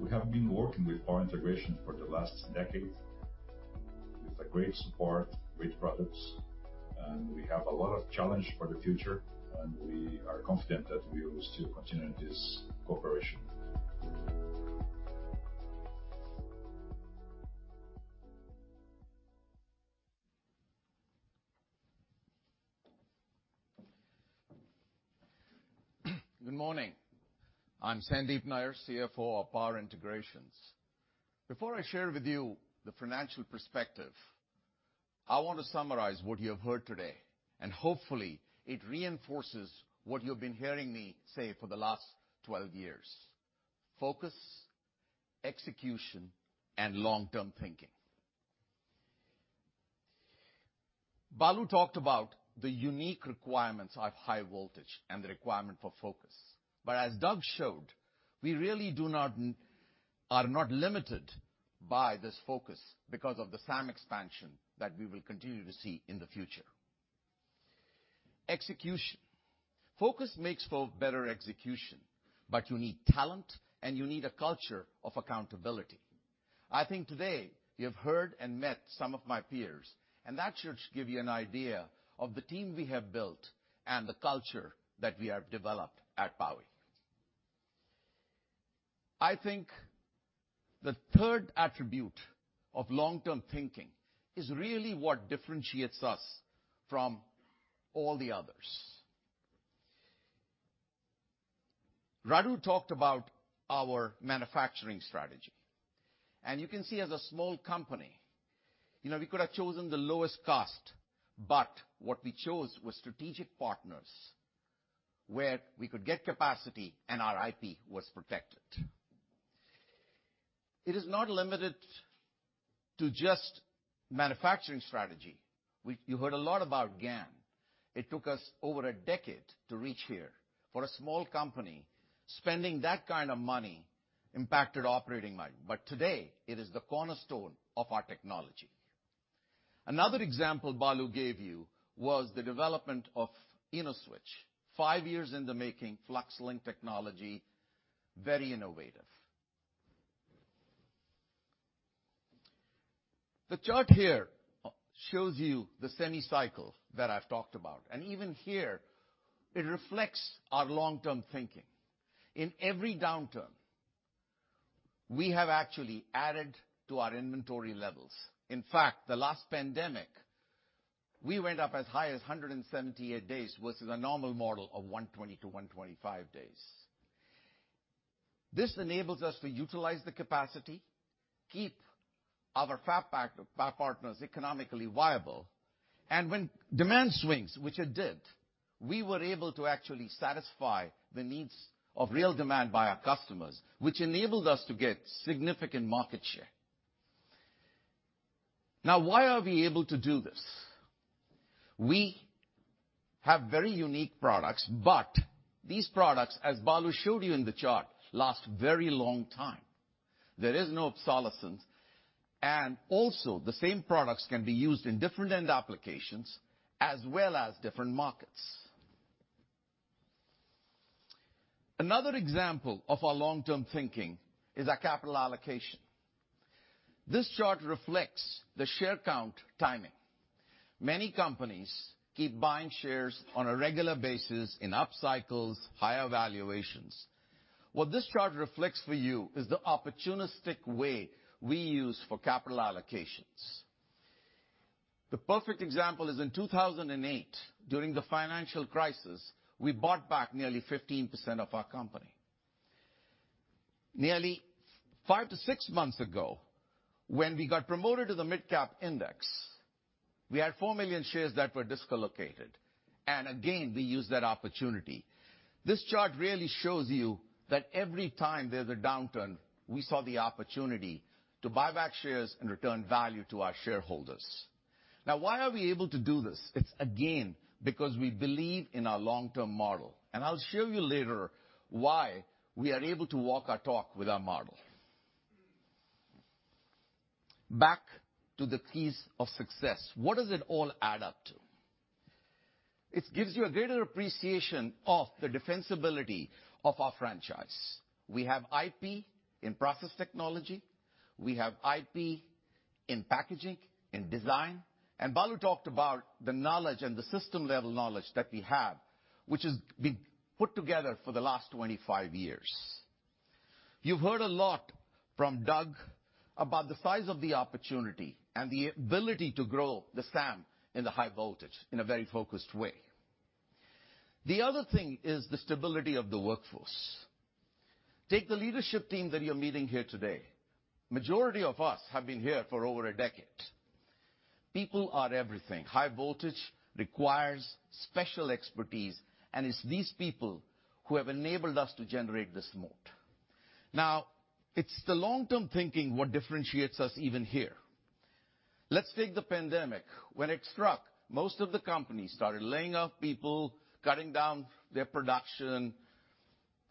We have been working with Power Integrations for the last decade with great support, great products, and we have a lot of challenge for the future, and we are confident that we will still continue this cooperation. Good morning. I'm Sandeep Nayyar, CFO of Power Integrations. Before I share with you the financial perspective, I want to summarize what you have heard today, and hopefully it reinforces what you've been hearing me say for the last 12 years: focus, execution, and long-term thinking. Balu talked about the unique requirements of high voltage and the requirement for focus. As Doug showed, we really are not limited by this focus because of the SAM expansion that we will continue to see in the future. Execution. Focus makes for better execution, but you need talent, and you need a culture of accountability. I think today you have heard and met some of my peers, and that should give you an idea of the team we have built and the culture that we have developed at Powi. I think the third attribute of long-term thinking is really what differentiates us from all the others. Radu talked about our manufacturing strategy, and you can see as a small company, you know, we could have chosen the lowest cost, but what we chose was strategic partners where we could get capacity and our IP was protected. It is not limited to just manufacturing strategy. You heard a lot about GaN. It took us over a decade to reach here. For a small company, spending that kind of money impacted operating margin, but today it is the cornerstone of our technology. Another example Balu gave you was the development of InnoSwitch, five years in the making, FluxLink technology, very innovative. The chart here shows you the semi cycle that I've talked about, and even here, it reflects our long-term thinking. In every downturn, we have actually added to our inventory levels. In fact, the last pandemic, we went up as high as 178 days versus a normal model of 120-125 days. This enables us to utilize the capacity, keep our fab partners economically viable, and when demand swings, which it did, we were able to actually satisfy the needs of real demand by our customers, which enabled us to get significant market share. Now, why are we able to do this? We have very unique products, but these products, as Balu showed you in the chart, last very long time. There is no obsolescence, and also the same products can be used in different end applications as well as different markets. Another example of our long-term thinking is our capital allocation. This chart reflects the share count timing. Many companies keep buying shares on a regular basis in up cycles, higher valuations. What this chart reflects for you is the opportunistic way we use for capital allocations. The perfect example is in 2008, during the financial crisis, we bought back nearly 15% of our company. Nearly five to six months ago, when we got promoted to the midcap index, we had 4 million shares that were dislocated, and again, we used that opportunity. This chart really shows you that every time there's a downturn, we saw the opportunity to buy back shares and return value to our shareholders. Now, why are we able to do this? It's, again, because we believe in our long-term model, and I'll show you later why we are able to walk our talk with our model. Back to the keys of success. What does it all add up to? It gives you a greater appreciation of the defensibility of our franchise. We have IP in process technology. We have IP in packaging, in design, and Balu talked about the knowledge and the system-level knowledge that we have, which has been put together for the last 25 years. You've heard a lot from Doug about the size of the opportunity and the ability to grow the SAM in the high voltage in a very focused way. The other thing is the stability of the workforce. Take the leadership team that you're meeting here today. Majority of us have been here for over a decade. People are everything. High voltage requires special expertise, and it's these people who have enabled us to generate this moat. Now, it's the long-term thinking what differentiates us even here. Let's take the pandemic. When it struck, most of the companies started laying off people, cutting down their production,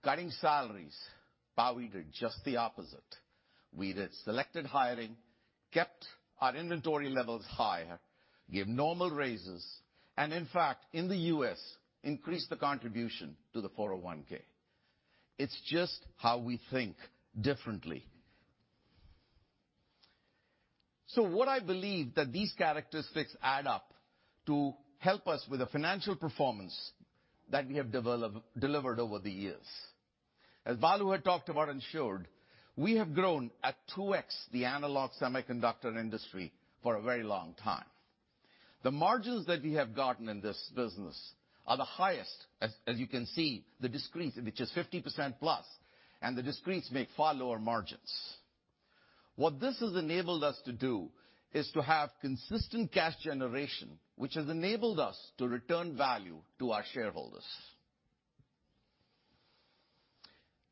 cutting salaries. Powi did just the opposite. We did selected hiring, kept our inventory levels high, gave normal raises, and in fact, in the U.S., increased the contribution to the 401(k). It's just how we think differently. What I believe that these characteristics add up to help us with the financial performance that we have delivered over the years. Balu had talked about and showed, we have grown at 2x the analog semiconductor industry for a very long time. The margins that we have gotten in this business are the highest, as you can see, the discretes, which is 50%+, and the discretes make far lower margins. What this has enabled us to do is to have consistent cash generation, which has enabled us to return value to our shareholders.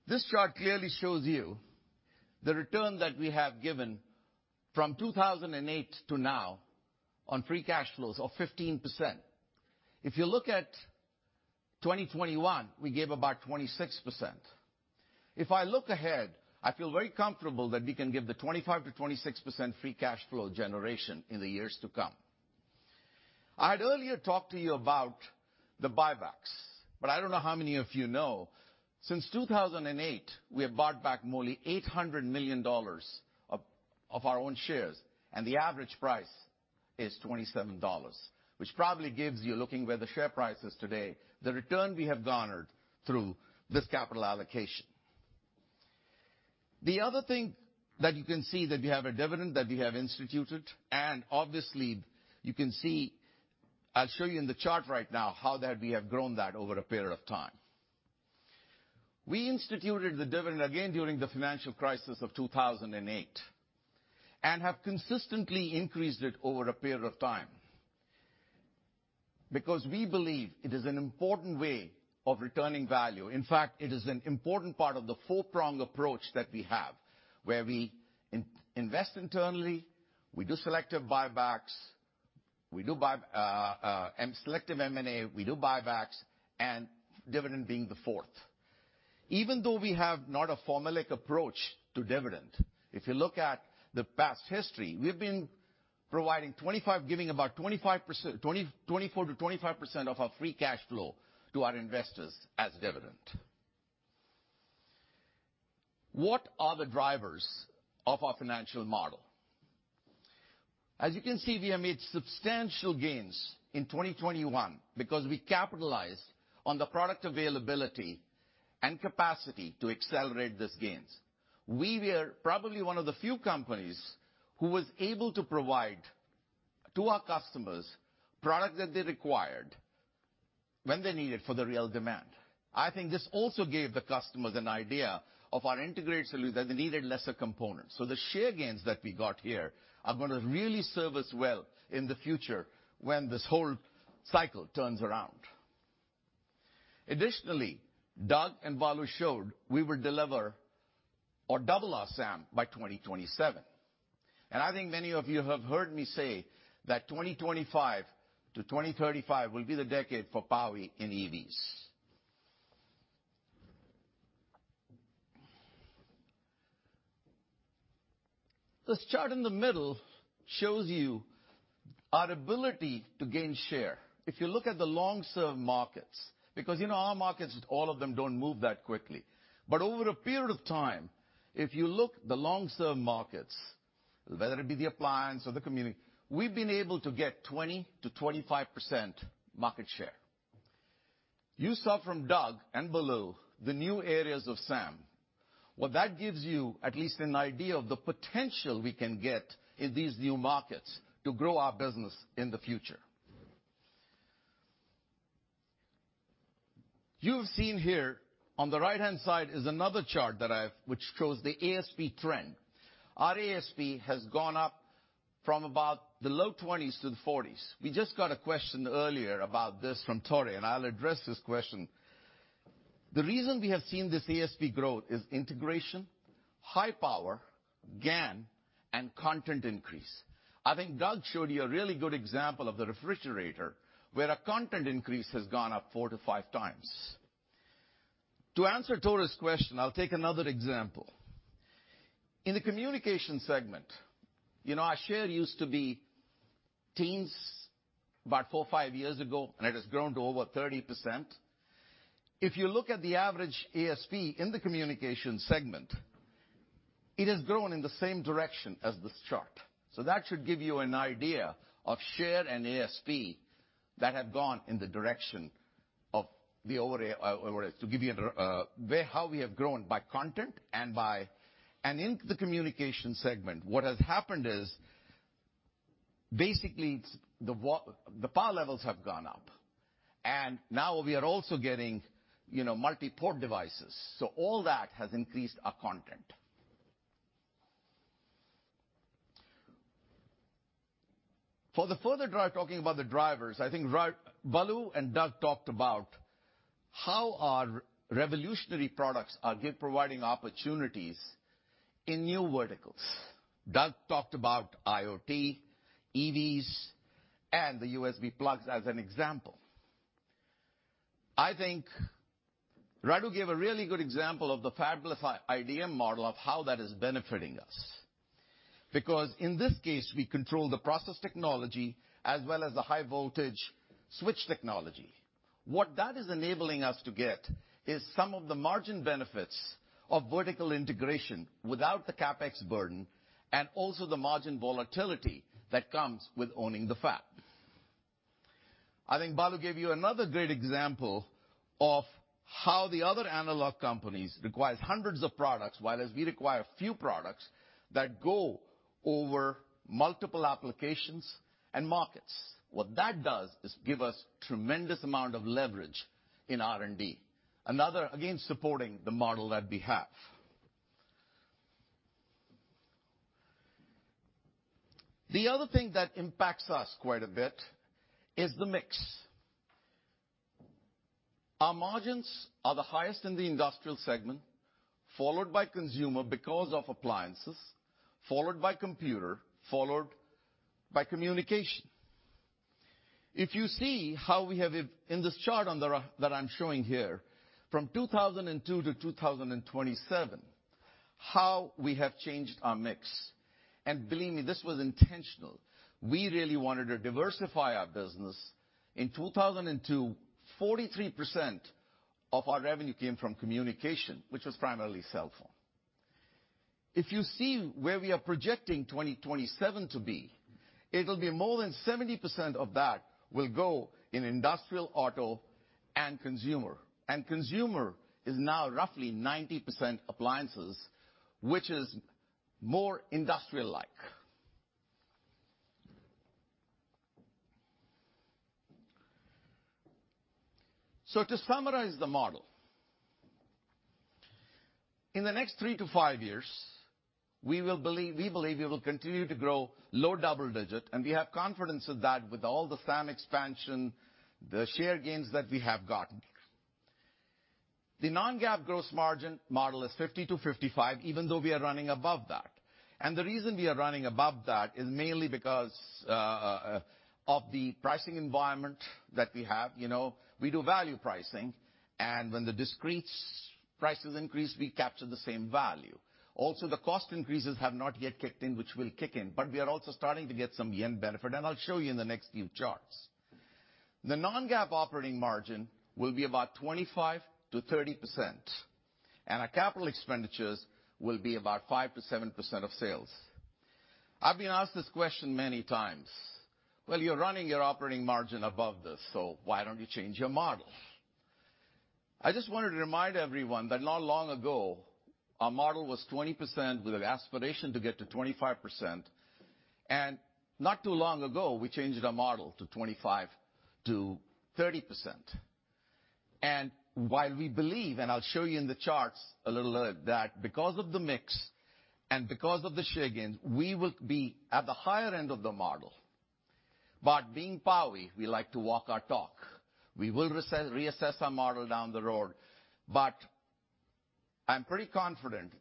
This chart clearly shows you the return that we have given from 2008 to now on free cash flows of 15%. If you look at 2021, we gave about 26%. If I look ahead, I feel very comfortable that we can give the 25%-26% free cash flow generation in the years to come. I had earlier talked to you about the buybacks, but I don't know how many of you know, since 2008, we have bought back more than $800 million of our own shares, and the average price is $27, which probably gives you, looking where the share price is today, the return we have garnered through this capital allocation. The other thing that you can see that we have a dividend that we have instituted, and obviously you can see, I'll show you in the chart right now how that we have grown that over a period of time. We instituted the dividend again during the financial crisis of 2008, and have consistently increased it over a period of time. Because we believe it is an important way of returning value. In fact, it is an important part of the four-prong approach that we have, where we invest internally, we do selective buybacks, and selective M&A, and dividend being the fourth. Even though we have not a formulaic approach to dividend, if you look at the past history, we've been giving about 25%, 20%, 24%-25% of our free cash flow to our investors as dividend. What are the drivers of our financial model? As you can see, we have made substantial gains in 2021 because we capitalized on the product availability and capacity to accelerate these gains. We were probably one of the few companies who was able to provide to our customers product that they required when they need it for the real demand. I think this also gave the customers an idea of our integrated solution, that they needed lesser components. The share gains that we got here are gonna really serve us well in the future when this whole cycle turns around. Additionally, Doug and Balu showed we will deliver or double our SAM by 2027. I think many of you have heard me say that 2025 to 2035 will be the decade for power in EVs. This chart in the middle shows you our ability to gain share. If you look at the long-served markets, because you know our markets, all of them don't move that quickly. Over a period of time, if you look the long-served markets, whether it be the appliance or the consumer, we've been able to get 20%-25% market share. You saw from Doug and Balu the new areas of SAM. What that gives you at least an idea of the potential we can get in these new markets to grow our business in the future. You've seen here on the right-hand side is another chart which shows the ASP trend. Our ASP has gone up from about the lowf 20s to the 40s. We just got a question earlier about this from Tore, and I'll address this question. The reason we have seen this ASP growth is integration, high power, GaN, and content increase. I think Doug showed you a really good example of the refrigerator, where a content increase has gone up 4x-5x. To answer Tore's question, I'll take another example. In the communication segment, you know, our share used to be teens about four to five years ago, and it has grown to over 30%. If you look at the average ASP in the communication segment, it has grown in the same direction as this chart. That should give you an idea of share and ASP that have gone in the direction of how we have grown by content and by. In the communication segment, what has happened is basically it's the power levels have gone up. Now we are also getting, you know, multi-port devices. All that has increased our content. For the further drive, talking about the drivers, I think Balu and Doug talked about how our revolutionary products are providing opportunities in new verticals. Doug talked about IoT, EVs, and the USB plugs as an example. I think Radu gave a really good example of the fabless IDM model of how that is benefiting us. Because in this case, we control the process technology as well as the high voltage switch technology. What that is enabling us to get is some of the margin benefits of vertical integration without the CapEx burden and also the margin volatility that comes with owning the fab. I think Balu gave you another great example of how the other analog companies require hundreds of products, whereas we require few products that go over multiple applications and markets. What that does is give us tremendous amount of leverage in R&D. Another, again, supporting the model that we have. The other thing that impacts us quite a bit is the mix. Our margins are the highest in the industrial segment, followed by consumer because of appliances, followed by computer, followed by communication. If you see how we have it in this chart that I'm showing here, from 2002 to 2027, how we have changed our mix. Believe me, this was intentional. We really wanted to diversify our business. In 2002, 43% of our revenue came from communication, which was primarily cell phone. If you see where we are projecting 2027 to be, it'll be more than 70% of that will go in industrial auto and consumer. Consumer is now roughly 90% appliances, which is more industrial-like. To summarize the model, in the three to five years, we believe we will continue to grow low double-digit, and we have confidence of that with all the GaN expansion, the share gains that we have gotten. The non-GAAP gross margin model is 50%-55%, even though we are running above that. The reason we are running above that is mainly because of the pricing environment that we have. You know, we do value pricing, and when the discretes prices increase, we capture the same value. Also, the cost increases have not yet kicked in, which will kick in, but we are also starting to get some yen benefit. I'll show you in the next few charts. The non-GAAP operating margin will be about 25%-30%, and our capital expenditures will be about 5%-7% of sales. I've been asked this question many times. "Well, you're running your operating margin above this, so why don't you change your model?" I just wanted to remind everyone that not long ago, our model was 20% with an aspiration to get to 25%. Not too long ago, we changed our model to 25%-30%. While we believe, and I'll show you in the charts a little later, that because of the mix and because of the share gains, we will be at the higher end of the model. Being Powi, we like to walk our talk. We will reassess our model down the road. I'm pretty confident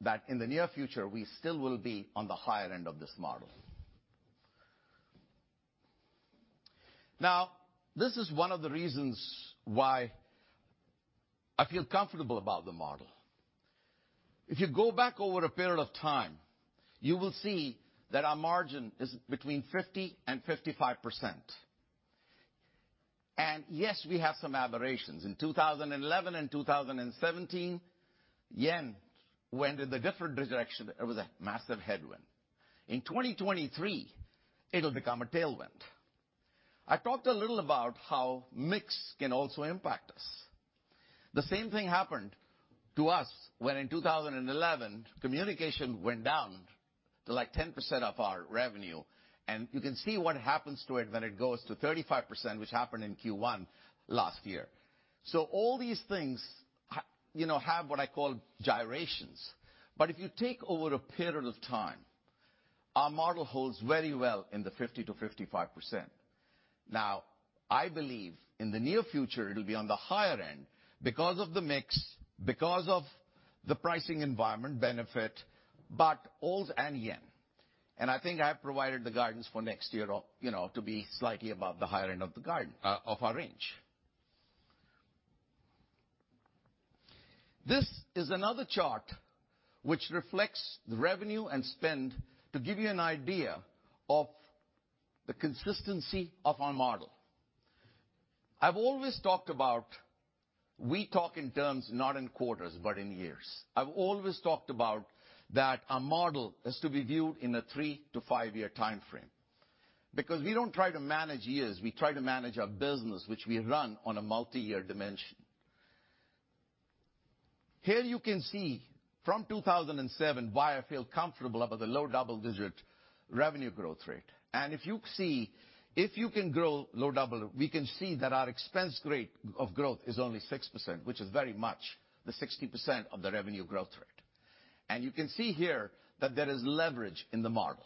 that in the near future we still will be on the higher end of this model. Now, this is one of the reasons why I feel comfortable about the model. If you go back over a period of time, you will see that our margin is between 50%-55%. Yes, we have some aberrations. In 2011 and 2017, yen went in a different direction. It was a massive headwind. In 2023, it'll become a tailwind. I talked a little about how mix can also impact us. The same thing happened to us when in 2011, communication went down to, like, 10% of our revenue. You can see what happens to it when it goes to 35%, which happened in Q1 last year. All these things you know, have what I call gyrations. If you take over a period of time, our model holds very well in the 50%-55%. Now, I believe in the near future it'll be on the higher end because of the mix, because of the pricing environment benefit, but also yen. I think I have provided the guidance for next year, or, you know, to be slightly above the higher end of the guide, of our range. This is another chart which reflects the revenue and spend to give you an idea of the consistency of our model. I've always talked about, we talk in terms not in quarters but in years. I've always talked about that our model is to be viewed in a three-to-five-year timeframe. Because we don't try to manage years, we try to manage our business, which we run on a multi-year dimension. Here you can see from 2007 why I feel comfortable about the low double-digit revenue growth rate. If you see, if you can grow low double, we can see that our expense rate of growth is only 6%, which is very much the 60% of the revenue growth rate. You can see here that there is leverage in the model.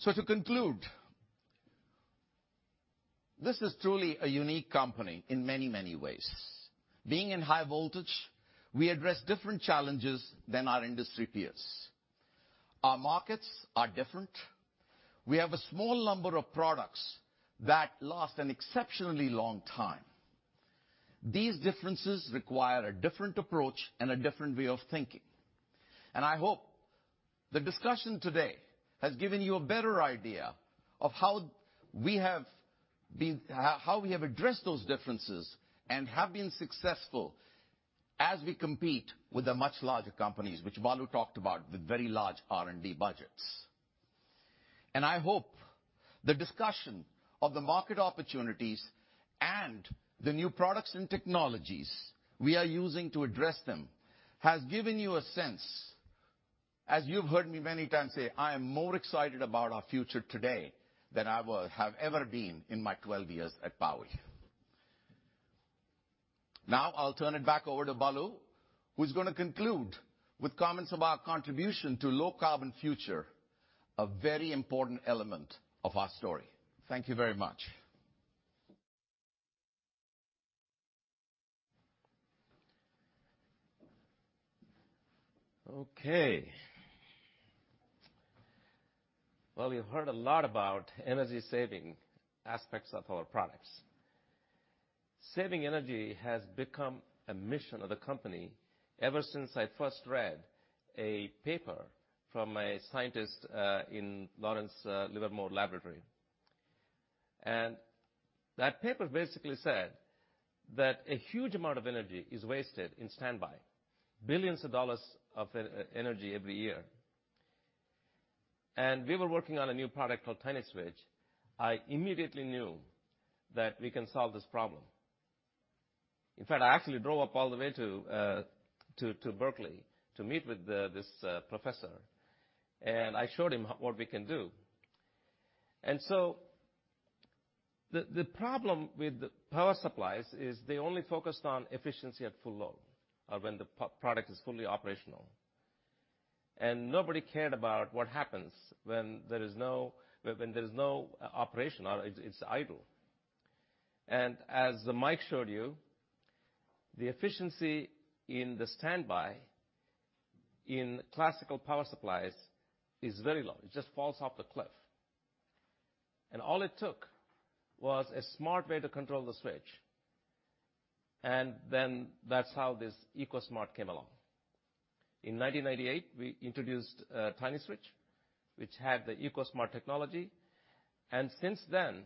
To conclude, this is truly a unique company in many, many ways. Being in high voltage, we address different challenges than our industry peers. Our markets are different. We have a small number of products that last an exceptionally long time. These differences require a different approach and a different way of thinking. I hope the discussion today has given you a better idea of how we have addressed those differences and have been successful. As we compete with the much larger companies, which Balu talked about, with very large R&D budgets. I hope the discussion of the market opportunities and the new products and technologies we are using to address them has given you a sense. As you've heard me many times say, I am more excited about our future today than I have ever been in my 12 years at Powi. Now I'll turn it back over to Balu, who's gonna conclude with comments about contribution to low carbon future, a very important element of our story. Thank you very much. Okay. Well, you heard a lot about energy saving aspects of our products. Saving energy has become a mission of the company ever since I first read a paper from a scientist in Lawrence Livermore National Laboratory. That paper basically said that a huge amount of energy is wasted in standby, billions of dollars of energy every year. We were working on a new product called TinySwitch. I immediately knew that we can solve this problem. In fact, I actually drove up all the way to Berkeley to meet with this professor, and I showed him what we can do. The problem with power supplies is they only focused on efficiency at full load, or when the product is fully operational. Nobody cared about what happens when there is no operation or it's idle. As Mike showed you, the efficiency in the standby in classical power supplies is very low. It just falls off the cliff. All it took was a smart way to control the switch. That's how this EcoSmart came along. In 1998, we introduced TinySwitch, which had the EcoSmart technology, and since then,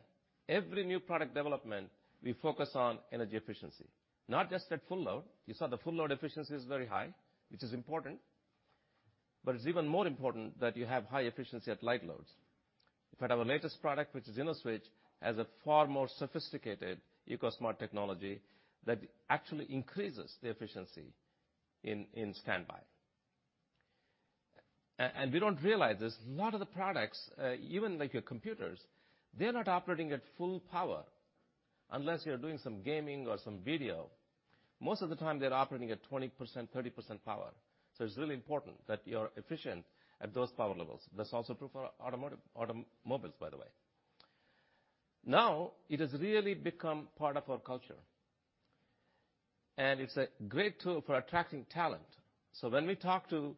every new product development, we focus on energy efficiency. Not just at full load. You saw the full load efficiency is very high, which is important, but it's even more important that you have high efficiency at light loads. In fact, our latest product, which is InnoSwitch, has a far more sophisticated EcoSmart technology that actually increases the efficiency in standby. We don't realize this, a lot of the products, even like your computers, they're not operating at full power unless you're doing some gaming or some video. Most of the time, they're operating at 20%, 30% power. It's really important that you're efficient at those power levels. That's also true for automotive, automobiles, by the way. Now it has really become part of our culture, and it's a great tool for attracting talent. When we talk to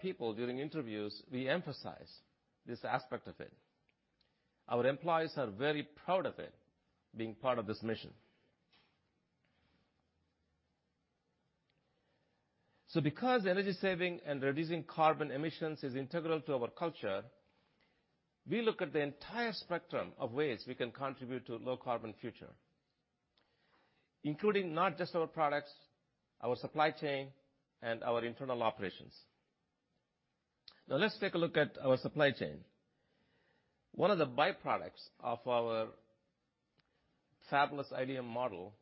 people during interviews, we emphasize this aspect of it. Our employees are very proud of it, being part of this mission. Because energy saving and reducing carbon emissions is integral to our culture, we look at the entire spectrum of ways we can contribute to low carbon future, including not just our products, our supply chain, and our internal operations. Now let's take a look at our supply chain. One of the byproducts of our fabless IDM model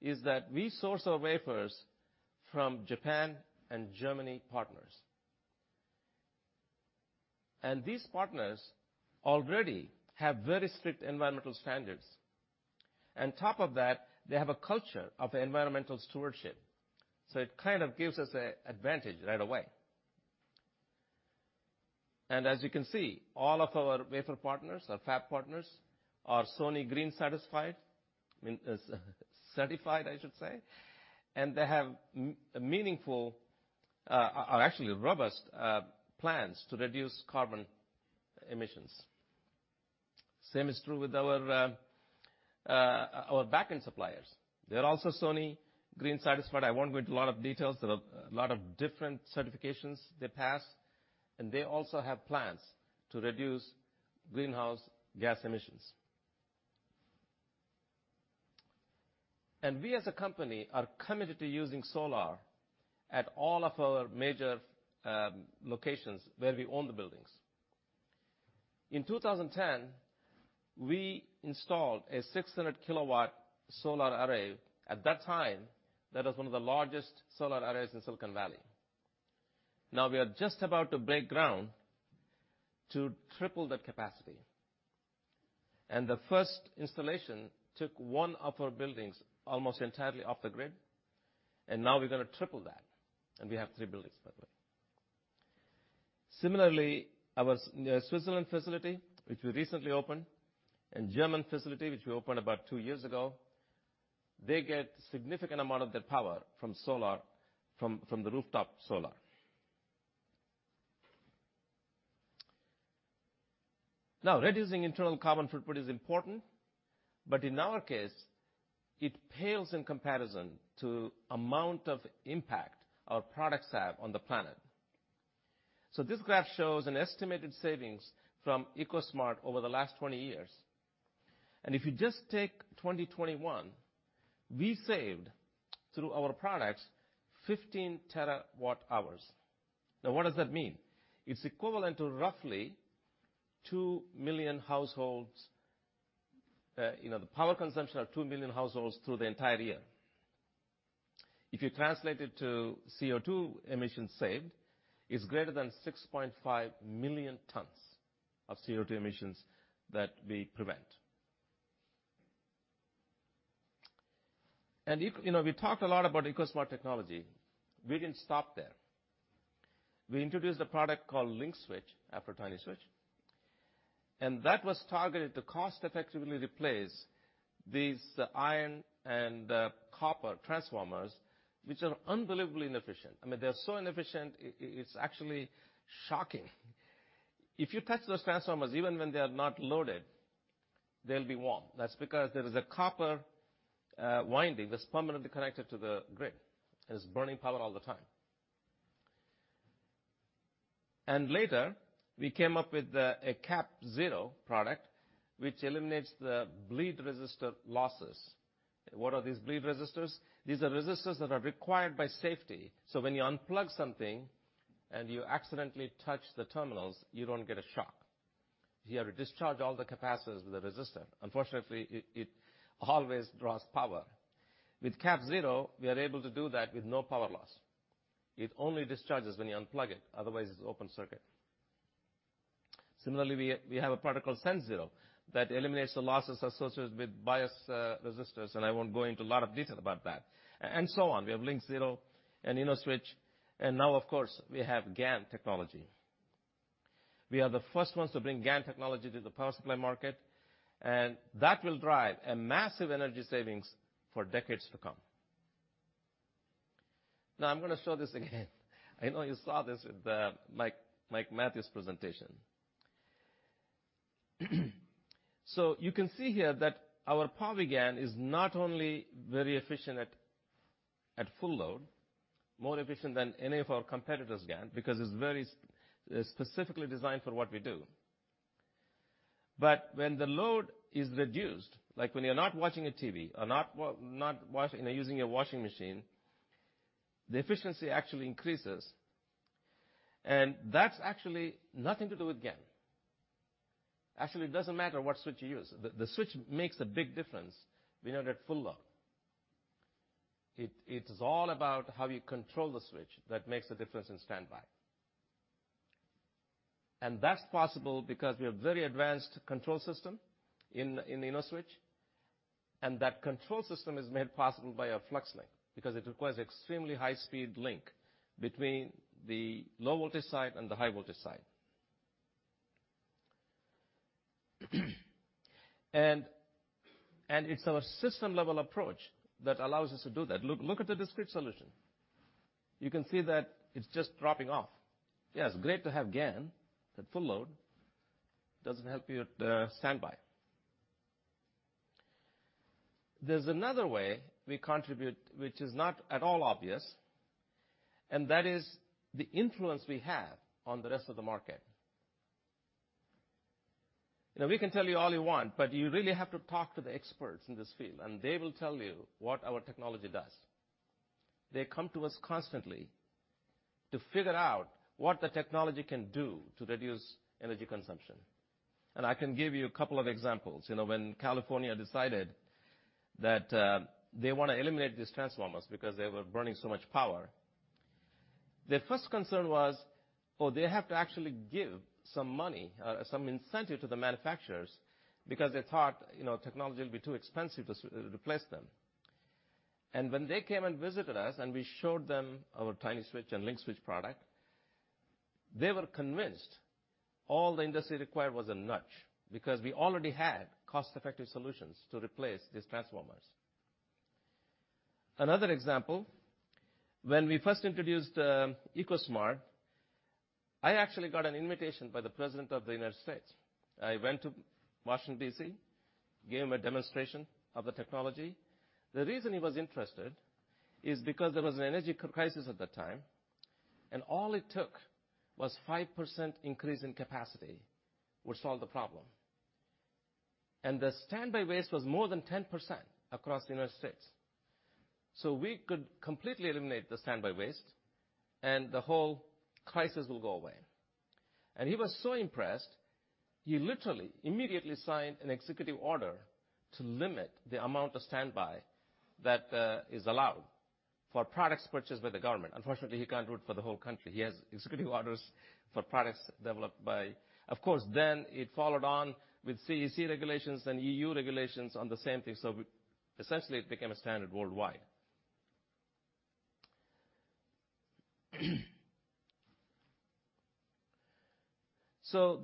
is that we source our wafers from Japanese and German partners. These partners already have very strict environmental standards. On top of that, they have a culture of environmental stewardship, so it kind of gives us an advantage right away. As you can see, all of our wafer partners or fab partners are Sony Green certified. I mean, certified, I should say. They have meaningful or actually robust plans to reduce carbon emissions. Same is true with our backend suppliers. They're also Sony Green certified. I won't go into a lot of details. There are a lot of different certifications they pass, and they also have plans to reduce greenhouse gas emissions. We as a company are committed to using solar at all of our major locations where we own the buildings. In 2010, we installed a 600 kW solar array. At that time, that was one of the largest solar arrays in Silicon Valley. Now we are just about to break ground to triple that capacity. The first installation took one of our buildings almost entirely off the grid, and now we're gonna triple that. We have three buildings, by the way. Similarly, our Switzerland facility, which we recently opened, and German facility, which we opened about 2 years ago, they get significant amount of their power from solar, from the rooftop solar. Now, reducing internal carbon footprint is important, but in our case, it pales in comparison to amount of impact our products have on the planet. This graph shows an estimated savings from EcoSmart over the last 20 years. If you just take 2021, we saved through our products 15 TWh. Now, what does that mean? It's equivalent to roughly 2 million households, you know, the power consumption of 2 million households through the entire year. If you translate it to CO₂ emissions saved, it's greater than 6.5 million tons of CO₂ emissions that we prevent. You know, we talked a lot about EcoSmart technology. We didn't stop there. We introduced a product called LinkSwitch after TinySwitch. That was targeted to cost effectively replace these iron and copper transformers, which are unbelievably inefficient. I mean, they're so inefficient it's actually shocking. If you touch those transformers, even when they are not loaded, they'll be warm. That's because there is a copper winding that's permanently connected to the grid, and it's burning power all the time. Later, we came up with a CAPZero product, which eliminates the bleed resistor losses. What are these bleed resistors? These are resistors that are required by safety, so when you unplug something and you accidentally touch the terminals, you don't get a shock. You have to discharge all the capacitors with a resistor. Unfortunately, it always draws power. With CAPZero, we are able to do that with no power loss. It only discharges when you unplug it, otherwise it's open circuit. Similarly, we have a product called SENZero that eliminates the losses associated with bias resistors, and I won't go into a lot of detail about that, and so on. We have LinkZero and InnoSwitch, and now of course, we have GaN technology. We are the first ones to bring GaN technology to the power supply market, and that will drive a massive energy savings for decades to come. Now I'm gonna show this again. I know you saw this with Mike Matthews' presentation. You can see here that our PowiGaN is not only very efficient at full load, more efficient than any of our competitors' GaN because it's very specifically designed for what we do. When the load is reduced, like when you're not watching a TV or not washing you know, using your washing machine, the efficiency actually increases, and that's actually nothing to do with GaN. Actually, it doesn't matter what switch you use. The switch makes a big difference, you know, at full load. It is all about how you control the switch that makes a difference in standby. That's possible because we have very advanced control system in InnoSwitch, and that control system is made possible by our FluxLink, because it requires extremely high speed link between the low voltage side and the high voltage side. It's our system level approach that allows us to do that. Look at the discrete solution. You can see that it's just dropping off. Yes, great to have GaN at full load. Doesn't help you at standby. There's another way we contribute, which is not at all obvious, and that is the influence we have on the rest of the market. Now, we can tell you all you want, but you really have to talk to the experts in this field, and they will tell you what our technology does. They come to us constantly to figure out what the technology can do to reduce energy consumption. I can give you a couple of examples. You know, when California decided that they wanna eliminate these transformers because they were burning so much power, their first concern was, oh, they have to actually give some money, some incentive to the manufacturers because they thought, you know, technology will be too expensive to replace them. When they came and visited us, and we showed them our TinySwitch and LinkSwitch product, they were convinced all the industry required was a nudge because we already had cost-effective solutions to replace these transformers. Another example, when we first introduced EcoSmart, I actually got an invitation by the President of the United States. I went to Washington, D.C., gave him a demonstration of the technology. The reason he was interested is because there was an energy crisis at that time, and all it took was 5% increase in capacity would solve the problem. The standby waste was more than 10% across the United States. We could completely eliminate the standby waste, and the whole crisis will go away. He was so impressed, he literally immediately signed an executive order to limit the amount of standby that is allowed for products purchased by the government. Unfortunately, he can't do it for the whole country. He has executive orders for products developed by. Of course, it followed on with CEC regulations and EU regulations on the same thing. Essentially it became a standard worldwide.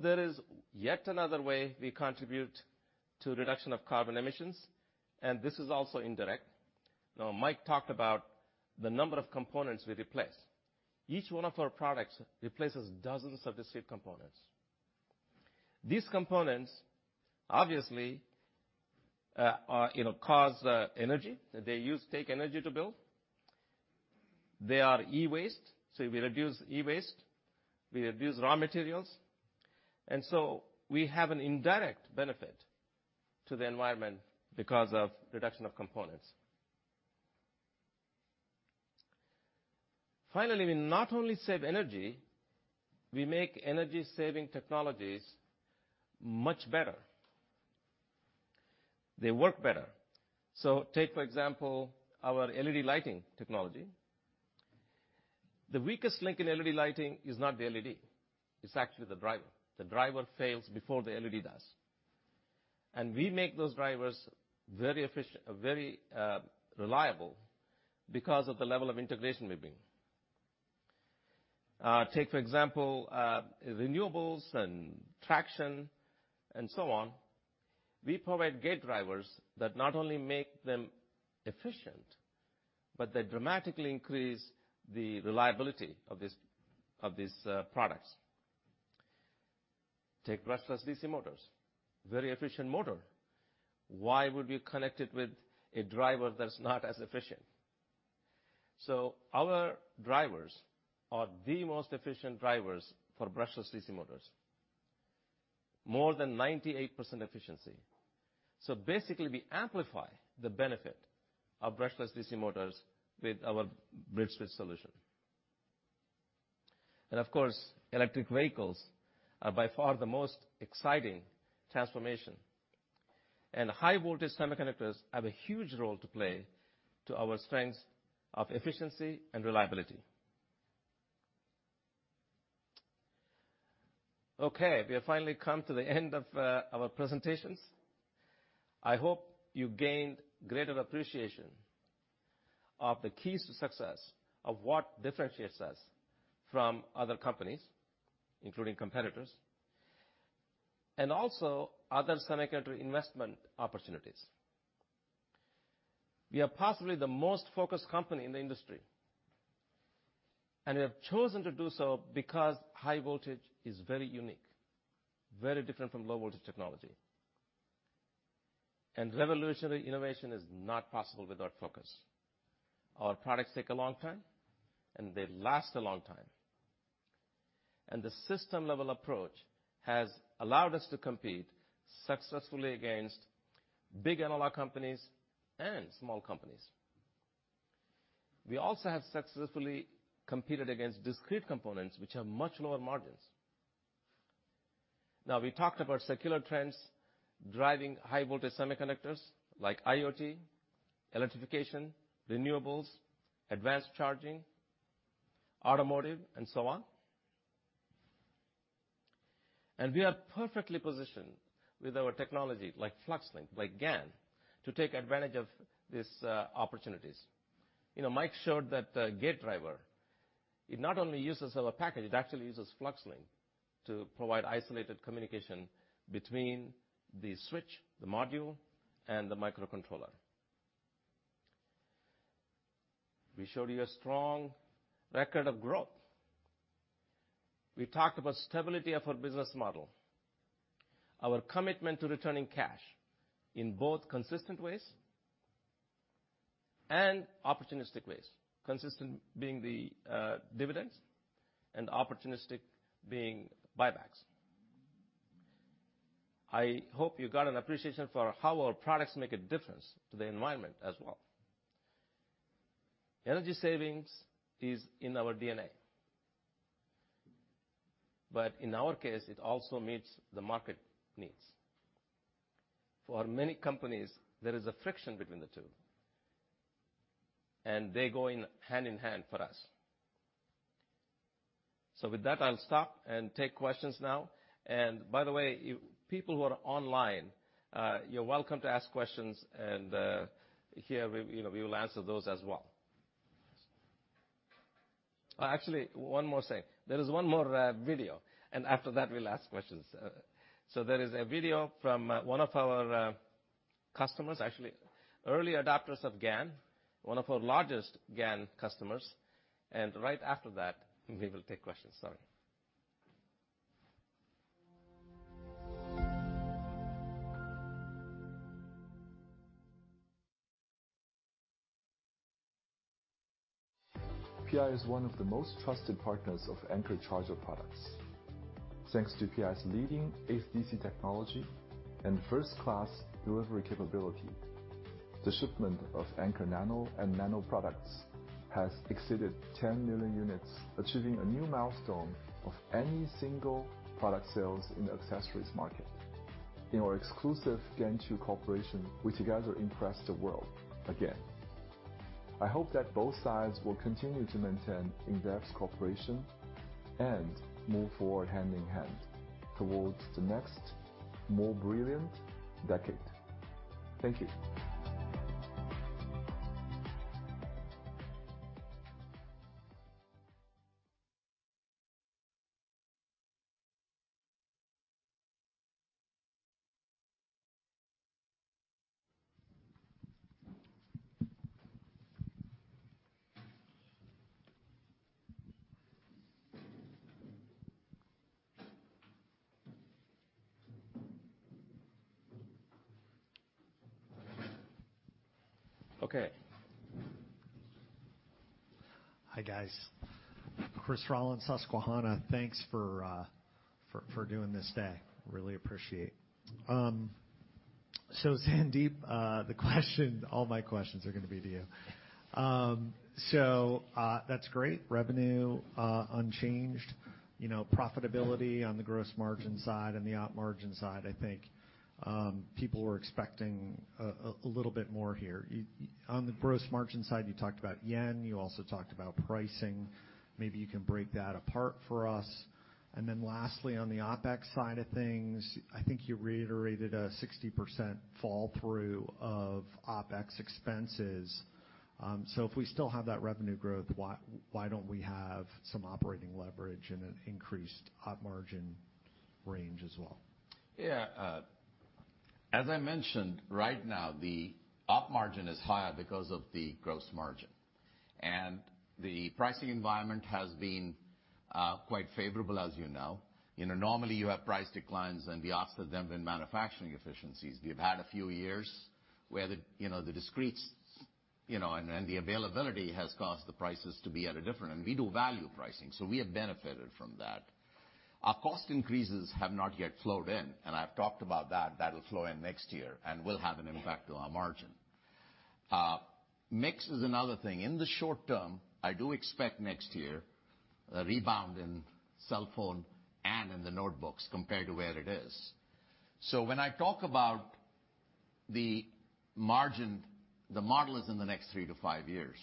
There is yet another way we contribute to reduction of carbon emissions, and this is also indirect. Now, Mike talked about the number of components we replace. Each one of our products replaces dozens of discrete components. These components obviously are, you know, consume energy. They take energy to build. They are e-waste, so we reduce e-waste, we reduce raw materials, and so we have an indirect benefit to the environment because of reduction of components. Finally, we not only save energy, we make energy-saving technologies much better. They work better. Take, for example, our LED lighting technology. The weakest link in LED lighting is not the LED, it's actually the driver. The driver fails before the LED does, and we make those drivers very reliable because of the level of integration we bring. Take for example, renewables and traction and so on. We provide gate drivers that not only make them efficient, but they dramatically increase the reliability of these products. Take brushless DC motors, very efficient motor. Why would you connect it with a driver that's not as efficient? Our drivers are the most efficient drivers for brushless DC motors. More than 98% efficiency. Basically we amplify the benefit of brushless DC motors with our bridge switch solution. Of course, electric vehicles are by far the most exciting transformation, and high voltage semiconductors have a huge role to play to our strengths of efficiency and reliability. Okay, we have finally come to the end of our presentations. I hope you gained greater appreciation of the keys to success, of what differentiates us from other companies, including competitors, and also other semiconductor investment opportunities. We are possibly the most focused company in the industry, and we have chosen to do so because high voltage is very unique, very different from low voltage technology. Revolutionary innovation is not possible without focus. Our products take a long time, and they last a long time. The system-level approach has allowed us to compete successfully against big analog companies and small companies. We also have successfully competed against discrete components, which have much lower margins. Now, we talked about secular trends driving high voltage semiconductors like IoT, electrification, renewables, advanced charging, automotive, and so on. We are perfectly positioned with our technology like FluxLink, like GaN, to take advantage of these, opportunities. You know, Mike showed that the gate driver, it not only uses our package, it actually uses FluxLink to provide isolated communication between the switch, the module, and the microcontroller. We showed you a strong record of growth. We talked about stability of our business model, our commitment to returning cash in both consistent ways and opportunistic ways. Consistent being the dividends and opportunistic being buybacks. I hope you got an appreciation for how our products make a difference to the environment as well. Energy savings is in our DNA, but in our case, it also meets the market needs. For many companies, there is a friction between the two, and they're going hand in hand for us. With that, I'll stop and take questions now. By the way, you people who are online, you're welcome to ask questions and here we, you know, we will answer those as well. Actually one more thing. There is one more video and after that we'll ask questions. There is a video from one of our customers, actually early adopters of GaN, one of our largest GaN customers. Right after that we will take questions. Sorry. PI is one of the most trusted partners of Anker charger products. Thanks to PI's leading AC/DC technology and first-class delivery capability, the shipment of Anker Nano and Nano products has exceeded 10 million units, achieving a new milestone of any single product sales in the accessories market. In our exclusive Gen 2 cooperation, we together impress the world again. I hope that both sides will continue to maintain in-depth cooperation and move forward hand in hand towards the next more brilliant decade. Thank you. Okay. Hi, guys. Christopher Rolland, Susquehanna. Thanks for doing this day. Really appreciate. So Sandeep, all my questions are gonna be to you. So that's great. Revenue unchanged. You know, profitability on the gross margin side and the op margin side, I think people were expecting a little bit more here. On the gross margin side, you talked about yen, you also talked about pricing. Maybe you can break that apart for us. Then lastly, on the OpEx side of things, I think you reiterated a 60% flow-through of OpEx expenses. If we still have that revenue growth, why don't we have some operating leverage and an increased op margin range as well? Yeah. As I mentioned, right now, the op margin is higher because of the gross margin. The pricing environment has been quite favorable, as you know. You know, normally you have price declines and to offset them in manufacturing efficiencies. We have had a few years where the discretes and the availability has caused the prices to be at a different. We do value pricing, so we have benefited from that. Our cost increases have not yet flowed in, and I've talked about that. That'll flow in next year and will have an impact on our margin. Mix is another thing. In the short term, I do expect next year a rebound in cell phone and in the notebooks compared to where it is. When I talk about the margin, the model is in the three to five years.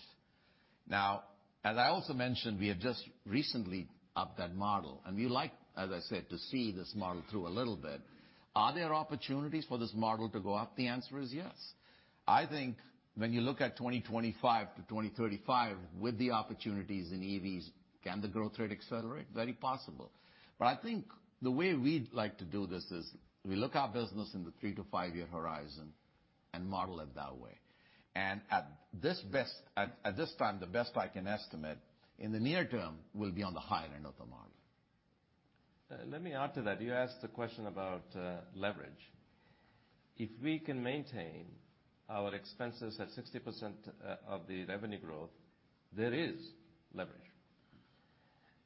now, as I also mentioned, we have just recently upped that model, and we like, as I said, to see this model through a little bit. Are there opportunities for this model to go up? The answer is yes. I think when you look at 2025-2035, with the opportunities in EVs, can the growth rate accelerate? Very possible. But I think the way we'd like to do this is we look at our business in the three-to-five-year horizon and model it that way. At its best, at this time, the best I can estimate in the near term will be on the higher end of the model. Let me add to that. You asked the question about leverage. If we can maintain our expenses at 60% of the revenue growth, there is leverage.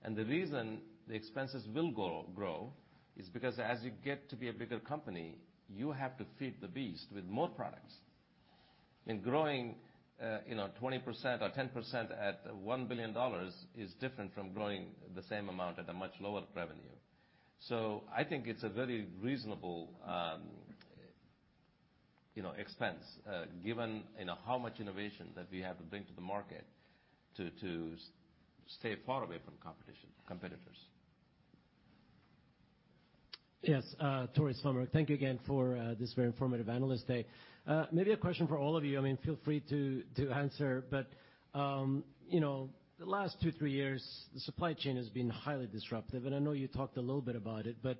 The reason the expenses will grow is because as you get to be a bigger company, you have to feed the beast with more products. In growing, you know, 20% or 10% at $1 billion is different from growing the same amount at a much lower revenue. I think it's a very reasonable, you know, expense, given, you know, how much innovation that we have to bring to the market to stay far away from competition, competitors. Yes. Tore Svanberg. Thank you again for this very informative analyst day. Maybe a question for all of you. I mean, feel free to answer, but you know, the two to three years, the supply chain has been highly disruptive, and I know you talked a little bit about it, but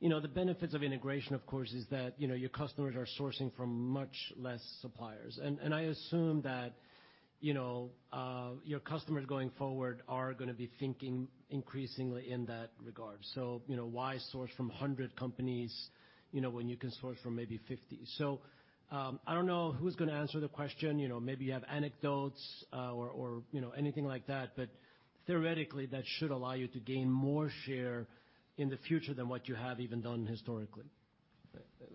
you know, the benefits of integration, of course, is that you know, your customers are sourcing from much less suppliers. And I assume that you know, your customers going forward are gonna be thinking increasingly in that regard. So you know, why source from 100 companies, you know, when you can source from maybe 50? So I don't know who's gonna answer the question. You know, maybe you have anecdotes, or you know, anything like that, but theoretically, that should allow you to gain more share in the future than what you have even done historically.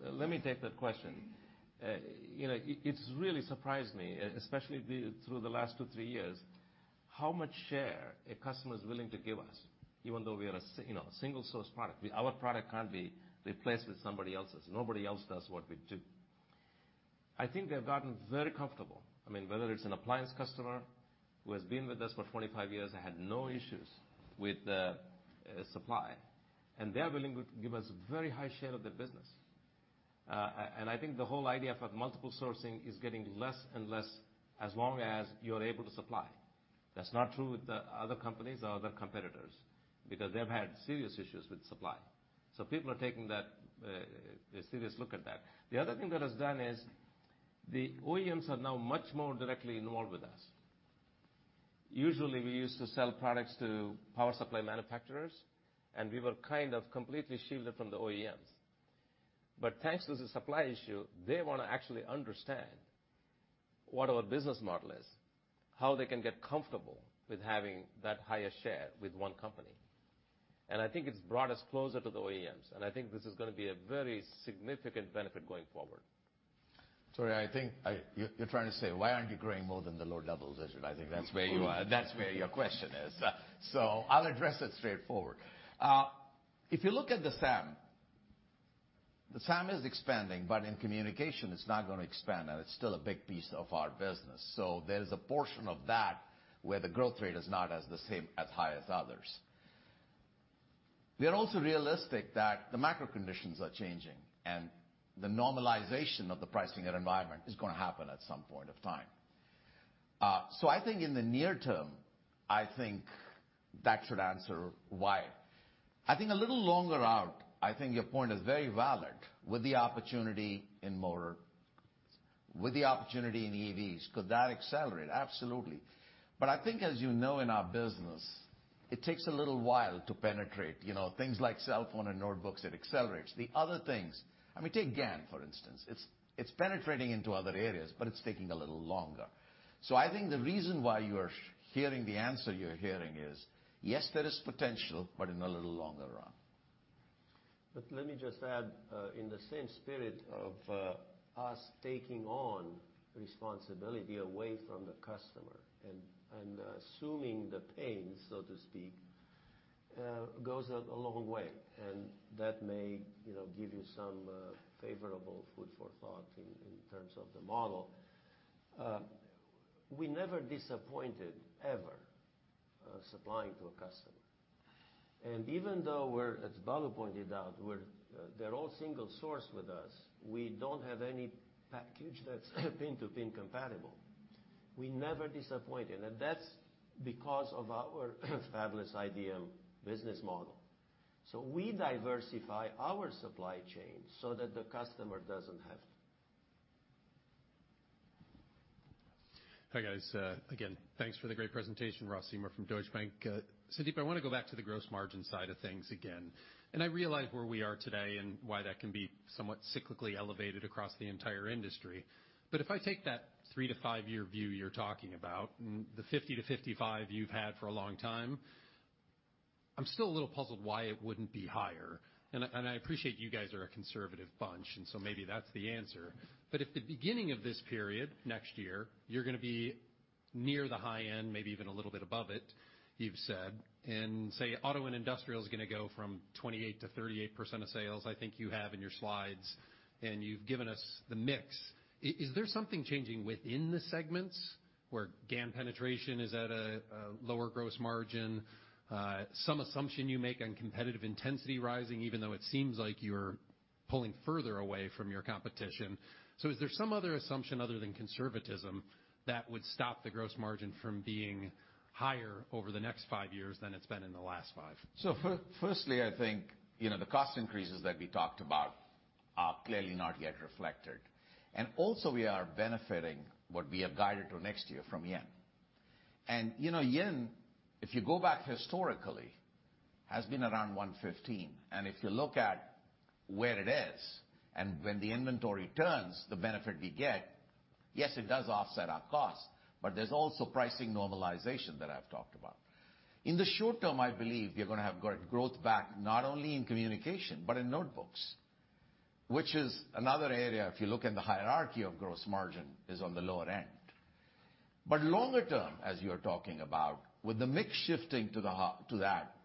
Let me take that question. You know, it's really surprised me, especially through the two to three years, how much share a customer is willing to give us, even though we are a single source product. Our product can't be replaced with somebody else's. Nobody else does what we do. I think they've gotten very comfortable. I mean, whether it's an appliance customer who has been with us for 25 years and had no issues with the supply, and they're willing to give us very high share of their business. I think the whole idea of multiple sourcing is getting less and less as long as you're able to supply. That's not true with the other companies or other competitors, because they've had serious issues with supply. People are taking a serious look at that. The other thing that is done is the OEMs are now much more directly involved with us. Usually, we used to sell products to power supply manufacturers, and we were kind of completely shielded from the OEMs. Thanks to the supply issue, they wanna actually understand what our business model is, how they can get comfortable with having that higher share with one company. I think it's brought us closer to the OEMs, and I think this is gonna be a very significant benefit going forward. You're trying to say, "Why aren't you growing more than the lower levels?" Is it? I think that's where you are. That's where your question is. I'll address it straightforward. If you look at the SAM, the SAM is expanding, but in communication, it's not gonna expand, and it's still a big piece of our business. There is a portion of that where the growth rate is not as the same, as high as others. We are also realistic that the macro conditions are changing and the normalization of the pricing environment is gonna happen at some point of time. I think in the near term, I think that should answer why. I think a little longer out, I think your point is very valid with the opportunity in EVs, could that accelerate? Absolutely. I think as you know in our business, it takes a little while to penetrate, you know, things like cellphone and notebooks, it accelerates. The other things, I mean, take GaN, for instance. It's penetrating into other areas, but it's taking a little longer. I think the reason why you are hearing the answer you're hearing is, yes, there is potential, but in a little longer run. Let me just add, in the same spirit of us taking on responsibility away from the customer and assuming the pain, so to speak, goes a long way. That may, you know, give you some favorable food for thought in terms of the model. We never disappointed, ever, supplying to a customer. Even though we're, as Balu pointed out, they're all single source with us, we don't have any package that's pin-to-pin compatible. We never disappointed, and that's because of our fabless IDM business model. We diversify our supply chain so that the customer doesn't have to. Hi, guys. Again, thanks for the great presentation. Ross Seymore from Deutsche Bank. Sandeep, I wanna go back to the gross margin side of things again. I realize where we are today and why that can be somewhat cyclically elevated across the entire industry. If I take that three- to five-year view you're talking about and the 50%-55% you've had for a long time, I'm still a little puzzled why it wouldn't be higher. I appreciate you guys are a conservative bunch, and so maybe that's the answer. If the beginning of this period, next year, you're gonna be near the high end, maybe even a little bit above it, you've said, and say auto and industrial is gonna go from 28%-38% of sales, I think you have in your slides, and you've given us the mix, is there something changing within the segments where GaN penetration is at a lower gross margin, some assumption you make on competitive intensity rising even though it seems like you're pulling further away from your competition? Is there some other assumption other than conservatism that would stop the gross margin from being higher over the next five years than it's been in the last five? Firstly, I think, you know, the cost increases that we talked about are clearly not yet reflected. Also we are benefiting what we have guided to next year from yen. You know, yen, if you go back historically, has been around 115. If you look at where it is and when the inventory turns, the benefit we get, yes, it does offset our cost, but there's also pricing normalization that I've talked about. In the short term, I believe you're gonna have growth back, not only in communication, but in notebooks, which is another area, if you look in the hierarchy of gross margin, is on the lower end. Longer term, as you're talking about, with the mix shifting to that,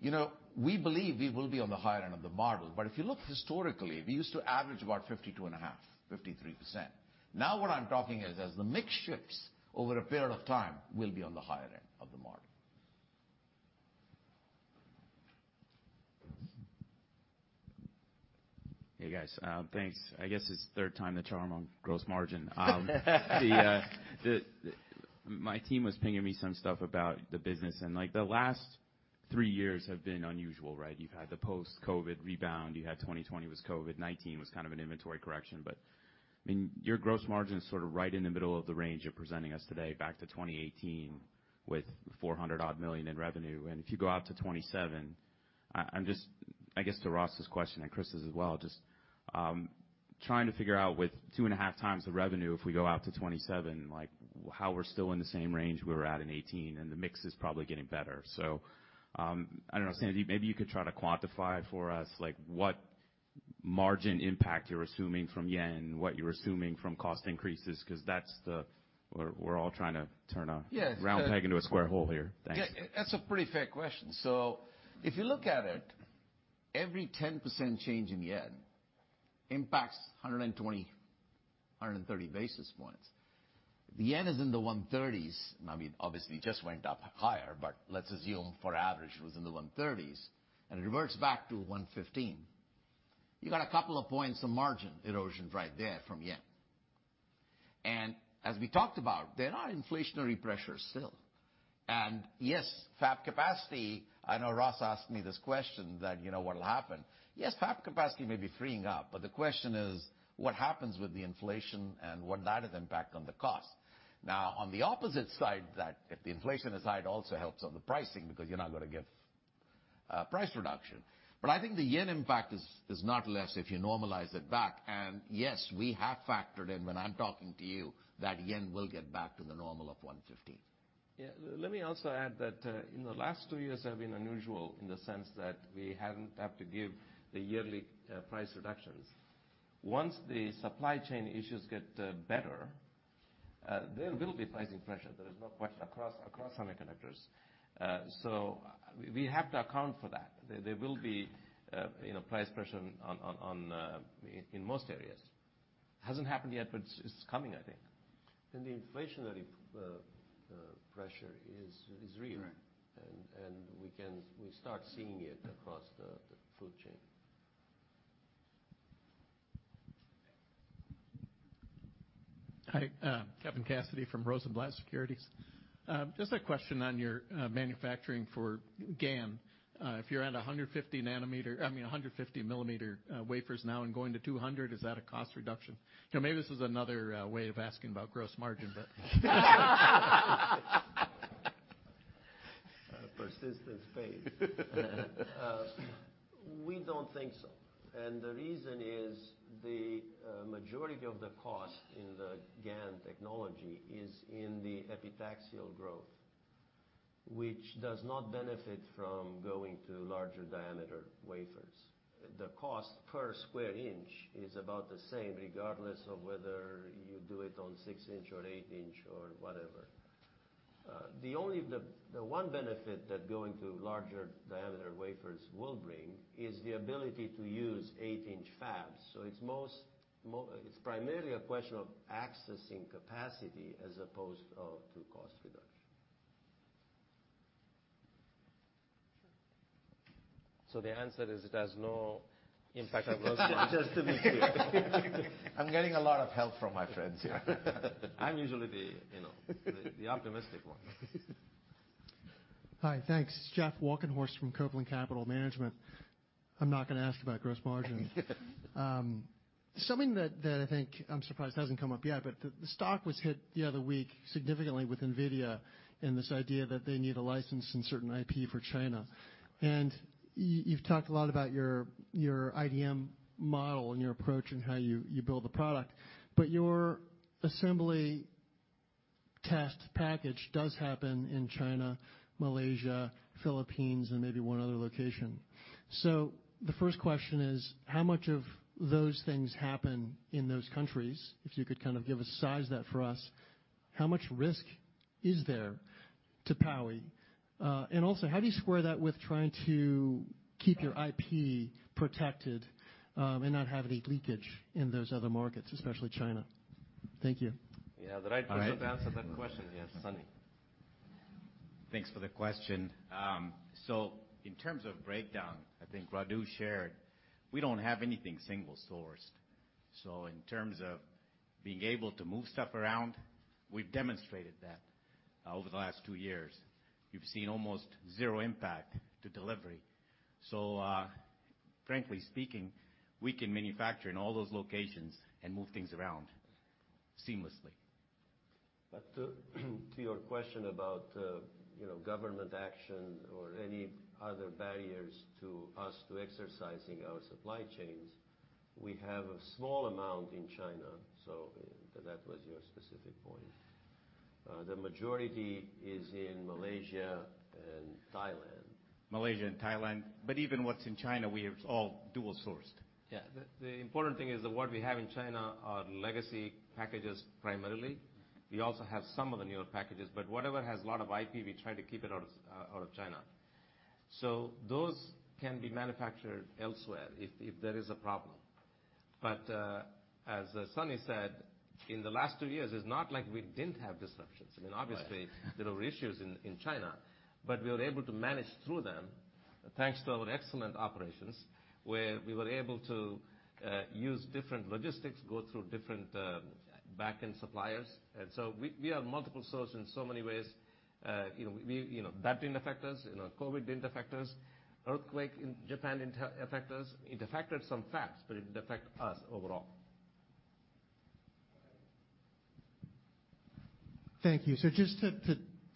you know, we believe we will be on the higher end of the model. If you look historically, we used to average about 52.5%-53%. Now what I'm talking is as the mix shifts over a period of time, we'll be on the higher end of the model. Hey, guys. Thanks. I guess it's third time the charm on gross margin. My team was pinging me some stuff about the business, and like, the last three years have been unusual, right? You've had the post-COVID rebound, you had 2020 was COVID, 2019 was kind of an inventory correction. I mean, your gross margin is sort of right in the middle of the range you're presenting us today back to 2018 with $400-odd million in revenue. If you go out to 2027, I'm just, I guess to Ross's question and Chris's as well, just trying to figure out with 2.5x the revenue if we go out to 2027, like how we're still in the same range we were at in 2018 and the mix is probably getting better. I don't know, Sandeep, maybe you could try to quantify for us, like what margin impact you're assuming from yen, what you're assuming from cost increases, 'cause that's the. We're all trying to turn a- Yes. Round peg into a square hole here. Thanks. Yeah, that's a pretty fair question. If you look at it, every 10% change in yen impacts 120-130 basis points. The yen is in the 130s. I mean, obviously it just went up higher, but let's assume for average it was in the 130s, and it reverts back to 115. You got a couple of points of margin erosion right there from yen. As we talked about, there are inflationary pressures still. Yes, fab capacity, I know Ross asked me this question that, you know, what'll happen. Yes, fab capacity may be freeing up, but the question is what happens with the inflation and what that has impact on the cost. Now, on the opposite side, that if the inflation aside also helps on the pricing because you're not gonna give price reduction. I think the yen impact is not less if you normalize it back. Yes, we have factored in when I'm talking to you that yen will get back to the normal of 115. Let me also add that in the last two years have been unusual in the sense that we haven't had to give the yearly price reductions. Once the supply chain issues get better, there will be pricing pressure, there is no question, across semiconductors. We have to account for that. There will be, you know, price pressure on in most areas. Hasn't happened yet, but it's coming, I think. The inflationary pressure is real. Right. We start seeing it across the food chain. Hi, Kevin Cassidy from Rosenblatt Securities. Just a question on your manufacturing for GaN. If you're at 150 mm wafers now and going to 200, is that a cost reduction? You know, maybe this is another way of asking about gross margin, but Persistence pays. We don't think so. The reason is, the majority of the cost in the GaN technology is in the epitaxial growth, which does not benefit from going to larger diameter wafers. The cost per square inch is about the same, regardless of whether you do it on 6-inch or 8-inch or whatever. The one benefit that going to larger diameter wafers will bring is the ability to use 8-inch fabs. It's primarily a question of accessing capacity as opposed to cost reduction. Sure. The answer is, it has no impact on gross margin. Just to be clear. I'm getting a lot of help from my friends here. I'm usually the, you know, the optimistic one. Hi. Thanks. Jeff Walkenhorst from Copeland Capital Management. I'm not gonna ask about gross margin. Something that I think I'm surprised hasn't come up yet, but the stock was hit the other week significantly with NVIDIA and this idea that they need a license and certain IP for China. You've talked a lot about your IDM model and your approach and how you build a product, but your assembly test package does happen in China, Malaysia, Philippines, and maybe one other location. The first question is, how much of those things happen in those countries? If you could kind of give a size of that for us. How much risk is there to Powi? And also, how do you square that with trying to keep your IP protected, and not have any leakage in those other markets, especially China? Thank you. You have the right person to answer that question. Yes, Sunny. Thanks for the question. In terms of breakdown, I think Radu shared, we don't have anything single sourced. In terms of being able to move stuff around, we've demonstrated that over the last two years. You've seen almost zero impact to delivery. Frankly speaking, we can manufacture in all those locations and move things around seamlessly. To your question about you know government action or any other barriers to us exercising our supply chains, we have a small amount in China. That was your specific point. The majority is in Malaysia and Thailand. Malaysia and Thailand. Even what's in China, we have all dual sourced. Yeah. The important thing is that what we have in China are legacy packages primarily. We also have some of the newer packages, but whatever has a lot of IP, we try to keep it out of China. So those can be manufactured elsewhere if there is a problem. As Sunny said, in the last two years, it's not like we didn't have disruptions. I mean, obviously. Right. There were issues in China, but we were able to manage through them, thanks to our excellent operations, where we were able to use different logistics, go through different backend suppliers. We are multiple source in so many ways. You know, we you know, that didn't affect us. You know, COVID didn't affect us. Earthquake in Japan didn't affect us. It affected some fabs, but it didn't affect us overall. Thank you. Just to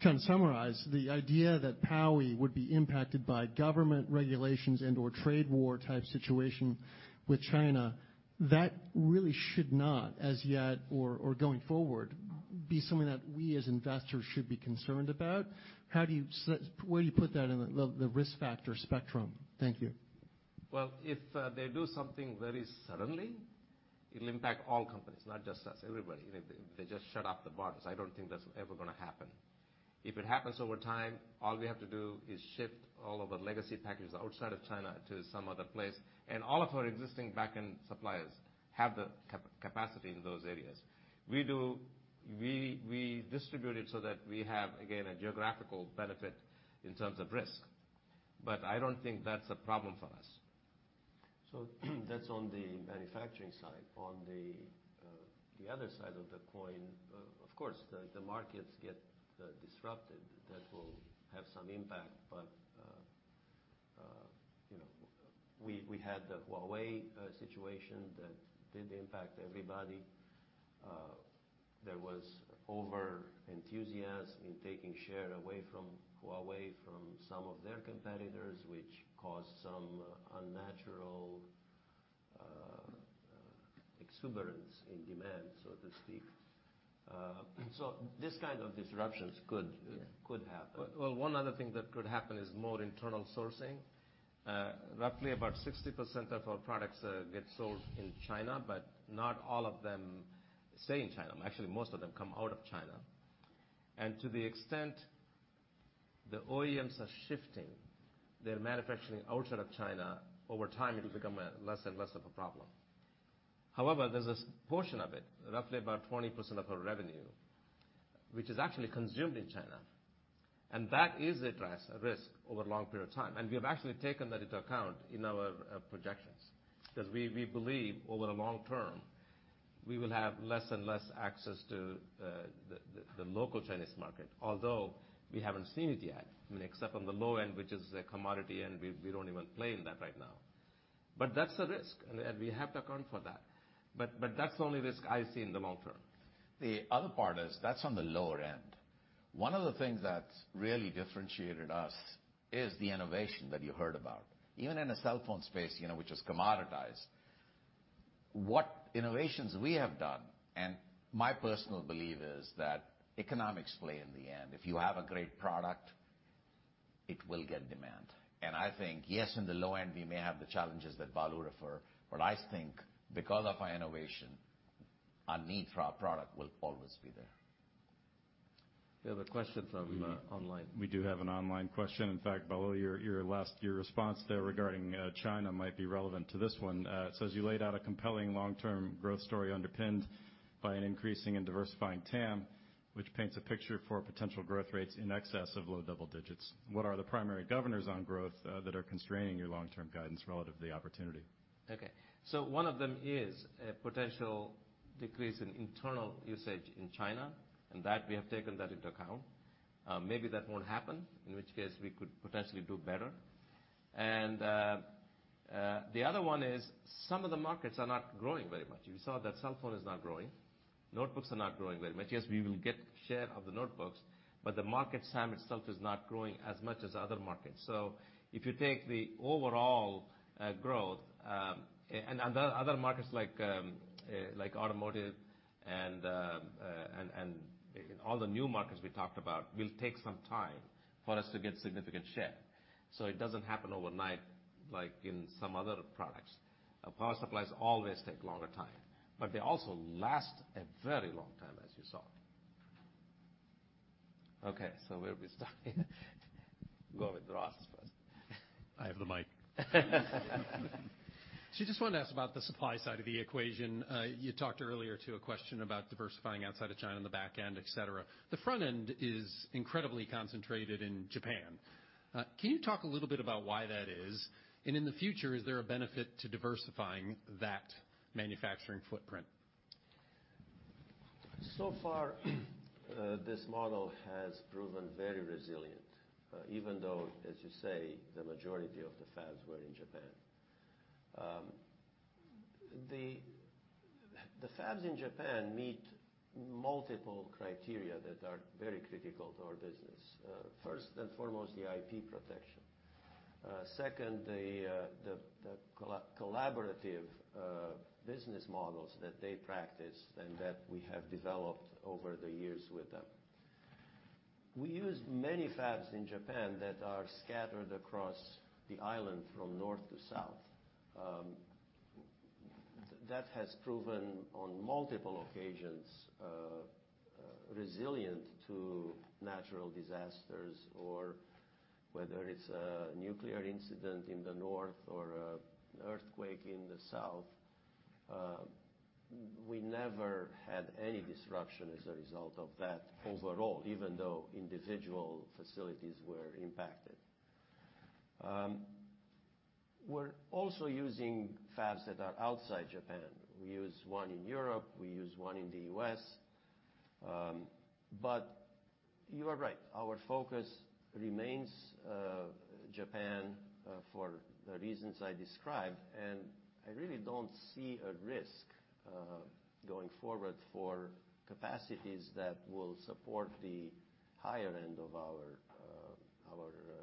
try and summarize, the idea that Powi would be impacted by government regulations and/or trade war type situation with China, that really should not, as yet or going forward, be something that we as investors should be concerned about. Where do you put that in the risk factor spectrum? Thank you. Well, if they do something very suddenly, it'll impact all companies, not just us. Everybody. They just shut off the borders. I don't think that's ever gonna happen. If it happens over time, all we have to do is shift all of our legacy packages outside of China to some other place, and all of our existing backend suppliers have the capacity in those areas. We distribute it so that we have, again, a geographical benefit in terms of risk. But I don't think that's a problem for us. So that's on the manufacturing side. On the other side of the coin, of course, the markets get disrupted, that will have some impact. But you know, we had the Huawei situation that did impact everybody. There was over-enthusiasm in taking share away from Huawei from some of their competitors, which caused some unnatural exuberance in demand, so to speak. This kind of disruptions could. Yeah. Could happen. Well, one other thing that could happen is more internal sourcing. Roughly about 60% of our products get sold in China, but not all of them stay in China. Actually, most of them come out of China. To the extent the OEMs are shifting their manufacturing outside of China, over time, it'll become a less and less of a problem. However, there's a portion of it, roughly about 20% of our revenue. Which is actually consumed in China. That is a risk over a long period of time, and we have actually taken that into account in our projections. 'Cause we believe over the long term, we will have less and less access to the local Chinese market. Although we haven't seen it yet, I mean, except on the low end, which is a commodity, and we don't even play in that right now. That's a risk, and we have to account for that. That's the only risk I see in the long term. The other part is that's on the lower end. One of the things that's really differentiated us is the innovation that you heard about. Even in a cell phone space, you know, which is commoditized, what innovations we have done, and my personal belief is that economics play in the end. If you have a great product, it will get demand. I think, yes, in the low end, we may have the challenges that Balu refer, but I think because of our innovation, a need for our product will always be there. We have a question from online. We do have an online question. In fact, Balu, your last response there regarding China might be relevant to this one. It says you laid out a compelling long-term growth story underpinned by an increasing and diversifying TAM, which paints a picture for potential growth rates in excess of low double digits. What are the primary governors on growth that are constraining your long-term guidance relative to the opportunity? Okay, one of them is a potential decrease in internal usage in China, and that we have taken that into account. Maybe that won't happen, in which case we could potentially do better. The other one is some of the markets are not growing very much. You saw that cell phone is not growing. Notebooks are not growing very much. Yes, we will get share of the notebooks, but the market TAM itself is not growing as much as other markets. If you take the overall growth and other markets like automotive and all the new markets we talked about will take some time for us to get significant share. It doesn't happen overnight like in some other products. Our power supplies always take longer time, but they also last a very long time, as you saw. Okay, where we start here? Go with Ross first. I have the mic. Just wanted to ask about the supply side of the equation. You talked earlier in response to a question about diversifying outside of China on the back end, et cetera. The front end is incredibly concentrated in Japan. Can you talk a little bit about why that is? In the future, is there a benefit to diversifying that manufacturing footprint? So far, this model has proven very resilient, even though, as you say, the majority of the fabs were in Japan. The fabs in Japan meet multiple criteria that are very critical to our business. First and foremost, the IP protection. Second, the collaborative business models that they practice and that we have developed over the years with them. We use many fabs in Japan that are scattered across the island from north to south. That has proven on multiple occasions resilient to natural disasters or whether it's a nuclear incident in the north or an earthquake in the south. We never had any disruption as a result of that overall, even though individual facilities were impacted. We're also using fabs that are outside Japan. We use one in Europe, we use one in the U.S. You are right, our focus remains Japan, for the reasons I described, and I really don't see a risk going forward for capacities that will support the higher end of our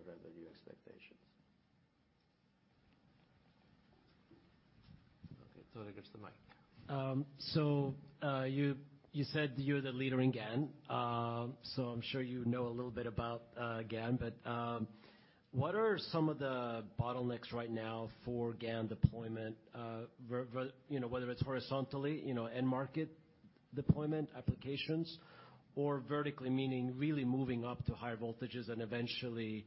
revenue expectations. Okay, who gets the mic? You said you're the leader in GaN, so I'm sure you know a little bit about GaN. What are some of the bottlenecks right now for GaN deployment? You know, whether it's horizontally, you know, end market deployment applications or vertically, meaning really moving up to higher voltages and eventually,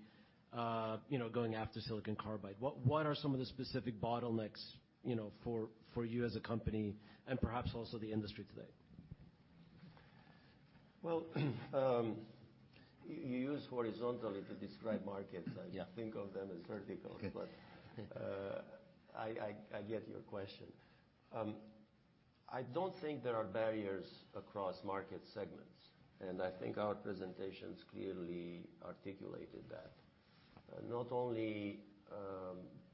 you know, going after silicon carbide. What are some of the specific bottlenecks, you know, for you as a company and perhaps also the industry today? Well, you use horizontally to describe markets. Yeah. I think of them as verticals. Okay. I get your question. I don't think there are barriers across market segments, and I think our presentations clearly articulated that. Not only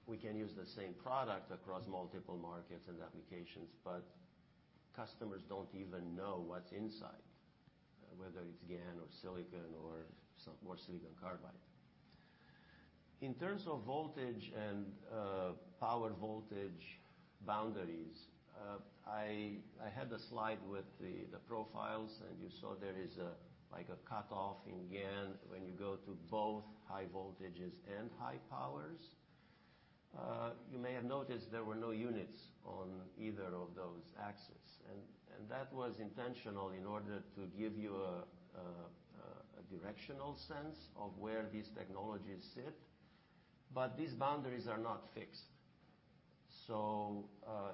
we can use the same product across multiple markets and applications, but customers don't even know what's inside, whether it's GaN or silicon or silicon carbide. In terms of voltage and power voltage boundaries, I had a slide with the profiles, and you saw there is like a cutoff in GaN when you go to both high voltages and high powers. You may have noticed there were no units on either of those axes. That was intentional in order to give you a directional sense of where these technologies sit, but these boundaries are not fixed.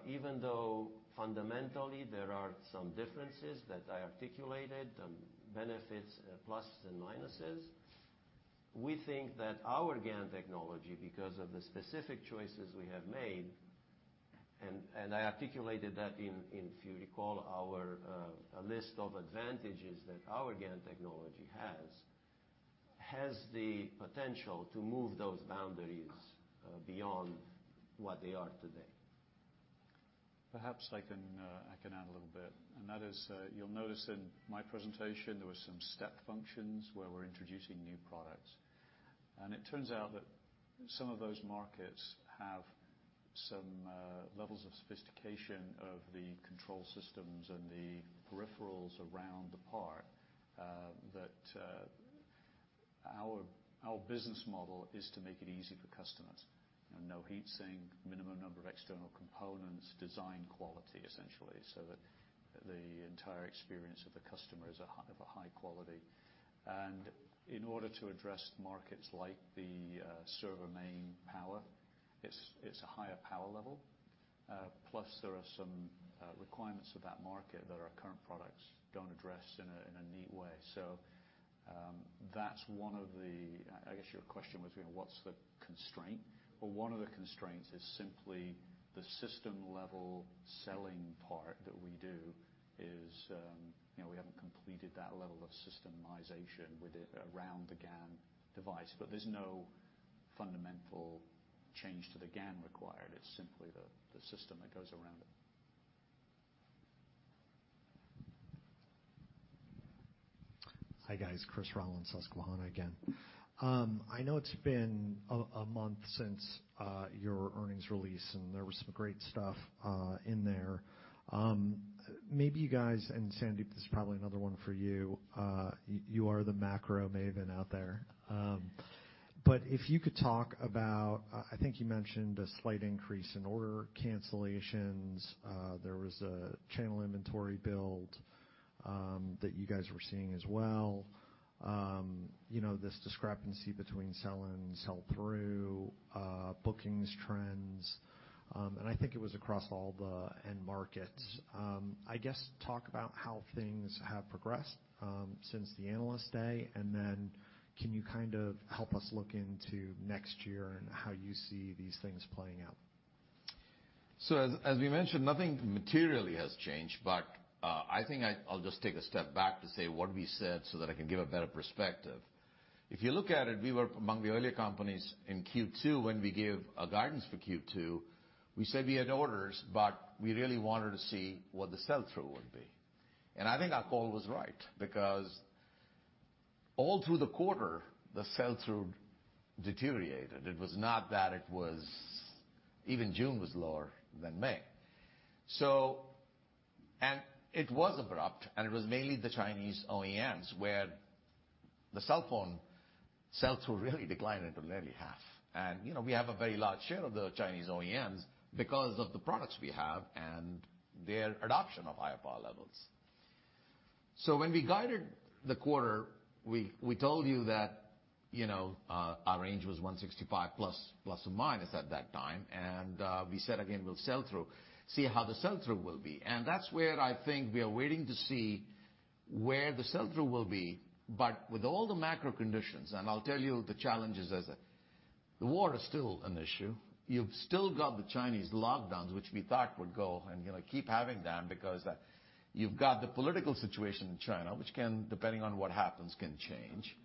Even though fundamentally there are some differences that I articulated, benefits, plus and minuses, we think that our GaN technology, because of the specific choices we have made, and I articulated that in, if you recall our list of advantages that our GaN technology has the potential to move those boundaries beyond what they are today. Perhaps I can add a little bit. That is, you'll notice in my presentation there were some step functions where we're introducing new products. It turns out that some of those markets have some levels of sophistication of the control systems and the peripherals around the part that our business model is to make it easy for customers. No heat sink, minimum number of external components, design quality, essentially, so that the entire experience of the customer is of a high quality. In order to address markets like the server main power, it's a higher power level. Plus, there are some requirements of that market that our current products don't address in a neat way. That's one of the. I guess your question was, you know, what's the constraint? Well, one of the constraints is simply the system-level selling part that we do is, you know, we haven't completed that level of systemization with it around the GaN device. There's no fundamental change to the GaN required. It's simply the system that goes around it. Hi, guys. Chris Rolland, Susquehanna again. I know it's been a month since your earnings release, and there was some great stuff in there. Maybe you guys, and Sandeep, this is probably another one for you. You are the macro maven out there. But if you could talk about, I think you mentioned a slight increase in order cancellations. There was a channel inventory build that you guys were seeing as well. You know, this discrepancy between sell and sell-through, bookings trends. And I think it was across all the end markets. I guess talk about how things have progressed since the Analyst Day, and then can you kind of help us look into next year and how you see these things playing out? As we mentioned, nothing materially has changed. I think I'll just take a step back to say what we said so that I can give a better perspective. If you look at it, we were among the earlier companies in Q2 when we gave a guidance for Q2. We said we had orders, but we really wanted to see what the sell-through would be. I think our call was right, because all through the quarter, the sell-through deteriorated. It was not that it was even June was lower than May. It was abrupt, and it was mainly the Chinese OEMs where the cell phone sell-through really declined into nearly half. You know, we have a very large share of the Chinese OEMs because of the products we have and their adoption of higher power levels. When we guided the quarter, we told you that, you know, our range was $165+ ± at that time. We said again with sell-through, see how the sell-through will be. That's where I think we are waiting to see where the sell-through will be. With all the macro conditions, and I'll tell you the challenges as the war is still an issue. You've still got the Chinese lockdowns, which we thought would go, and you know, keep having them because you've got the political situation in China, which can, depending on what happens, change.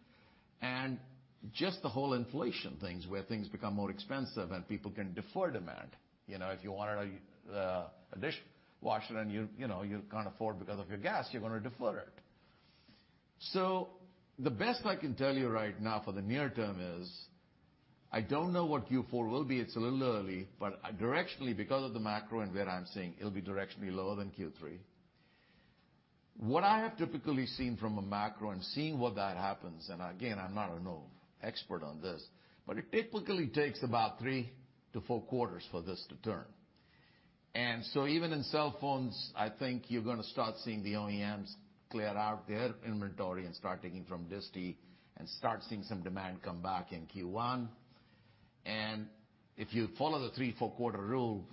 Just the whole inflation things where things become more expensive and people can defer demand. You know, if you wanted a dishwasher and you know, you can't afford because of your gas, you're gonna defer it. The best I can tell you right now for the near term is, I don't know what Q4 will be. It's a little early, but directionally, because of the macro and where I'm seeing, it'll be directionally lower than Q3. What I have typically seen from a macro and seeing what that happens, and again, I'm not a, no expert on this, but it typically takes about three to four quarters for this to turn. Even in cell phones, I think you're gonna start seeing the OEMs clear out their inventory and start taking from distie and start seeing some demand come back in Q1. If you follow the three to four quarter rule,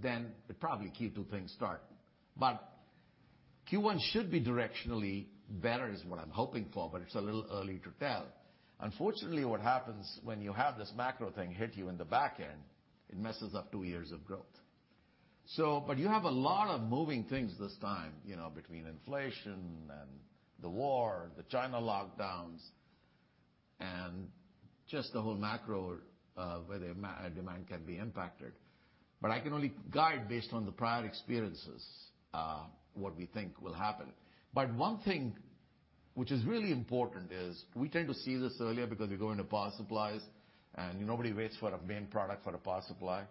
then probably Q2 things start. Q1 should be directionally better, is what I'm hoping for, but it's a little early to tell. Unfortunately, what happens when you have this macro thing hit you in the back end, it messes up two years of growth. You have a lot of moving things this time, you know, between inflation and the war, the China lockdowns, and just the whole macro, where the demand can be impacted. I can only guide based on the prior experiences, what we think will happen. One thing which is really important is we tend to see this earlier because we go into power supplies, and nobody waits for a main product for a power supply.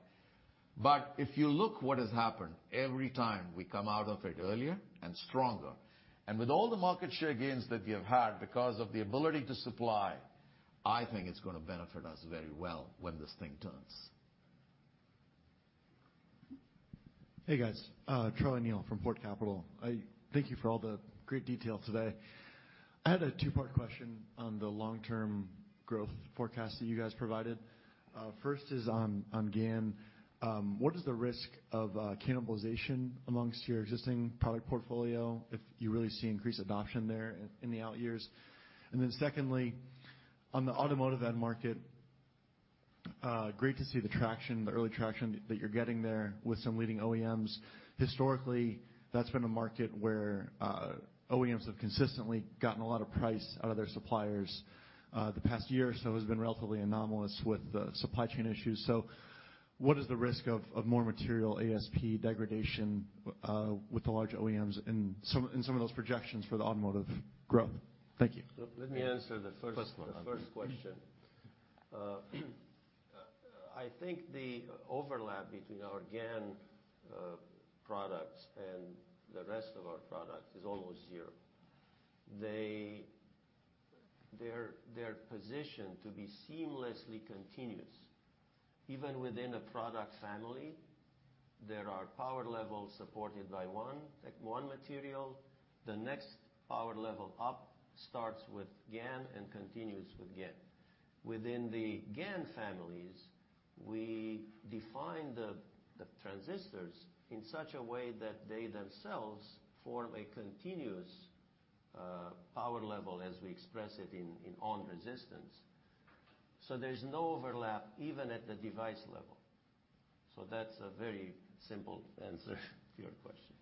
If you look what has happened, every time we come out of it earlier and stronger. With all the market share gains that we have had because of the ability to supply, I think it's gonna benefit us very well when this thing turns. Hey guys, Charlie Neal from Port Capital. I thank you for all the great detail today. I had a two-part question on the long-term growth forecast that you guys provided. First is on GaN. What is the risk of cannibalization among your existing product portfolio if you really see increased adoption there in the out years? Secondly, on the automotive end market, great to see the traction, the early traction that you are getting there with some leading OEMs. Historically, that has been a market where OEMs have consistently gotten a lot of price out of their suppliers. The past year or so has been relatively anomalous with the supply chain issues. What is the risk of more material ASP degradation with the large OEMs and some of those projections for the automotive growth? Thank you. Let me answer the first. First one. The first question. I think the overlap between our GaN products and the rest of our products is almost zero. They're positioned to be seamlessly continuous. Even within a product family, there are power levels supported by one, like one material. The next power level up starts with GaN and continues with GaN. Within the GaN families, we define the transistors in such a way that they themselves form a continuous power level as we express it in on resistance. There's no overlap even at the device level. That's a very simple answer to your question.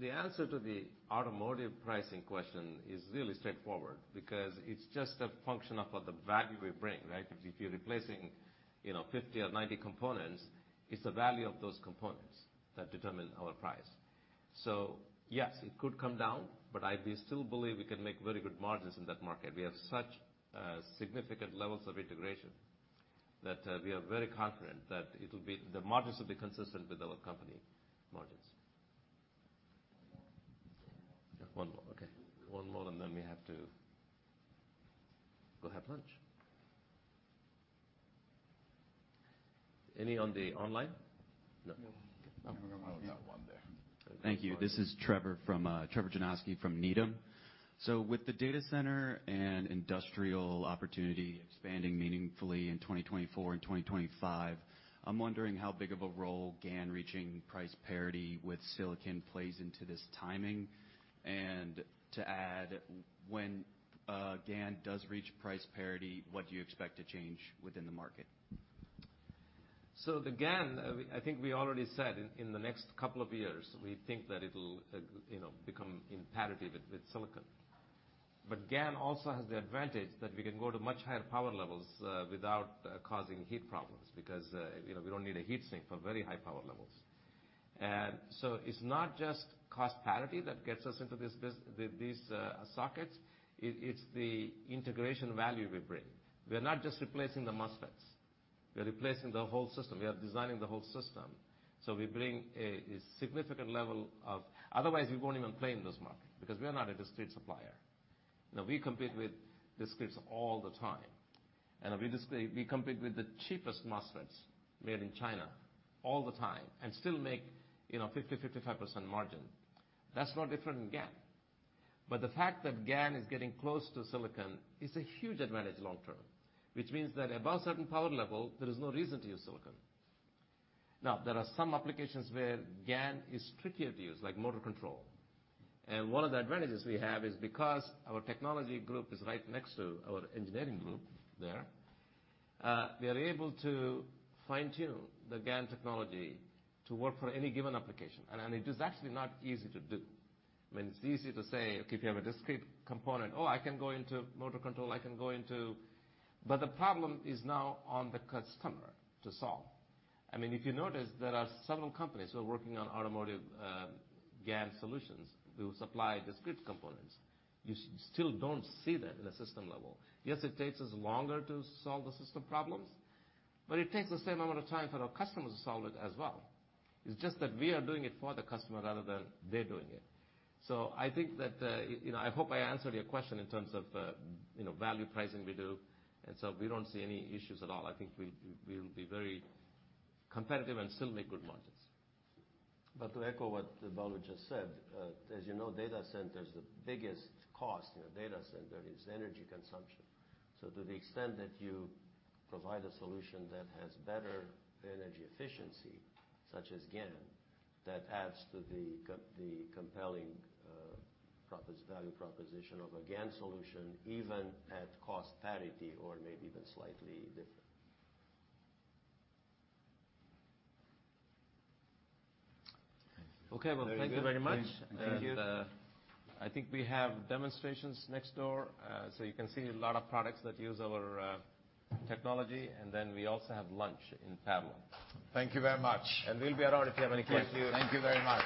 The answer to the automotive pricing question is really straightforward because it's just a function of what the value we bring, right? If you're replacing, you know, 50 or 90 components, it's the value of those components that determine our price. Yes, it could come down, but I still believe we can make very good margins in that market. We have such significant levels of integration that we are very confident that it'll be the margins will be consistent with our company margins. One more. One more. Okay. One more, and then we have to go have lunch. Any online? No. No. No. Oh, we got one there. Thank you. This is Trevor Janoskie from Needham. With the data center and industrial opportunity expanding meaningfully in 2024 and 2025, I'm wondering how big of a role GaN reaching price parity with silicon plays into this timing. To add, when GaN does reach price parity, what do you expect to change within the market? The GaN, I think we already said in the next couple of years, we think that it'll, you know, become in parity with silicon. GaN also has the advantage that we can go to much higher power levels without causing heat problems because, you know, we don't need a heat sink for very high power levels. It's not just cost parity that gets us into these sockets, it's the integration value we bring. We're not just replacing the MOSFETs, we're replacing the whole system. We are designing the whole system. We bring a significant level of integration. Otherwise we won't even play in this market because we are not a discrete supplier. Now we compete with discretes all the time, we compete with the cheapest MOSFETs made in China all the time and still make, you know, 50%-55% margin. That's no different than GaN, but the fact that GaN is getting close to silicon is a huge advantage long term, which means that above certain power level, there is no reason to use silicon. Now, there are some applications where GaN is trickier to use, like motor control. One of the advantages we have is because our technology group is right next to our engineering group there, we are able to fine-tune the GaN technology to work for any given application. It is actually not easy to do. I mean, it's easy to say, okay, if you have a discrete component, oh, I can go into motor control, I can go into The problem is now on the customer to solve. I mean, if you notice there are several companies who are working on automotive GaN solutions who supply discrete components. You still don't see that in a system level. Yes, it takes us longer to solve the system problems, but it takes the same amount of time for our customers to solve it as well. It's just that we are doing it for the customer rather than they doing it. I think that, you know, I hope I answered your question in terms of, you know, value pricing we do, and so we don't see any issues at all. I think we will be very competitive and still make good margins. To echo what Balu just said, as you know, data centers, the biggest cost in a data center is energy consumption. To the extent that you provide a solution that has better energy efficiency, such as GaN, that adds to the compelling value proposition of a GaN solution, even at cost parity or maybe even slightly different. Thank you. Okay. Well, thank you very much. Thank you. I think we have demonstrations next door. You can see a lot of products that use our technology, and then we also have lunch in the pavilion. Thank you very much. We'll be around if you have any questions. Thank you. Thank you very much.